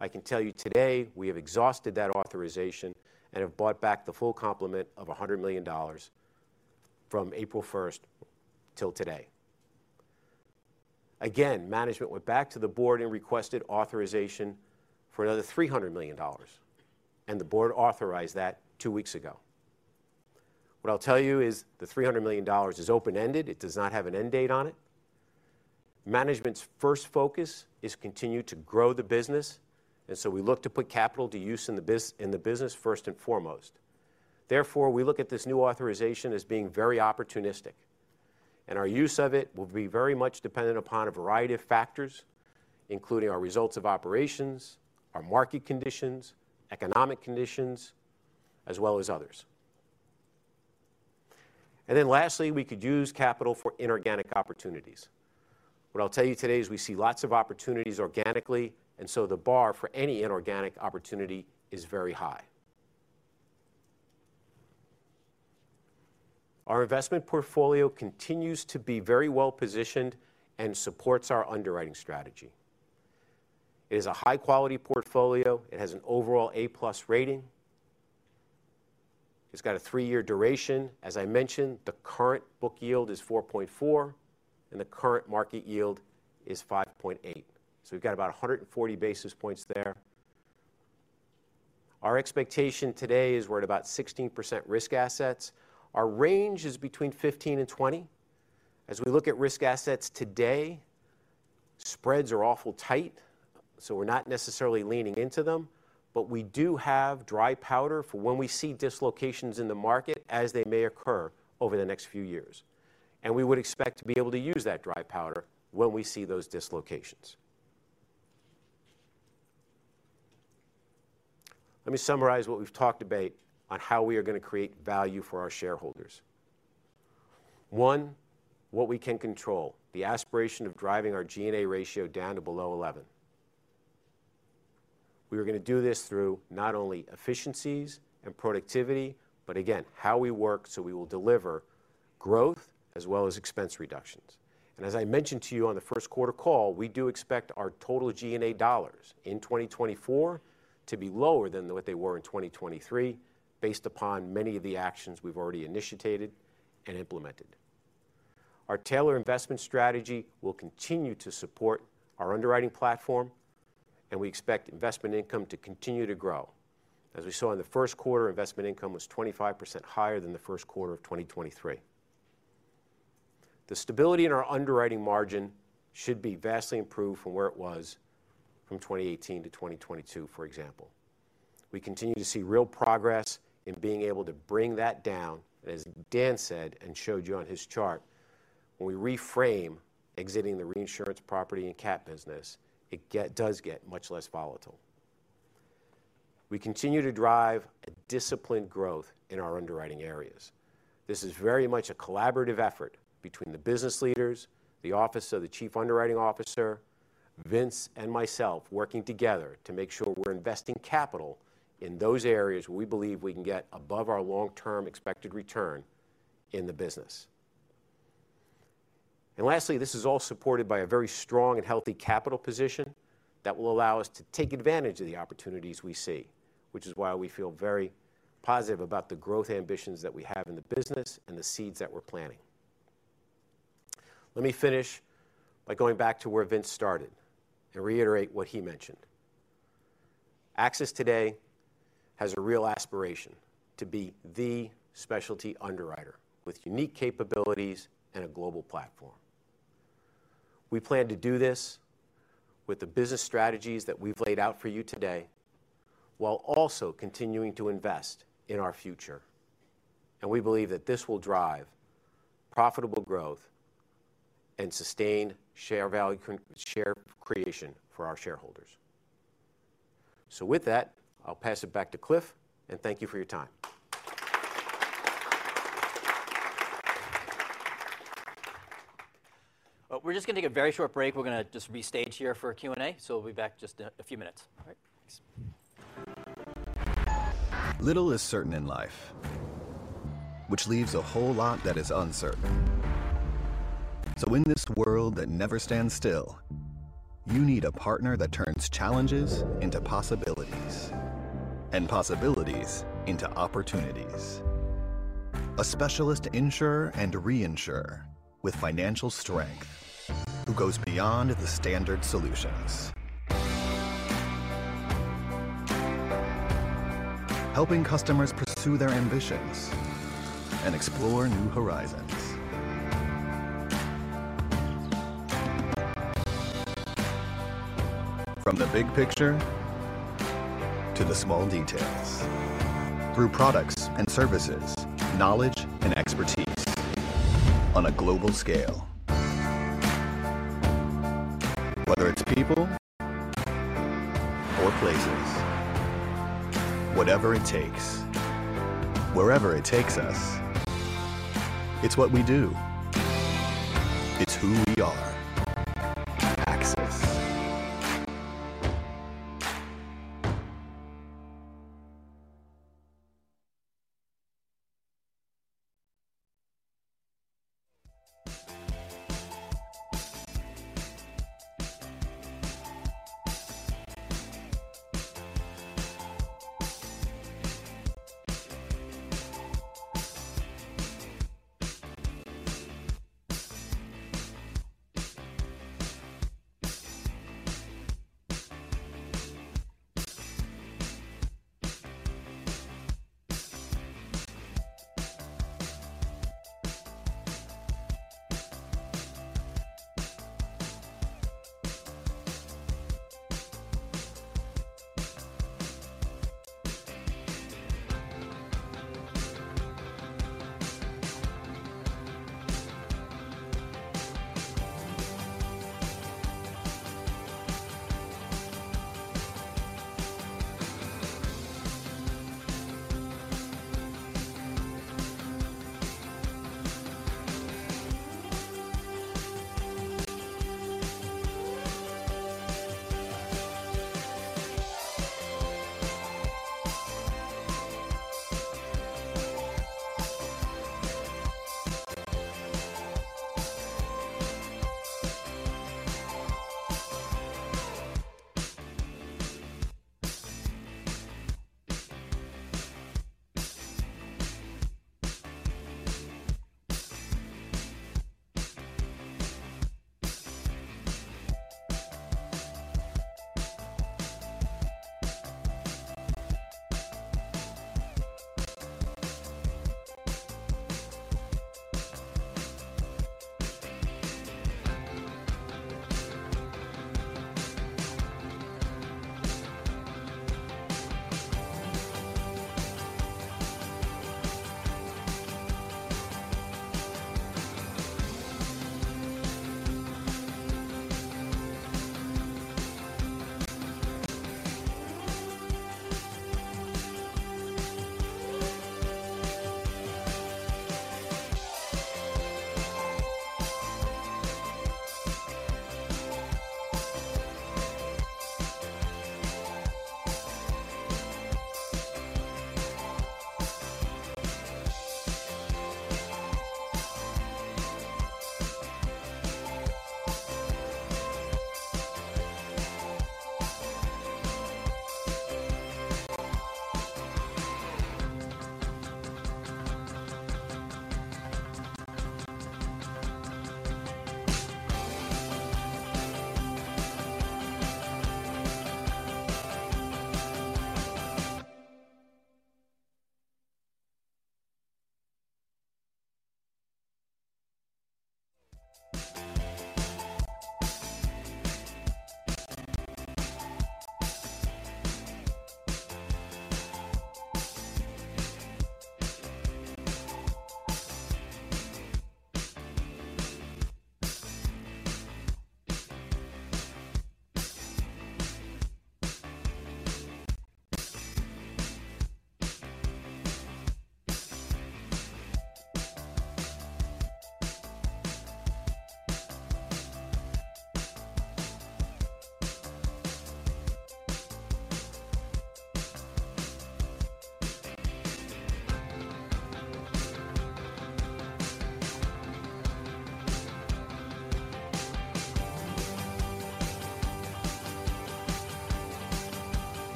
I can tell you today, we have exhausted that authorization and have bought back the full complement of $100 million from April 1 till today. Again, management went back to the board and requested authorization for another $300 million, and the board authorized that two weeks ago. What I'll tell you is the $300 million is open-ended. It does not have an end date on it. Management's first focus is continue to grow the business, and so we look to put capital to use in the business first and foremost. Therefore, we look at this new authorization as being very opportunistic, and our use of it will be very much dependent upon a variety of factors, including our results of operations, our market conditions, economic conditions, as well as others. And then lastly, we could use capital for inorganic opportunities. What I'll tell you today is we see lots of opportunities organically, and so the bar for any inorganic opportunity is very high. Our investment portfolio continues to be very well-positioned and supports our underwriting strategy. It is a high-quality portfolio. It has an overall A+ rating. It's got a 3-year duration. As I mentioned, the current book yield is 4.4, and the current market yield is 5.8. So we've got about 140 basis points there. Our expectation today is we're at about 16% risk assets. Our range is between 15%-20%. As we look at risk assets today, spreads are awful tight, so we're not necessarily leaning into them, but we do have dry powder for when we see dislocations in the market as they may occur over the next few years. And we would expect to be able to use that dry powder when we see those dislocations. Let me summarize what we've talked about on how we are going to create value for our shareholders. One, what we can control, the aspiration of driving our G&A ratio down to below 11. We are gonna do this through not only efficiencies and productivity, but again, how we work, so we will deliver growth as well as expense reductions. As I mentioned to you on the first quarter call, we do expect our total G&A dollars in 2024 to be lower than what they were in 2023, based upon many of the actions we've already initiated and implemented. Our tailored investment strategy will continue to support our underwriting platform, and we expect investment income to continue to grow. As we saw in the first quarter, investment income was 25% higher than the first quarter of 2023. The stability in our underwriting margin should be vastly improved from where it was from 2018 to 2022, for example. We continue to see real progress in being able to bring that down, as Dan said and showed you on his chart. When we reframe exiting the reinsurance property and cat business, it does get much less volatile. We continue to drive a disciplined growth in our underwriting areas. This is very much a collaborative effort between the business leaders, the Office of the Chief Underwriting Officer, Vince and myself working together to make sure we're investing capital in those areas we believe we can get above our long-term expected return in the business. And lastly, this is all supported by a very strong and healthy capital position that will allow us to take advantage of the opportunities we see, which is why we feel very positive about the growth ambitions that we have in the business and the seeds that we're planting. Let me finish by going back to where Vince started and reiterate what he mentioned. AXIS today has a real aspiration to be the specialty underwriter with unique capabilities and a global platform. We plan to do this with the business strategies that we've laid out for you today, while also continuing to invest in our future. We believe that this will drive profitable growth and sustain share value, share creation for our shareholders. With that, I'll pass it back to Cliff, and thank you for your time. We're just going to take a very short break. We're going to just restage here for a Q&A, so we'll be back just a few minutes. All right. Thanks. Little is certain in life, which leaves a whole lot that is uncertain. So in this world that never stands still, you need a partner that turns challenges into possibilities and possibilities into opportunities. A specialist insurer and reinsurer with financial strength, who goes beyond the standard solutions. Helping customers pursue their ambitions and explore new horizons. From the big picture to the small details, through products and services, knowledge and expertise on a global scale. Whether it's people or places, whatever it takes, wherever it takes us, it's what we do. It's who we are,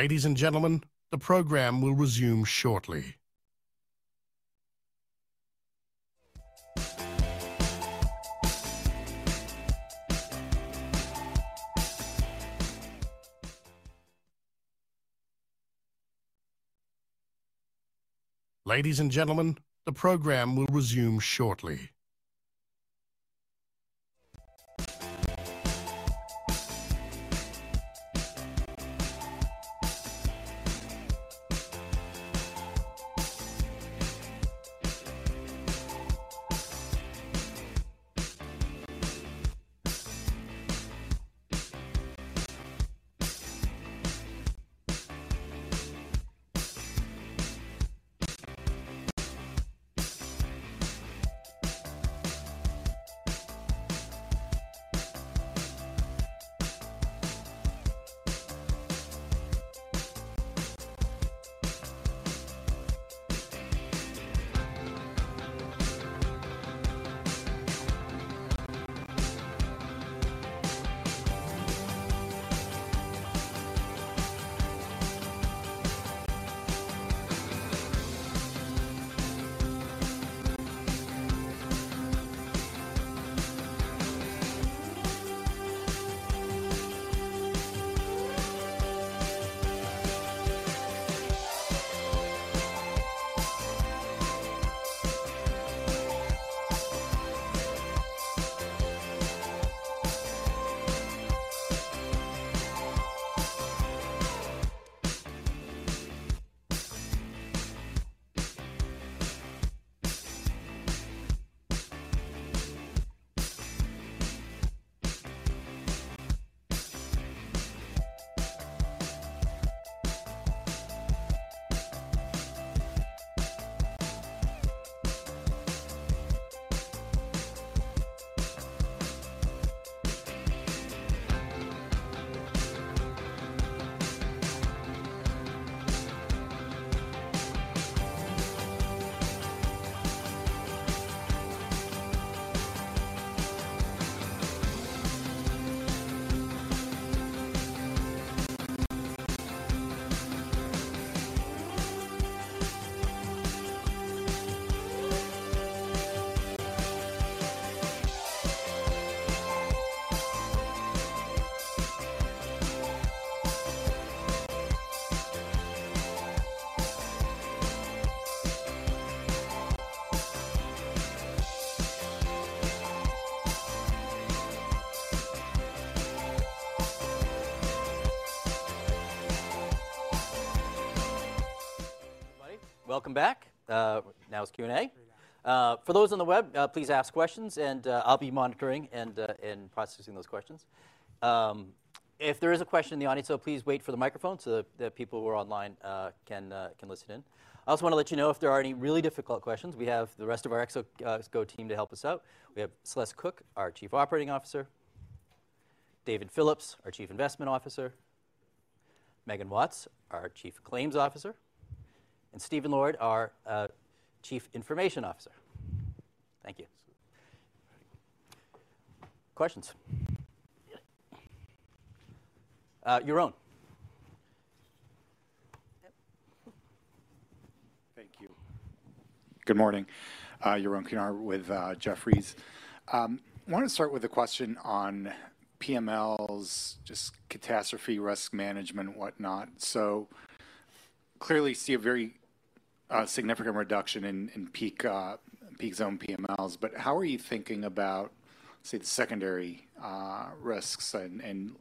AXIS. Ladies and gentlemen, the program will resume shortly. Ladies and gentlemen, the program will resume shortly. Welcome back. Now it's Q&A. For those on the web, please ask questions, and I'll be monitoring and processing those questions. If there is a question in the audience, so please wait for the microphone so that the people who are online can listen in. I also wanna let you know if there are any really difficult questions, we have the rest of our ExCo Go team to help us out. We have Celeste Cook, our Chief Operating Officer; David Phillips, our Chief Investment Officer; Megan Watt, our Chief Claims Officer; and Stephen Lord, our Chief Information Officer. Thank you. Questions? Yaron. Thank you. Good morning, Yaron Kinar with Jefferies. I wanted to start with a question on PMLs, just catastrophe risk management, whatnot. So clearly see a very significant reduction in peak zone PMLs. But how are you thinking about, say, the secondary risks and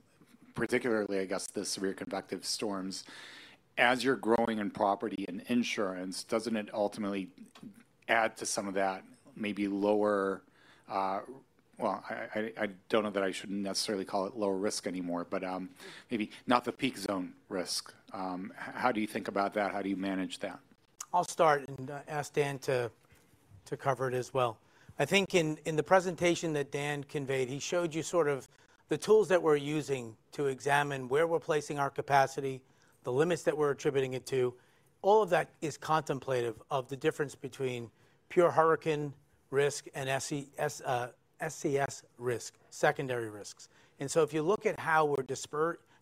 particularly the severe convective storms? As you're growing in property insurance, doesn't it ultimately add to some of that maybe lower... Well, I don't know that I shouldn't necessarily call it lower risk anymore, but maybe not the peak zone risk. How do you think about that? How do you manage that? I'll start and ask Dan to cover it as well. I think in the presentation that Dan conveyed, he showed you sort of the tools that we're using to examine where we're placing our capacity, the limits that we're attributing it to. All of that is contemplative of the difference between pure hurricane risk and SCS risk, secondary risks. And so if you look at how we're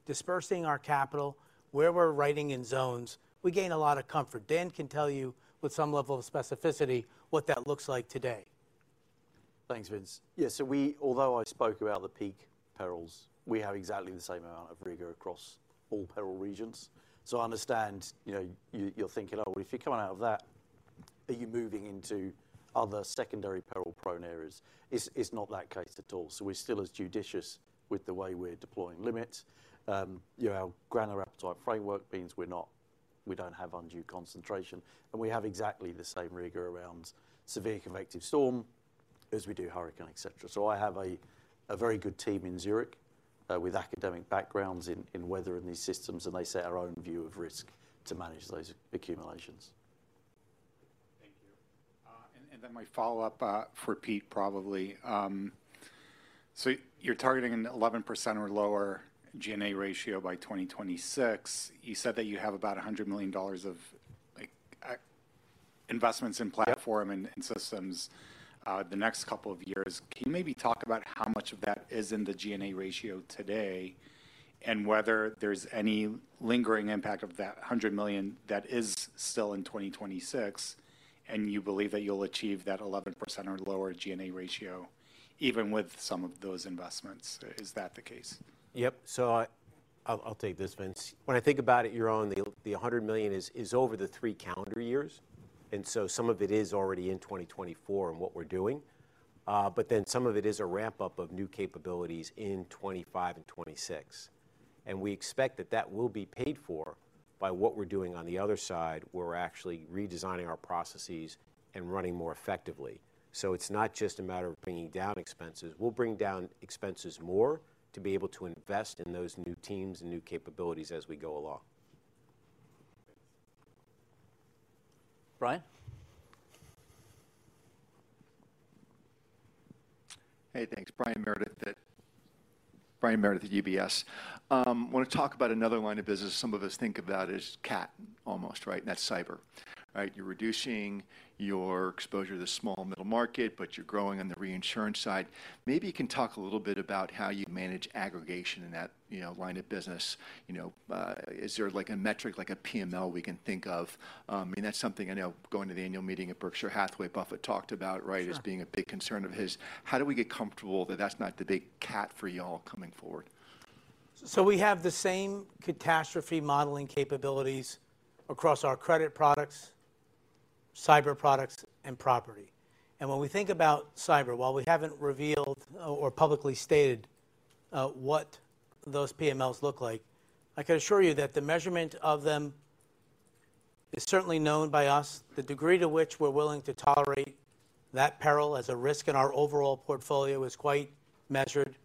dispersing our capital, where we're writing in zones, we gain a lot of comfort. Dan can tell you with some level of specificity, what that looks like today. Thanks, Vince. Yeah, so we although I spoke about the peak perils, we have exactly the same amount of rigor across all peril regions. So I understand, you know, you, you're thinking, "Oh, if you're coming out of that, are you moving into other secondary peril-prone areas?" It's, it's not that case at all. So we're still as judicious with the way we're deploying limits. You know, our granular appetite framework means we're not we don't have undue concentration, and we have exactly the same rigor around severe convective storm-... as we do hurricane, et cetera. So I have a very good team in Zurich, with academic backgrounds in weather and these systems, and they set our own view of risk to manage those accumulations. Thank you. And then my follow-up, for Pete, probably. So you're targeting an 11% or lower G&A ratio by 2026. You said that you have about $100 million of, like, investments in platform- Yep nd systems, the next couple of years. Can you maybe talk about how much of that is in the G&A ratio today, and whether there's any lingering impact of that $100 million that is still in 2026, and you believe that you'll achieve that 11% or lower G&A ratio even with some of those investments? Is that the case? Yep. So I'll, I'll take this, Vince. When I think about it, you're on the, the $100 million is over the three calendar years, and so some of it is already in 2024 in what we're doing. But then some of it is a ramp-up of new capabilities in 2025 and 2026. And we expect that that will be paid for by what we're doing on the other side, where we're actually redesigning our processes and running more effectively. So it's not just a matter of bringing down expenses. We'll bring down expenses more to be able to invest in those new teams and new capabilities as we go along. Brian? Hey, thanks. Brian Meredith at UBS. I want to talk about another line of business some of us think about as cat almost, right? And that's cyber, right. You're reducing your exposure to the small middle market, but you're growing on the reinsurance side. Maybe you can talk a little bit about how you manage aggregation in that, you know, line of business. You know, is there, like, a metric, like a PML, we can think of? And that's something I know going to the annual meeting at Berkshire Hathaway, Buffett talked about, right- Sure As being a big concern of his. How do we get comfortable that that's not the big cat for y'all coming forward? So we have the same catastrophe modeling capabilities across our credit products, cyber products, and property. And when we think about cyber, while we haven't revealed or publicly stated what those PMLs look like, I can assure you that the measurement of them is certainly known by us. The degree to which we're willing to tolerate that peril as a risk in our overall portfolio is quite measured.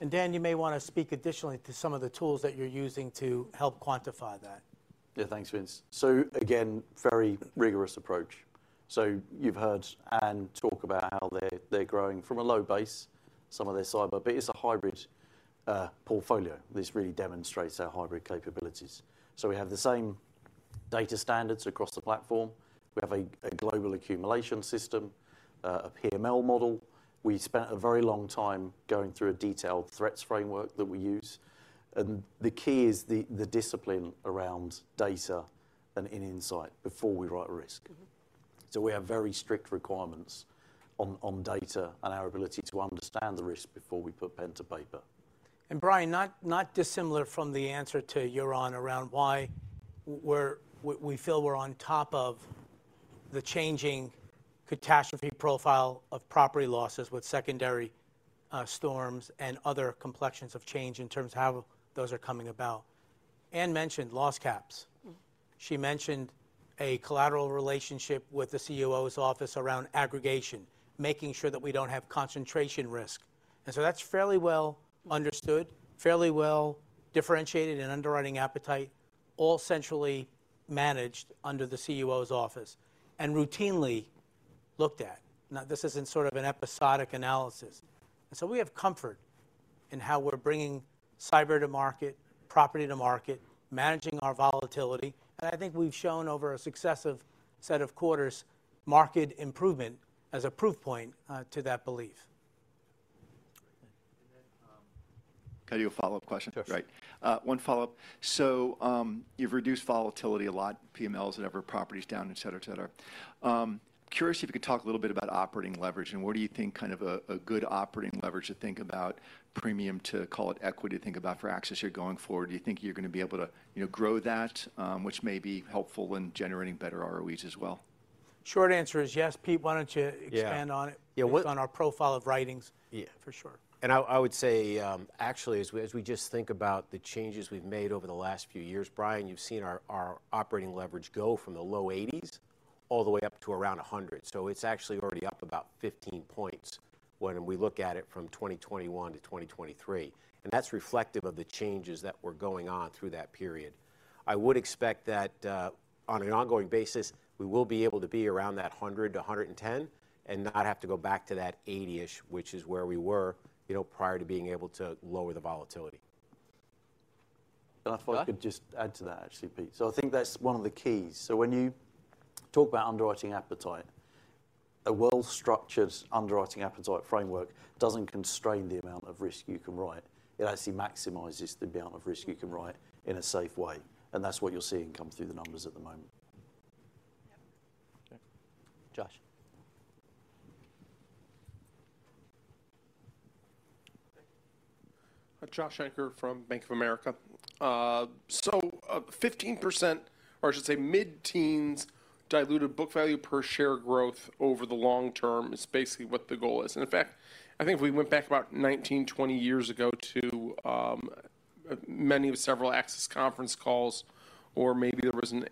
And Dan, you may want to speak additionally to some of the tools that you're using to help quantify that. Yeah, thanks, Vince. So again, very rigorous approach. So you've heard Anne talk about how they're, they're growing from a low base, some of their cyber, but it's a hybrid, portfolio. This really demonstrates our hybrid capabilities. So we have the same data standards across the platform. We have a, a global accumulation system, a PML model. We spent a very long time going through a detailed threats framework that we use, and the key is the, the discipline around data and in insight before we write risk. Mm-hmm. So we have very strict requirements on data and our ability to understand the risk before we put pen to paper. And Brian, not dissimilar from the answer to Yaron around why we're, we feel we're on top of the changing catastrophe profile of property losses with secondary storms and other complexions of change in terms of how those are coming about. Anne mentioned loss caps. She mentioned a collateral relationship with the CUO's office around aggregation, making sure that we don't have concentration risk. And so that's fairly well understood, fairly well differentiated and underwriting appetite, all centrally managed under the CUO's office and routinely looked at. Now, this is in sort of an episodic analysis. And so we have comfort in how we're bringing cyber to market, property to market, managing our volatility, and I think we've shown over a successive set of quarters, market improvement as a proof point to that belief. Can I do a follow-up question? Sure. Right. One follow-up. So, you've reduced volatility a lot, PMLs, whatever, property's down, et cetera, et cetera. Curious if you could talk a little bit about operating leverage and what do you think kind of a, a good operating leverage to think about premium, to call it equity, to think about for AXIS here going forward? Do you think you're going to be able to, you know, grow that, which may be helpful when generating better ROEs as well? Short answer is yes. Pete, why don't you expand on it? Yeah. Based on our profile of writings. Yeah. For sure. I would say, actually, as we just think about the changes we've made over the last few years, Brian, you've seen our operating leverage go from the low 80s all the way up to around 100. So it's actually already up about 15 points when we look at it from 2021 to 2023. That's reflective of the changes that were going on through that period. I would expect that, on an ongoing basis, we will be able to be around that 100-110 and not have to go back to that 80-ish, which is where we were, you know, prior to being able to lower the volatility. And if I could just add to that, actually, Pete. So I think that's one of the keys. So when you talk about underwriting appetite, a well-structured underwriting appetite framework doesn't constrain the amount of risk you can write. It actually maximizes the amount of risk you can write in a safe way, and that's what you're seeing come through the numbers at the moment. Yep. Okay. Josh. Josh Shanker from Bank of America. So, 15%, or I should say mid-teens diluted book value per share growth over the long term is basically what the goal is. And in fact, I think if we went back about 19-20 years ago to,... many of several Axis conference calls, or maybe there was an,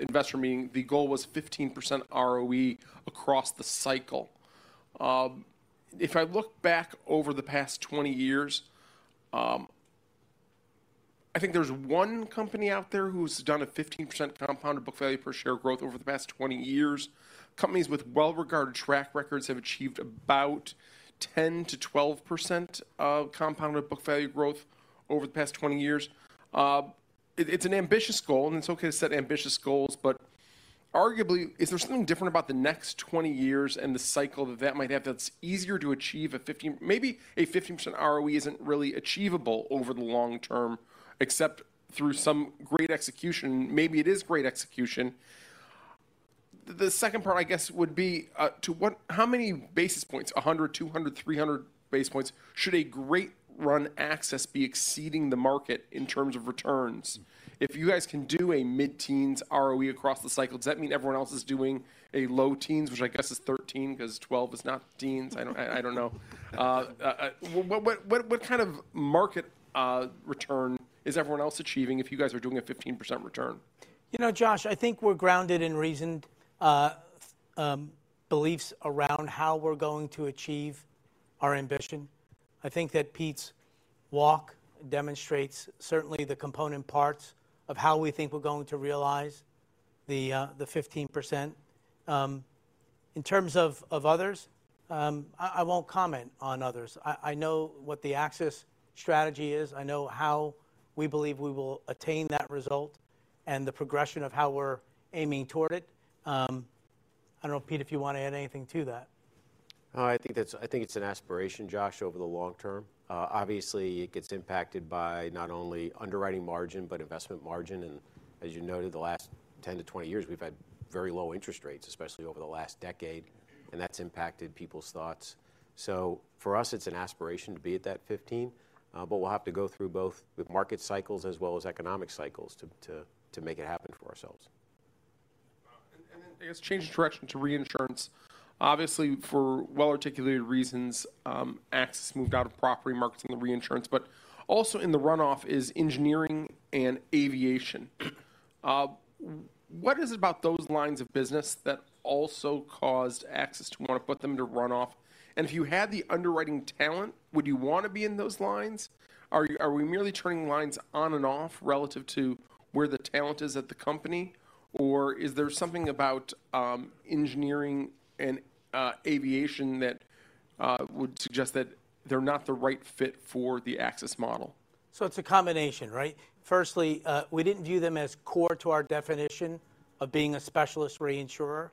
investor meeting, the goal was 15% ROE across the cycle. If I look back over the past 20 years, I think there's one company out there who's done a 15% compounded book value per share growth over the past 20 years. Companies with well-regarded track records have achieved about 10%-12% of compounded book value growth over the past 20 years. It, it's an ambitious goal, and it's okay to set ambitious goals, but arguably, is there something different about the next 20 years and the cycle of event might have that's easier to achieve a 15%- maybe a 15% ROE isn't really achievable over the long term, except through some great execution. Maybe it is great execution. The second part, I guess, would be to what how many basis points, 100, 200, 300 basis points, should a great run AXIS be exceeding the market in terms of returns? If you guys can do a mid-teens ROE across the cycle, does that mean everyone else is doing a low teens, which I guess is 13, because 12 is not teens? I don't know. What kind of market return is everyone else achieving if you guys are doing a 15% return? You know, Josh, I think we're grounded in reasoned beliefs around how we're going to achieve our ambition. I think that Pete's walk demonstrates certainly the component parts of how we think we're going to realize the 15%. In terms of others, I won't comment on others. I know what the AXIS strategy is. I know how we believe we will attain that result and the progression of how we're aiming toward it. I don't know, Pete, if you want to add anything to that. I think it's an aspiration, Josh, over the long term. Obviously, it gets impacted by not only underwriting margin, but investment margin, and as you noted, the last 10-20 years, we've had very low interest rates, especially over the last decade, and that's impacted people's thoughts. So for us, it's an aspiration to be at that 15, but we'll have to go through both the market cycles as well as economic cycles to make it happen for ourselves. And then, I guess, change direction to reinsurance. Obviously, for well-articulated reasons, Axis moved out of property markets and the reinsurance, but also in the runoff is engineering and aviation. What is it about those lines of business that also caused Axis to want to put them to runoff? And if you had the underwriting talent, would you want to be in those lines? Are we merely turning lines on and off relative to where the talent is at the company, or is there something about engineering and aviation that would suggest that they're not the right fit for the Axis model? So it's a combination, right? First, we didn't view them as core to our definition of being a specialist reinsurer.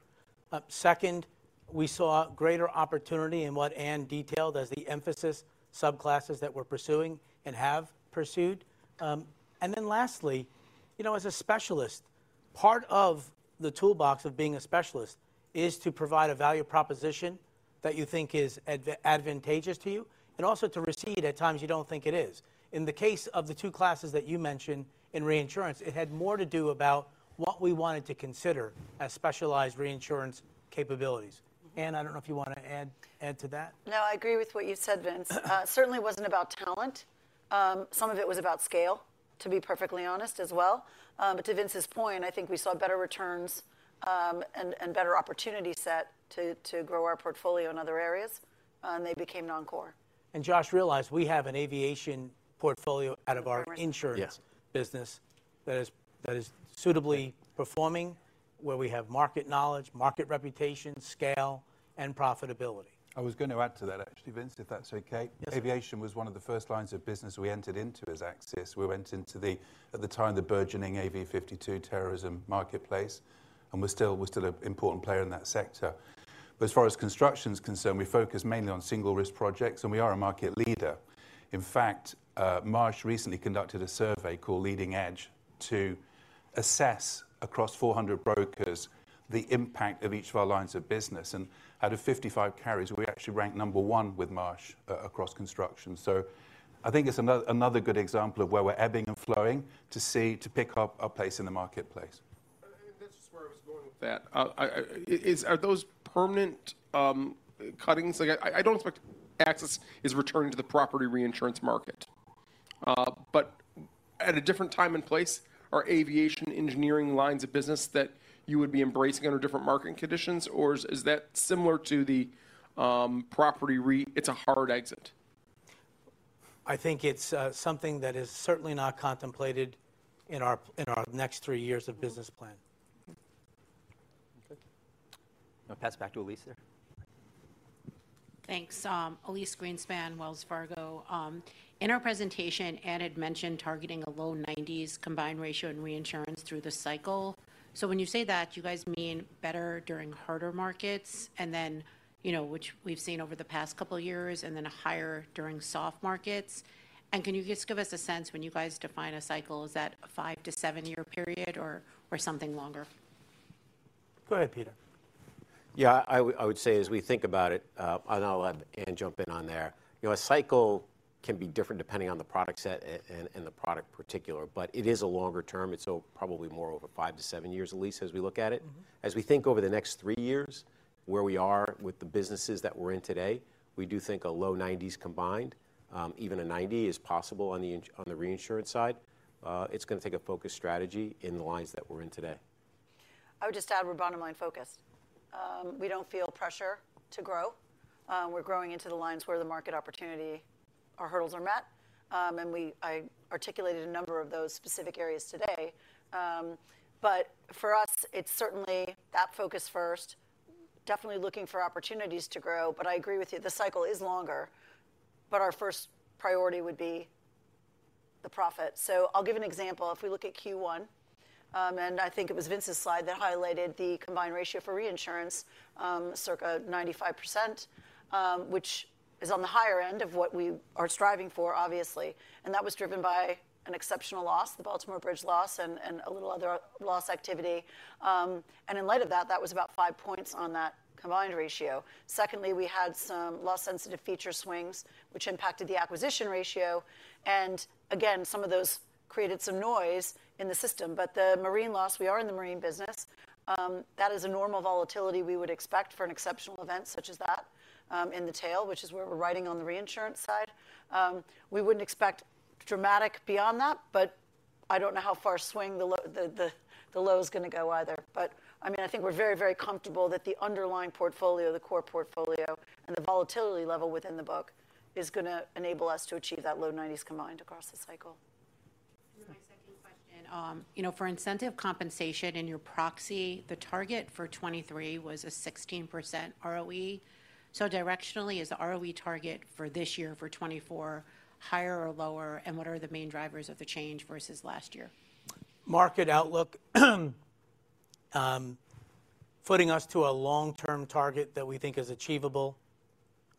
Second, we saw greater opportunity in what Anne detailed as the emphasis subclasses that we're pursuing and have pursued. And then lastly, you know, as a specialist, part of the toolbox of being a specialist is to provide a value proposition that you think is advantageous to you, and also to recede at times you don't think it is. In the case of the two classes that you mentioned in reinsurance, it had more to do about what we wanted to consider as specialized reinsurance capabilities. Anne, I don't know if you want to add to that. No, I agree with what you said, Vince. Certainly wasn't about talent. Some of it was about scale, to be perfectly honest as well. But to Vince's point, I think we saw better returns, and better opportunity set to grow our portfolio in other areas, and they became non-core. Josh, realize we have an aviation portfolio out of our insurance- Yeah Business that is suitably performing, where we have market knowledge, market reputation, scale, and profitability. I was going to add to that, actually, Vince, if that's okay. Yes. Aviation was one of the first lines of business we entered into as AXIS. We went into the, at the time, the burgeoning AVN 52 terrorism marketplace, and we're still- we're still an important player in that sector. But as far as construction is concerned, we focus mainly on single risk projects, and we are a market leader. In fact, Marsh recently conducted a survey called Leading Edge to assess across 400 brokers the impact of each of our lines of business, and out of 55 carriers, we actually ranked number one with Marsh across construction. So I think it's another good example of where we're ebbing and flowing to see, to pick up our place in the marketplace. And that's just where I was going with that. Are those permanent cuttings? Like, I don't expect AXIS is returning to the property reinsurance market. But at a different time and place, are aviation engineering lines of business that you would be embracing under different marketing conditions, or is that similar to the property re... it's a hard exit? I think it's something that is certainly not contemplated in our next three years of business plan. Okay. I'm gonna pass it back to Elise there. Thanks. Elyse Greenspan, Wells Fargo. In our presentation, Ann had mentioned targeting a low 90s combined ratio and reinsurance through the cycle. So when you say that, do you guys mean better during harder markets, and then, you know, which we've seen over the past couple of years, and then higher during soft markets? And can you just give us a sense when you guys define a cycle, is that a 5-7-year period or, or something longer? Go ahead, Peter. Yeah, I would say as we think about it, and I'll let Anne jump in on there. You know, a cycle can be different depending on the product set and the product particular, but it is a longer term, it's so probably more over 5-7 years, Elise, as we look at it. As we think over the next three years, where we are with the businesses that we're in today, we do think a low 90s combined, even a 90 is possible on the reinsurance side. It's gonna take a focused strategy in the lines that we're in today.... I would just add we're bottom line focused. We don't feel pressure to grow. We're growing into the lines where the market opportunity or hurdles are met. And I articulated a number of those specific areas today. But for us, it's certainly that focus first, definitely looking for opportunities to grow. But I agree with you, the cycle is longer, but our first priority would be the profit. So I'll give an example. If we look at Q1, and I think it was Vince's slide that highlighted the combined ratio for reinsurance, circa 95%, which is on the higher end of what we are striving for, obviously, and that was driven by an exceptional loss, the Baltimore Bridge loss, and a little other loss activity. And in light of that, that was about five points on that combined ratio. Secondly, we had some loss-sensitive feature swings, which impacted the acquisition ratio. Again, some of those created some noise in the system. But the marine loss, we are in the marine business, that is a normal volatility we would expect for an exceptional event such as that, in the tail, which is where we're riding on the reinsurance side. We wouldn't expect dramatic beyond that, but I don't know how far swing the low is gonna go either. But I mean, I think we're very, very comfortable that the underlying portfolio, the core portfolio, and the volatility level within the book is gonna enable us to achieve that low 90s combined across the cycle. My second question, you know, for incentive compensation in your proxy, the target for 2023 was a 16% ROE. So directionally, is the ROE target for this year, for 2024, higher or lower, and what are the main drivers of the change versus last year? Market outlook, footing us to a long-term target that we think is achievable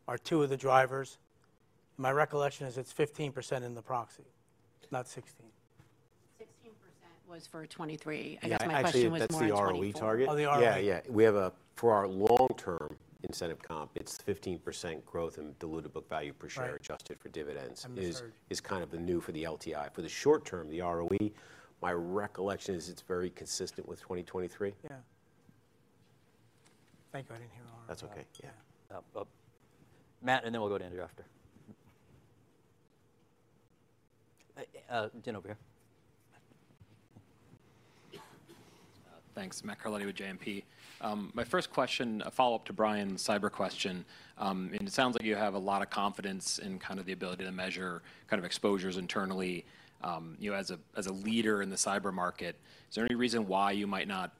are two of the drivers. My recollection is it's 15% in the proxy, not 16. 16% was for 2023. Yeah, actually- I guess my question was more on 2024. that's the ROE target. Oh, the ROE. Yeah, yeah. We have for our long-term incentive comp, it's 15% growth in diluted book value per share- Right Adjusted for dividends- Understood Is kind of the new for the LTI. For the short term, the ROE, my recollection is it's very consistent with 2023. Yeah. Thank you. I didn't hear all of that. That's okay. Yeah. But Matt, and then we'll go to Andrew after. Dan, over here. Thanks. Matt Carletti with JMP. My first question, a follow-up to Brian's cyber question. And it sounds like you have a lot of confidence in kind of the ability to measure kind of exposures internally. You know, as a leader in the cyber market, is there any reason why you might not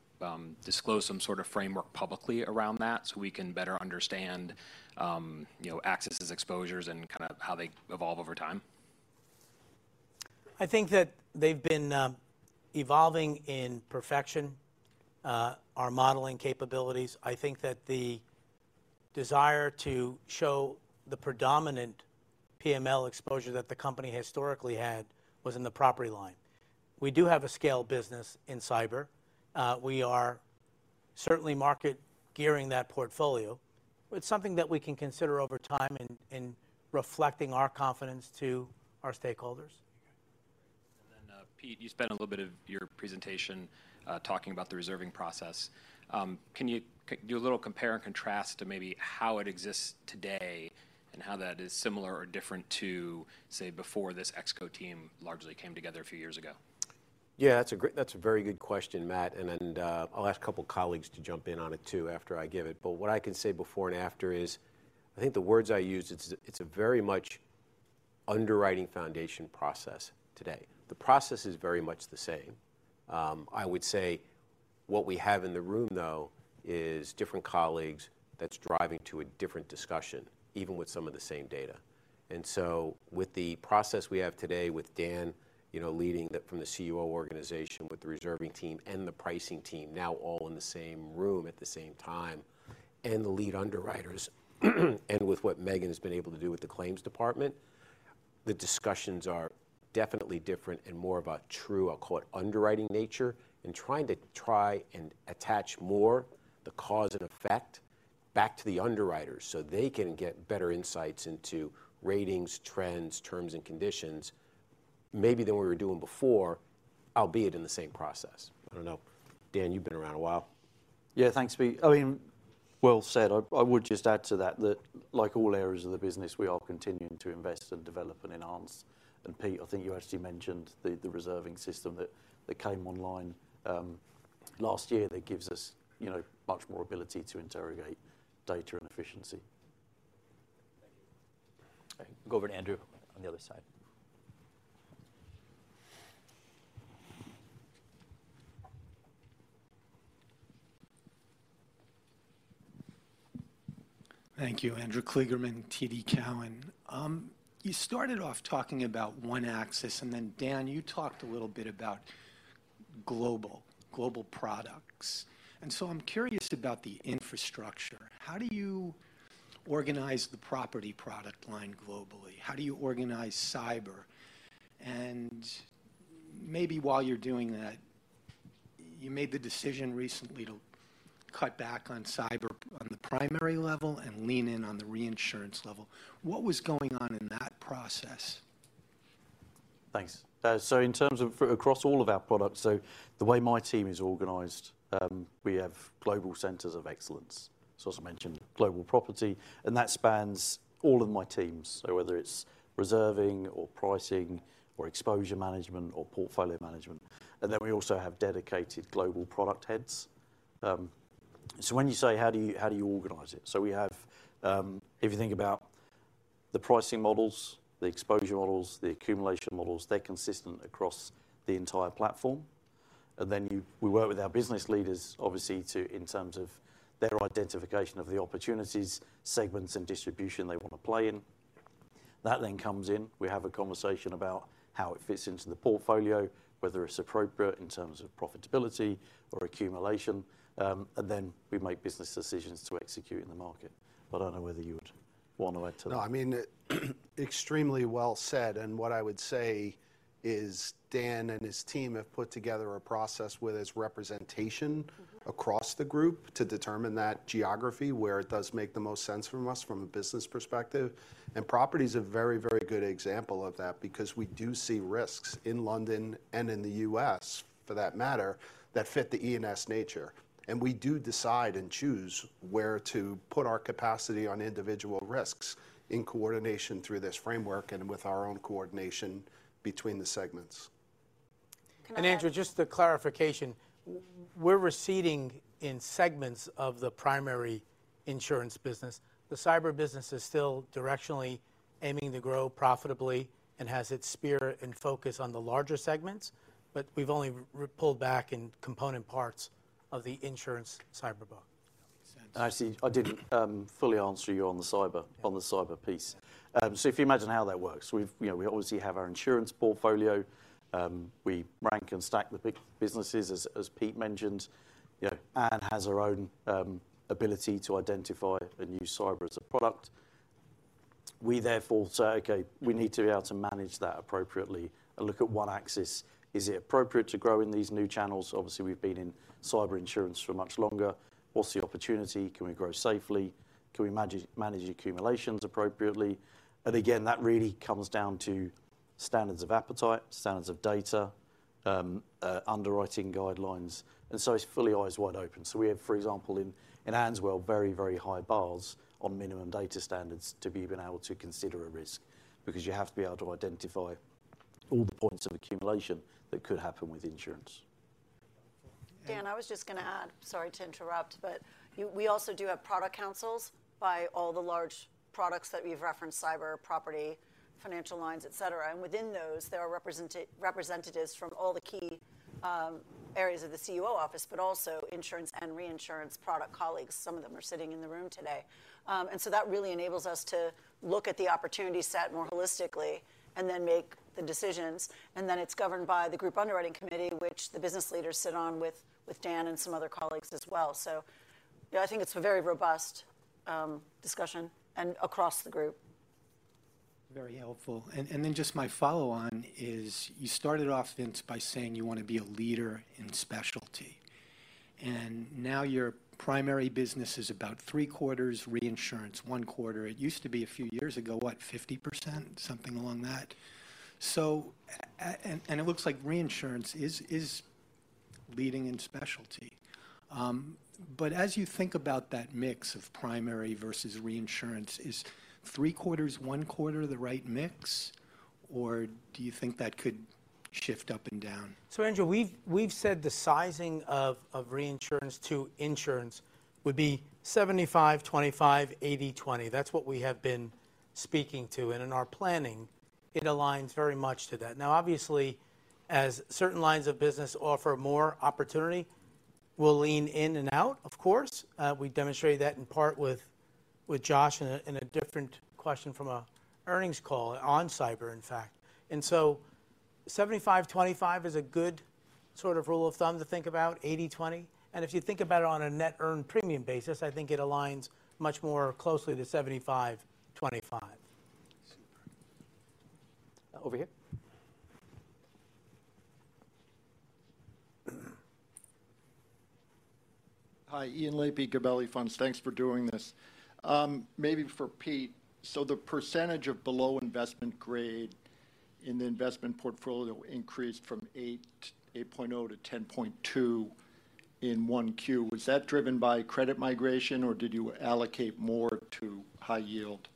disclose some sort of framework publicly around that so we can better understand, you know, AXIS' exposures and kinda how they evolve over time? I think that they've been evolving in perfection our modeling capabilities. I think that the desire to show the predominant PML exposure that the company historically had was in the property line. We do have a scale business in cyber. We are certainly market gearing that portfolio. It's something that we can consider over time in reflecting our confidence to our stakeholders. Then, Pete, you spent a little bit of your presentation, talking about the reserving process. Can you do a little compare and contrast to maybe how it exists today and how that is similar or different to, say, before this ExCo team largely came together a few years ago? Yeah, that's a great, that's a very good question, Matt, and then I'll ask a couple colleagues to jump in on it, too, after I give it. But what I can say before and after is, I think the words I used, it's, it's a very much underwriting foundation process today. The process is very much the same. I would say what we have in the room, though, is different colleagues that's driving to a different discussion, even with some of the same data. And so with the process we have today with Dan, you know, leading the, from the CUO organization, with the reserving team and the pricing team now all in the same room at the same time, and the lead underwriters, and with what Megan has been able to do with the claims department, the discussions are definitely different and more of a true, I'll call it, underwriting nature, and trying to and attach more the cause and effect back to the underwriters so they can get better insights into ratings, trends, terms, and conditions, maybe than we were doing before, albeit in the same process. I don't know. Dan, you've been around a while. Yeah, thanks, Pete. I mean, well said. I would just add to that, that like all areas of the business, we are continuing to invest and develop and enhance. And Pete, I think you actually mentioned the reserving system that came online last year, that gives us, you know, much more ability to interrogate data and efficiency. Thank you. Go over to Andrew on the other side. Thank you. Andrew Kligerman, TD Cowen. You started off talking about one AXIS, and then, Dan, you talked a little bit about global, global products. And so I'm curious about the infrastructure. How do you organize the property product line globally? How do you organize cyber? And maybe while you're doing that, you made the decision recently to cut back on cyber on the primary level and lean in on the reinsurance level. What was going on in that process? Thanks. So in terms of across all of our products, so the way my team is organized, we have global centers of excellence. So as I mentioned, global property, and that spans all of my teams, so whether it's reserving or pricing or exposure management or portfolio management. And then we also have dedicated global product heads. So when you say how do you, how do you organize it? So we have, if you think about the pricing models, the exposure models, the accumulation models, they're consistent across the entire platform. And then we work with our business leaders, obviously, to, in terms of their identification of the opportunities, segments, and distribution they want to play in. That then comes in, we have a conversation about how it fits into the portfolio, whether it's appropriate in terms of profitability or accumulation, and then we make business decisions to execute in the market. I don't know whether you would want to add to that. No, I mean, extremely well said, and what I would say is Dan and his team have put together a process with his representation- across the group to determine that geography where it does make the most sense from us from a business perspective. And property is a very, very good example of that, because we do see risks in London and in the U.S., for that matter, that fit the E&S nature. And we do decide and choose where to put our capacity on individual risks in coordination through this framework and with our own coordination between the segments. Can I- Andrew, just a clarification. We're receding in segments of the primary insurance business. The cyber business is still directionally aiming to grow profitably and has its spear and focus on the larger segments, but we've only pulled back in component parts of the insurance cyber book. Actually, I didn't fully answer you on the cyber, on the cyber piece. So if you imagine how that works, we've, you know, we obviously have our insurance portfolio. We rank and stack the big businesses, as Pete mentioned. You know, Anne has her own ability to identify and use cyber as a product. We therefore say, "Okay, we need to be able to manage that appropriately," and look at AXIS. Is it appropriate to grow in these new channels? Obviously, we've been in cyber insurance for much longer. What's the opportunity? Can we grow safely? Can we manage accumulations appropriately? And again, that really comes down to standards of appetite, standards of data, underwriting guidelines, and so it's fully eyes wide open. So we have, for example, in AXIS as well, very, very high bars on minimum data standards to be even able to consider a risk, because you have to be able to identify all the points of accumulation that could happen with insurance. Dan, I was just going to add, sorry to interrupt, but we also do have product councils by all the large products that we've referenced, cyber, property, financial lines, et cetera. And within those, there are representatives from all the key areas of the CEO office, but also insurance and reinsurance product colleagues. Some of them are sitting in the room today. And so that really enables us to look at the opportunity set more holistically and then make the decisions. And then it's governed by the group underwriting committee, which the business leaders sit on with Dan and some other colleagues as well. So yeah, I think it's a very robust discussion and across the group. Very helpful. And then just my follow on is, you started off, Vince, by saying you want to be a leader in specialty, and now your primary business is about three quarters reinsurance, one quarter. It used to be a few years ago, what, 50%? Something along that. So, and it looks like reinsurance is leading in specialty. But as you think about that mix of primary versus reinsurance, is three quarters, one quarter the right mix, or do you think that could shift up and down? So Andrew, we've said the sizing of reinsurance to insurance would be 75-25, 80-20. That's what we have been speaking to, and in our planning, it aligns very much to that. Now, obviously, as certain lines of business offer more opportunity, we'll lean in and out, of course. We demonstrated that in part with Josh in a different question from an earnings call on cyber, in fact. And so 75-25 is a good sort of rule of thumb to think about, 80-20. And if you think about it on a net earned premium basis, I think it aligns much more closely to 75-25. Super. Over here. Hi, Ian Lapey, Gabelli Funds. Thanks for doing this. Maybe for Pete, so the percentage of below investment grade in the investment portfolio increased from 8.0% to 10.2% in 1Q. Was that driven by credit migration, or did you allocate more to high yield?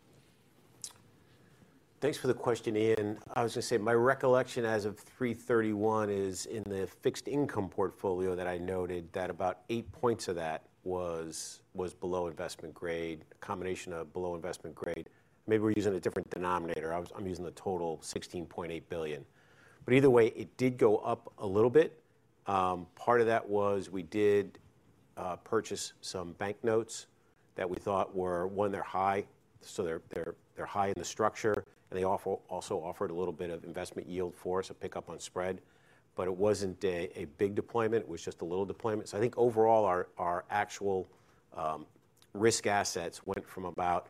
Thanks for the question, Ian. I was going to say, my recollection as of 3/31 is in the fixed income portfolio that I noted that about 8 points of that was below investment grade, a combination of below investment grade. Maybe we're using a different denominator. I was. I'm using the total $16.8 billion. But either way, it did go up a little bit. Part of that was we did purchase some banknotes that we thought were. One, they're high, so they're high in the structure, and they also offered a little bit of investment yield for us, a pickup on spread. But it wasn't a big deployment, it was just a little deployment. So I think overall, our actual risk assets went from about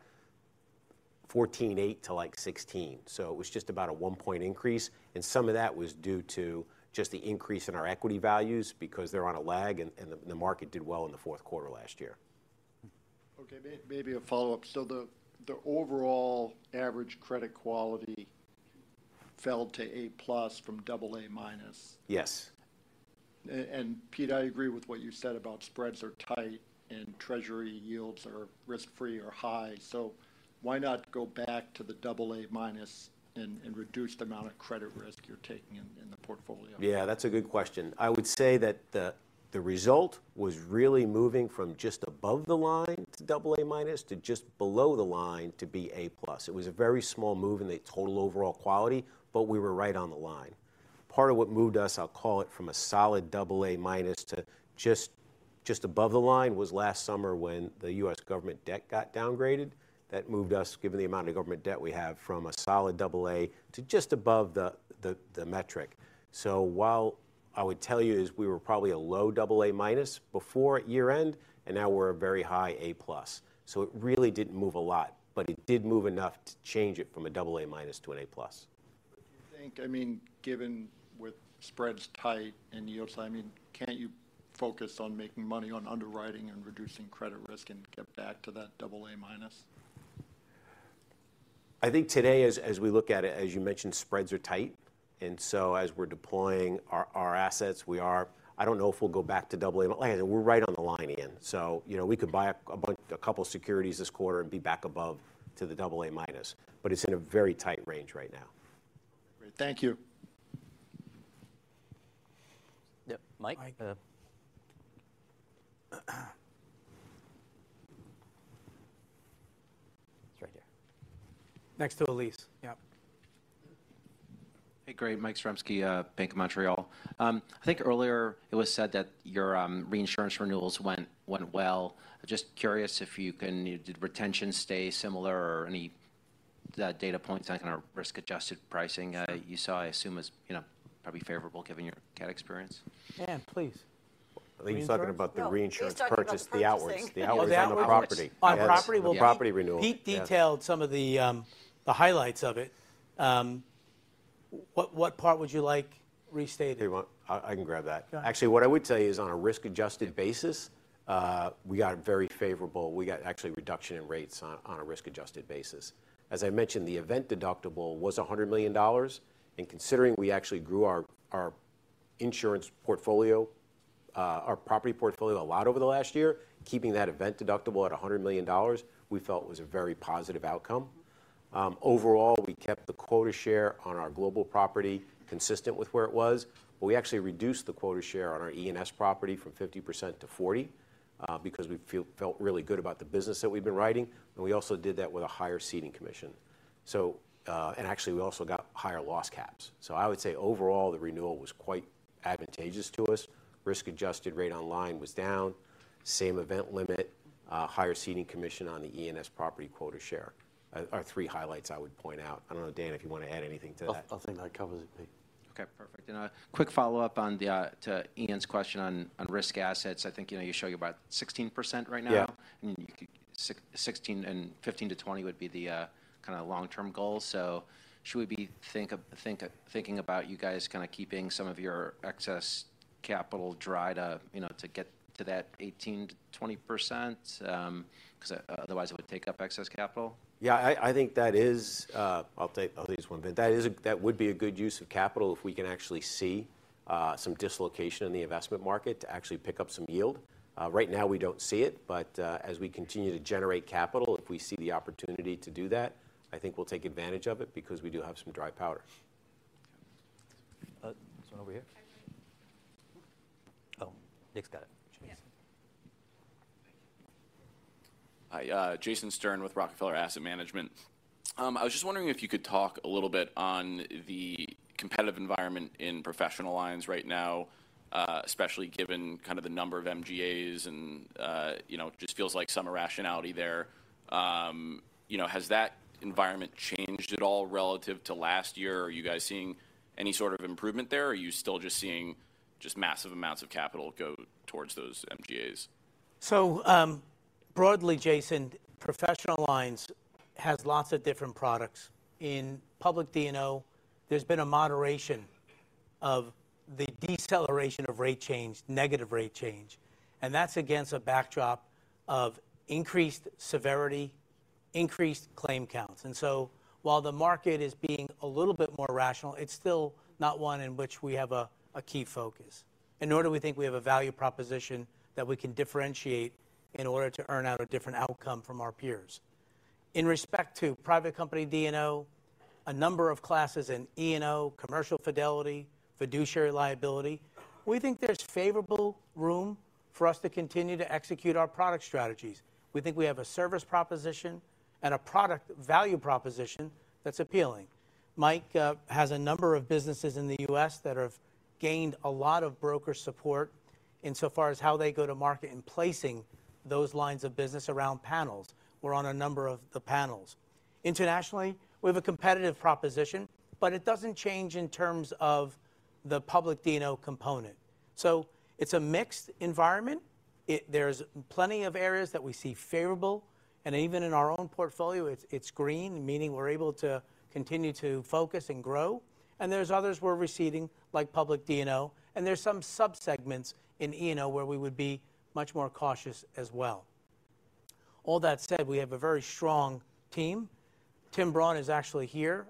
$14.8 to like 16. So it was just about a one-point increase, and some of that was due to just the increase in our equity values because they're on a lag, and the market did well in the fourth quarter last year. Okay, maybe a follow-up. So the overall average credit quality fell to A plus from double A minus? Yes. And Pete, I agree with what you said about spreads are tight and Treasury yields are risk-free or high. So why not go back to the double A minus and reduce the amount of credit risk you're taking in the portfolio? Yeah, that's a good question. I would say that the result was really moving from just above the line to double A minus, to just below the line to be A plus. It was a very small move in the total overall quality, but we were right on the line. Part of what moved us, I'll call it, from a solid double A minus to just above the line, was last summer when the U.S. government debt got downgraded. That moved us, given the amount of government debt we have, from a solid double A to just above the metric. So while I would tell you is we were probably a low double A minus before at year-end, and now we're a very high A plus. So it really didn't move a lot, but it did move enough to change it from a double A minus to an A plus. Do you think, I mean, given with spreads tight and yields, I mean, can't you focus on making money on underwriting and reducing credit risk and get back to that double A minus? I think today, as we look at it, as you mentioned, spreads are tight, and so as we're deploying our assets, we are... I don't know if we'll go back to double A. Like I said, we're right on the line, Ian. So, you know, we could buy a couple securities this quarter and be back above to the double A minus, but it's in a very tight range right now. Great. Thank you. Yep. Mike? Mike, It's right here. Next to Elise. Yep. Hey, great. Mike Zaremski, Bank of Montreal. I think earlier it was said that your reinsurance renewals went well. Just curious did retention stay similar or any data points on kind of risk-adjusted pricing you saw, I assume is, you know, probably favorable given your cat experience? Dan, please. I think he's talking about the reinsurance purchase- No, he's talking about the purchasing. The outwards on the property. On property? The property renewal. Pete detailed some of the highlights of it. What part would you like restated? If you want, I can grab that. Go ahead. Actually, what I would say is, on a risk-adjusted basis, we got actually a reduction in rates on a risk-adjusted basis. As I mentioned, the event deductible was $100 million, and considering we actually grew our insurance portfolio, our property portfolio a lot over the last year, keeping that event deductible at $100 million, we felt was a very positive outcome. Overall, we kept the quota share on our global property consistent with where it was. We actually reduced the quota share on our E&S property from 50% to 40%, because we felt really good about the business that we've been writing, and we also did that with a higher ceding commission. So, and actually, we also got higher loss caps. So I would say overall, the renewal was quite advantageous to us. Risk-adjusted rate on line was down, same event limit, higher ceding commission on the E&S property quota share, are three highlights I would point out. I don't know, Dan, if you want to add anything to that. I think that covers it, Pete. Okay, perfect. A quick follow-up on the to Ian's question on on risk assets. I think, you know, you show you're about 16% right now? Yeah. I mean, you could see 16 and 15%-20% would be the kinda long-term goal. So should we be thinking about you guys kinda keeping some of your excess capital dry to, you know, to get to that 18%-20%? 'Cause otherwise it would take up excess capital. Yeah, I think that is. I'll take this one. But that would be a good use of capital if we can actually see some dislocation in the investment market to actually pick up some yield. Right now we don't see it, but as we continue to generate capital, if we see the opportunity to do that, I think we'll take advantage of it because we do have some dry powder. There's one over here. Oh, Nick's got it. Yeah. Thank you. Hi, Jason Stern with Rockefeller Asset Management. I was just wondering if you could talk a little bit on the competitive environment in professional lines right now, especially given kind of the number of MGAs and, you know, it just feels like some irrationality there. You know, has that environment changed at all relative to last year? Are you guys seeing any sort of improvement there, or are you still just seeing just massive amounts of capital go towards those MGAs? So, broadly, Jason, professional lines has lots of different products. In public D&O, there's been a moderation of the deceleration of rate change, negative rate change, and that's against a backdrop of increased severity, increased claim counts. So while the market is being a little bit more rational, it's still not one in which we have a key focus, and nor do we think we have a value proposition that we can differentiate in order to earn out a different outcome from our peers. In respect to private company D&O, a number of classes in E&O, commercial fidelity, fiduciary liability, we think there's favorable room for us to continue to execute our product strategies. We think we have a service proposition and a product value proposition that's appealing. Mike has a number of businesses in the U.S. that have gained a lot of broker support in so far as how they go to market in placing those lines of business around panels. We're on a number of the panels. Internationally, we have a competitive proposition, but it doesn't change in terms of the public D&O component. So it's a mixed environment. There's plenty of areas that we see favorable, and even in our own portfolio, it's green, meaning we're able to continue to focus and grow, and there's others we're receding, like public D&O, and there's some subsegments in E&O where we would be much more cautious as well. All that said, we have a very strong team. Tim Braun is actually here.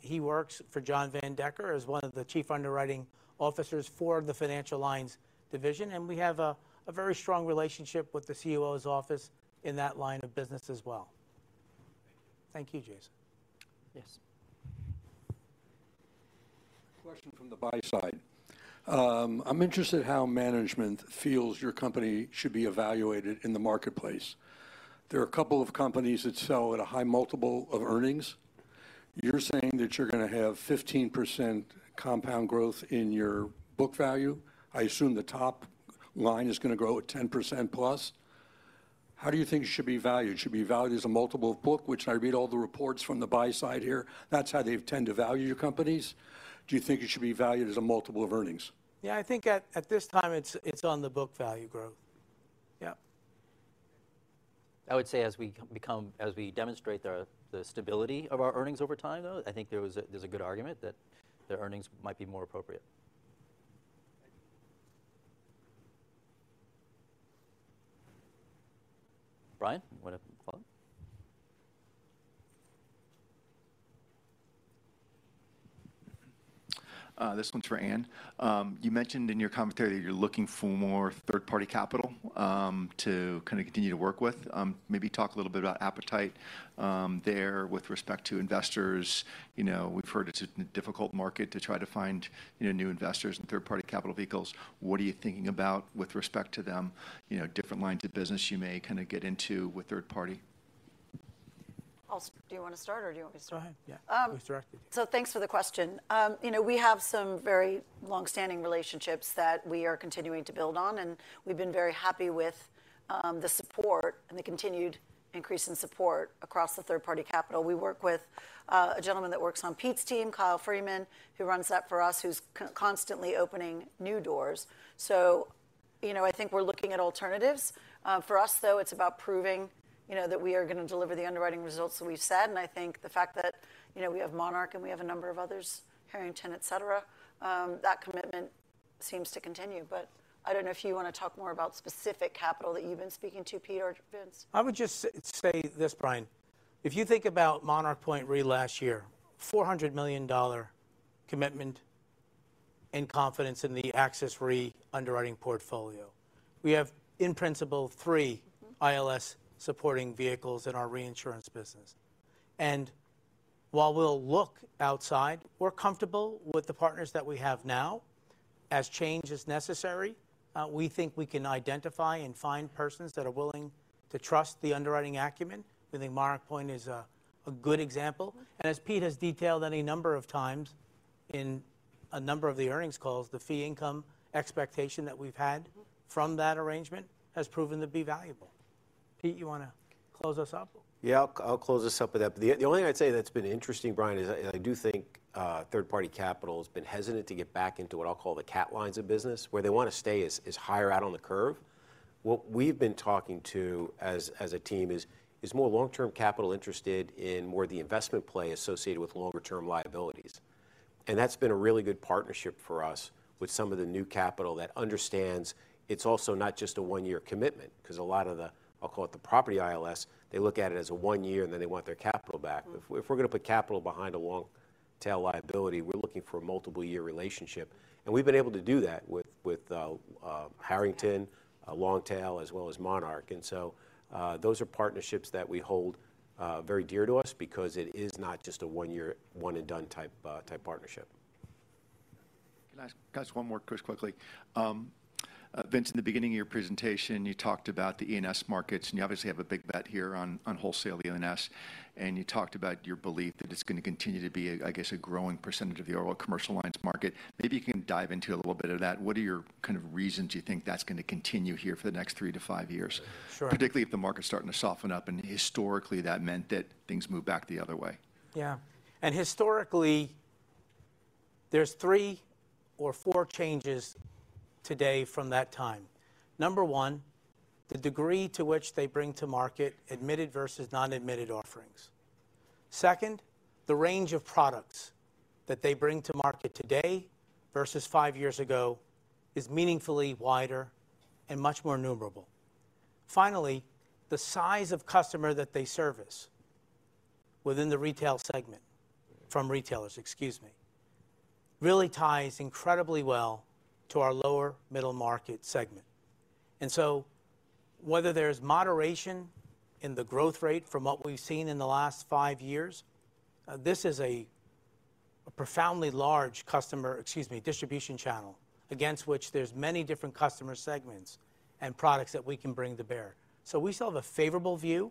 He works for John Van Decker as one of the chief underwriting officers for the Financial Lines division, and we have a very strong relationship with the CUO's office in that line of business as well. Thank you, Jason. Yes. Question from the buy side. I'm interested how management feels your company should be evaluated in the marketplace. There are a couple of companies that sell at a high multiple of earnings. You're saying that you're gonna have 15% compound growth in your book value. I assume the top line is gonna grow at 10% plus. How do you think it should be valued? It should be valued as a multiple of book, which I read all the reports from the buy side here, that's how they tend to value your companies. Do you think it should be valued as a multiple of earnings? Yeah, I think at this time, it's on the book value growth. Yep. I would say as we demonstrate the stability of our earnings over time, though, I think there's a good argument that the earnings might be more appropriate. Thank you. Brian, you want to follow? This one's for Anne. You mentioned in your commentary that you're looking for more third-party capital to kinda continue to work with. Maybe talk a little bit about appetite there with respect to investors. You know, we've heard it's a difficult market to try to find, you know, new investors and third-party capital vehicles. What are you thinking about with respect to them? You know, different lines of business you may kinda get into with third party? Do you wanna start, or do you want me to start? Go ahead. Yeah. We direct it. So thanks for the question. You know, we have some very long-standing relationships that we are continuing to build on, and we've been very happy with the support and the continued increase in support across the third-party capital. We work with a gentleman that works on Pete's team, Kyle Freeman, who runs that for us, who's constantly opening new doors. So, you know, I think we're looking at alternatives. For us, though, it's about proving, you know, that we are gonna deliver the underwriting results that we've said, and I think the fact that, you know, we have Monarch and we have a number of others, Harrington, et cetera, that commitment seems to continue. But I don't know if you want to talk more about specific capital that you've been speaking to, Pete or Vince? I would just say this, Brian. If you think about Monarch Point Re last year, $400 million commitment and confidence in the AXIS Re underwriting portfolio. We have, in principle, thr... ILS supporting vehicles in our reinsurance business. And while we'll look outside, we're comfortable with the partners that we have now. As change is necessary, we think we can identify and find persons that are willing to trust the underwriting acumen. We think Monarch Point is a good example. As Pete has detailed any number of times in a number of the earnings calls, the fee income expectation that we've had- From that arrangement has proven to be valuable. Pete, you wanna close us up? Yeah, I'll close us up with that. But the only thing I'd say that's been interesting, Brian, is I do think third-party capital has been hesitant to get back into what I'll call the cat lines of business, where they want to stay is higher out on the curve. What we've been talking to as a team is more long-term capital interested in more the investment play associated with longer term liabilities. And that's been a really good partnership for us with some of the new capital that understands it's also not just a one-year commitment, 'cause a lot of the, I'll call it the property ILS, they look at it as a one year, and then they want their capital back. If we're gonna put capital behind a long tail liability, we're looking for a multiple year relationship, and we've been able to do that with Harrington, long tail, as well as Monarch. And so, those are partnerships that we hold very dear to us because it is not just a one year, one and done type partnership. Can I ask you guys one more question quickly? Vince, in the beginning of your presentation, you talked about the E&S markets, and you obviously have a big bet here on, on wholesale E&S. And you talked about your belief that it's gonna continue to be a, I guess, a growing percentage of your commercial lines market. Maybe you can dive into a little bit of that. What are your kind of reasons you think that's gonna continue here for the next 3-5 years? Sure. Particularly if the market's starting to soften up, and historically, that meant that things move back the other way. Yeah. And historically, there's 3 or 4 changes today from that time. Number one, the degree to which they bring to market admitted versus non-admitted offerings. Second, the range of products that they bring to market today versus 5 years ago is meaningfully wider and much more numerous. Finally, the size of customer that they service within the retail segment, from retailers, excuse me, really ties incredibly well to our lower middle market segment. And so whether there's moderation in the growth rate from what we've seen in the last 5 years, this is a profoundly large customer, excuse me, distribution channel, against which there's many different customer segments and products that we can bring to bear. So we still have a favorable view.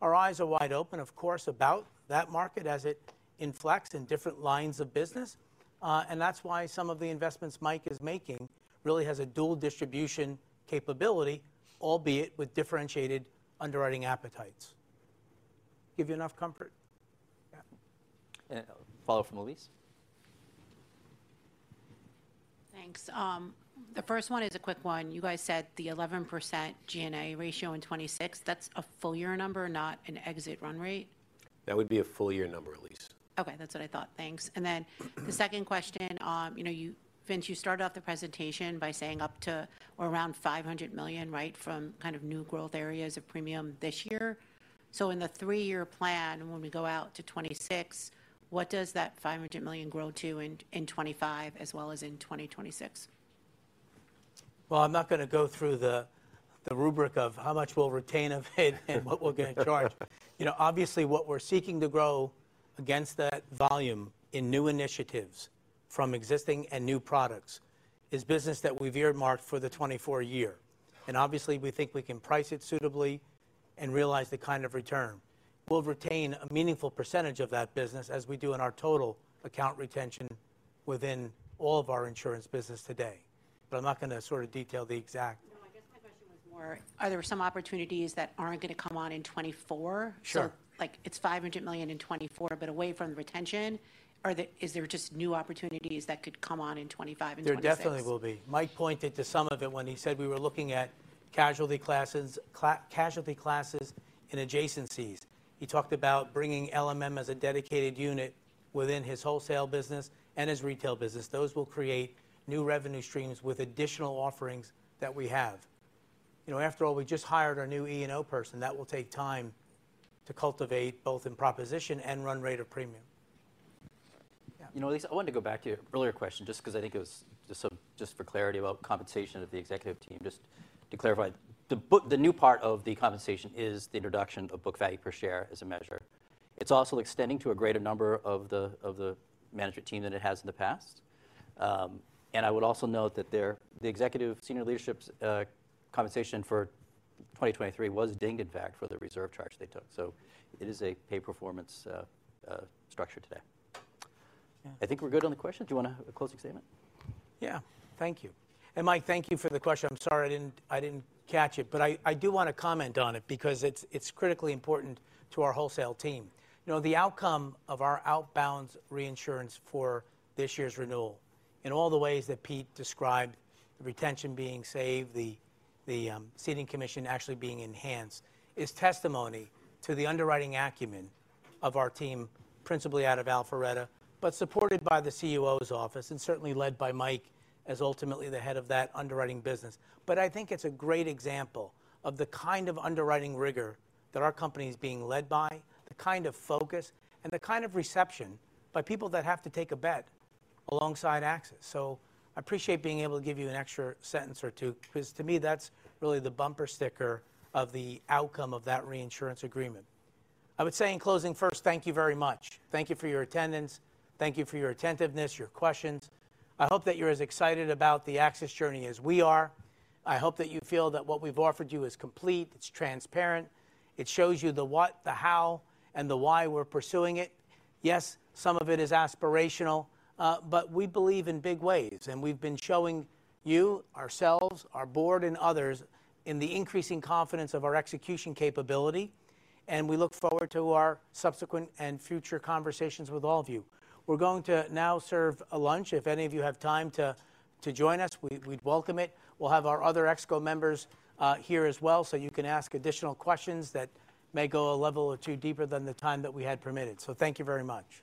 Our eyes are wide open, of course, about that market as it inflects in different lines of business. And that's why some of the investments Mike is making really has a dual distribution capability, albeit with differentiated underwriting appetites. Give you enough comfort? Yeah. Follow from Elise. Thanks. The first one is a quick one. You guys said the 11% G&A ratio in 2026, that's a full year number, not an exit run rate?... That would be a full year number, Elise. Okay, that's what I thought. Thanks. And then the second question, you know, you, Vince, you started off the presentation by saying up to or around $500 million, right? From kind of new growth areas of premium this year. So in the three-year plan, when we go out to 2026, what does that $500 million grow to in 2025 as well as in 2026? Well, I'm not gonna go through the rubric of how much we'll retain of it and what we're gonna charge. You know, obviously, what we're seeking to grow against that volume in new initiatives from existing and new products is business that we've earmarked for the 2024 year. And obviously, we think we can price it suitably and realize the kind of return. We'll retain a meaningful percentage of that business, as we do in our total account retention within all of our insurance business today. But I'm not gonna sort of detail the exact- No, I guess my question was more, are there some opportunities that aren't gonna come on in 2024? Sure. So, like, it's $500 million in 2024, but away from the retention, is there just new opportunities that could come on in 2025 and 2026? There definitely will be. Mike pointed to some of it when he said we were looking at casualty classes, casualty classes and adjacencies. He talked about bringing LMM as a dedicated unit within his wholesale business and his retail business. Those will create new revenue streams with additional offerings that we have. You know, after all, we just hired our new E&O person. That will take time to cultivate, both in proposition and run rate of premium. Yeah. You know, Elise, I wanted to go back to your earlier question, just 'cause I think it was just for clarity about compensation of the executive team. Just to clarify, the new part of the compensation is the introduction of book value per share as a measure. It's also extending to a greater number of the management team than it has in the past. And I would also note that their, the executive senior leadership's compensation for 2023 was dinged, in fact, for the reserve charge they took, so it is a pay-performance structure today. Yeah. I think we're good on the questions. Do you want to have a closing statement? Yeah. Thank you. And Mike, thank you for the question. I'm sorry I didn't, I didn't catch it, but I, I do want to comment on it because it's, it's critically important to our wholesale team. You know, the outcome of our outbound reinsurance for this year's renewal, in all the ways that Pete described, the retention being saved, the, the, ceding commission actually being enhanced, is testimony to the underwriting acumen of our team, principally out of Alpharetta, but supported by the CEO's office, and certainly led by Mike as ultimately the head of that underwriting business. But I think it's a great example of the kind of underwriting rigor that our company is being led by, the kind of focus, and the kind of reception by people that have to take a bet alongside AXIS. So I appreciate being able to give you an extra sentence or two, 'cause to me, that's really the bumper sticker of the outcome of that reinsurance agreement. I would say in closing first, thank you very much. Thank you for your attendance, thank you for your attentiveness, your questions. I hope that you're as excited about the AXIS journey as we are. I hope that you feel that what we've offered you is complete, it's transparent, it shows you the what, the how, and the why we're pursuing it. Yes, some of it is aspirational, but we believe in big ways, and we've been showing you, ourselves, our board, and others in the increasing confidence of our execution capability, and we look forward to our subsequent and future conversations with all of you. We're going to now serve a lunch, if any of you have time to join us, we'd welcome it. We'll have our other ExCo members here as well, so you can ask additional questions that may go a level or two deeper than the time that we had permitted. So thank you very much.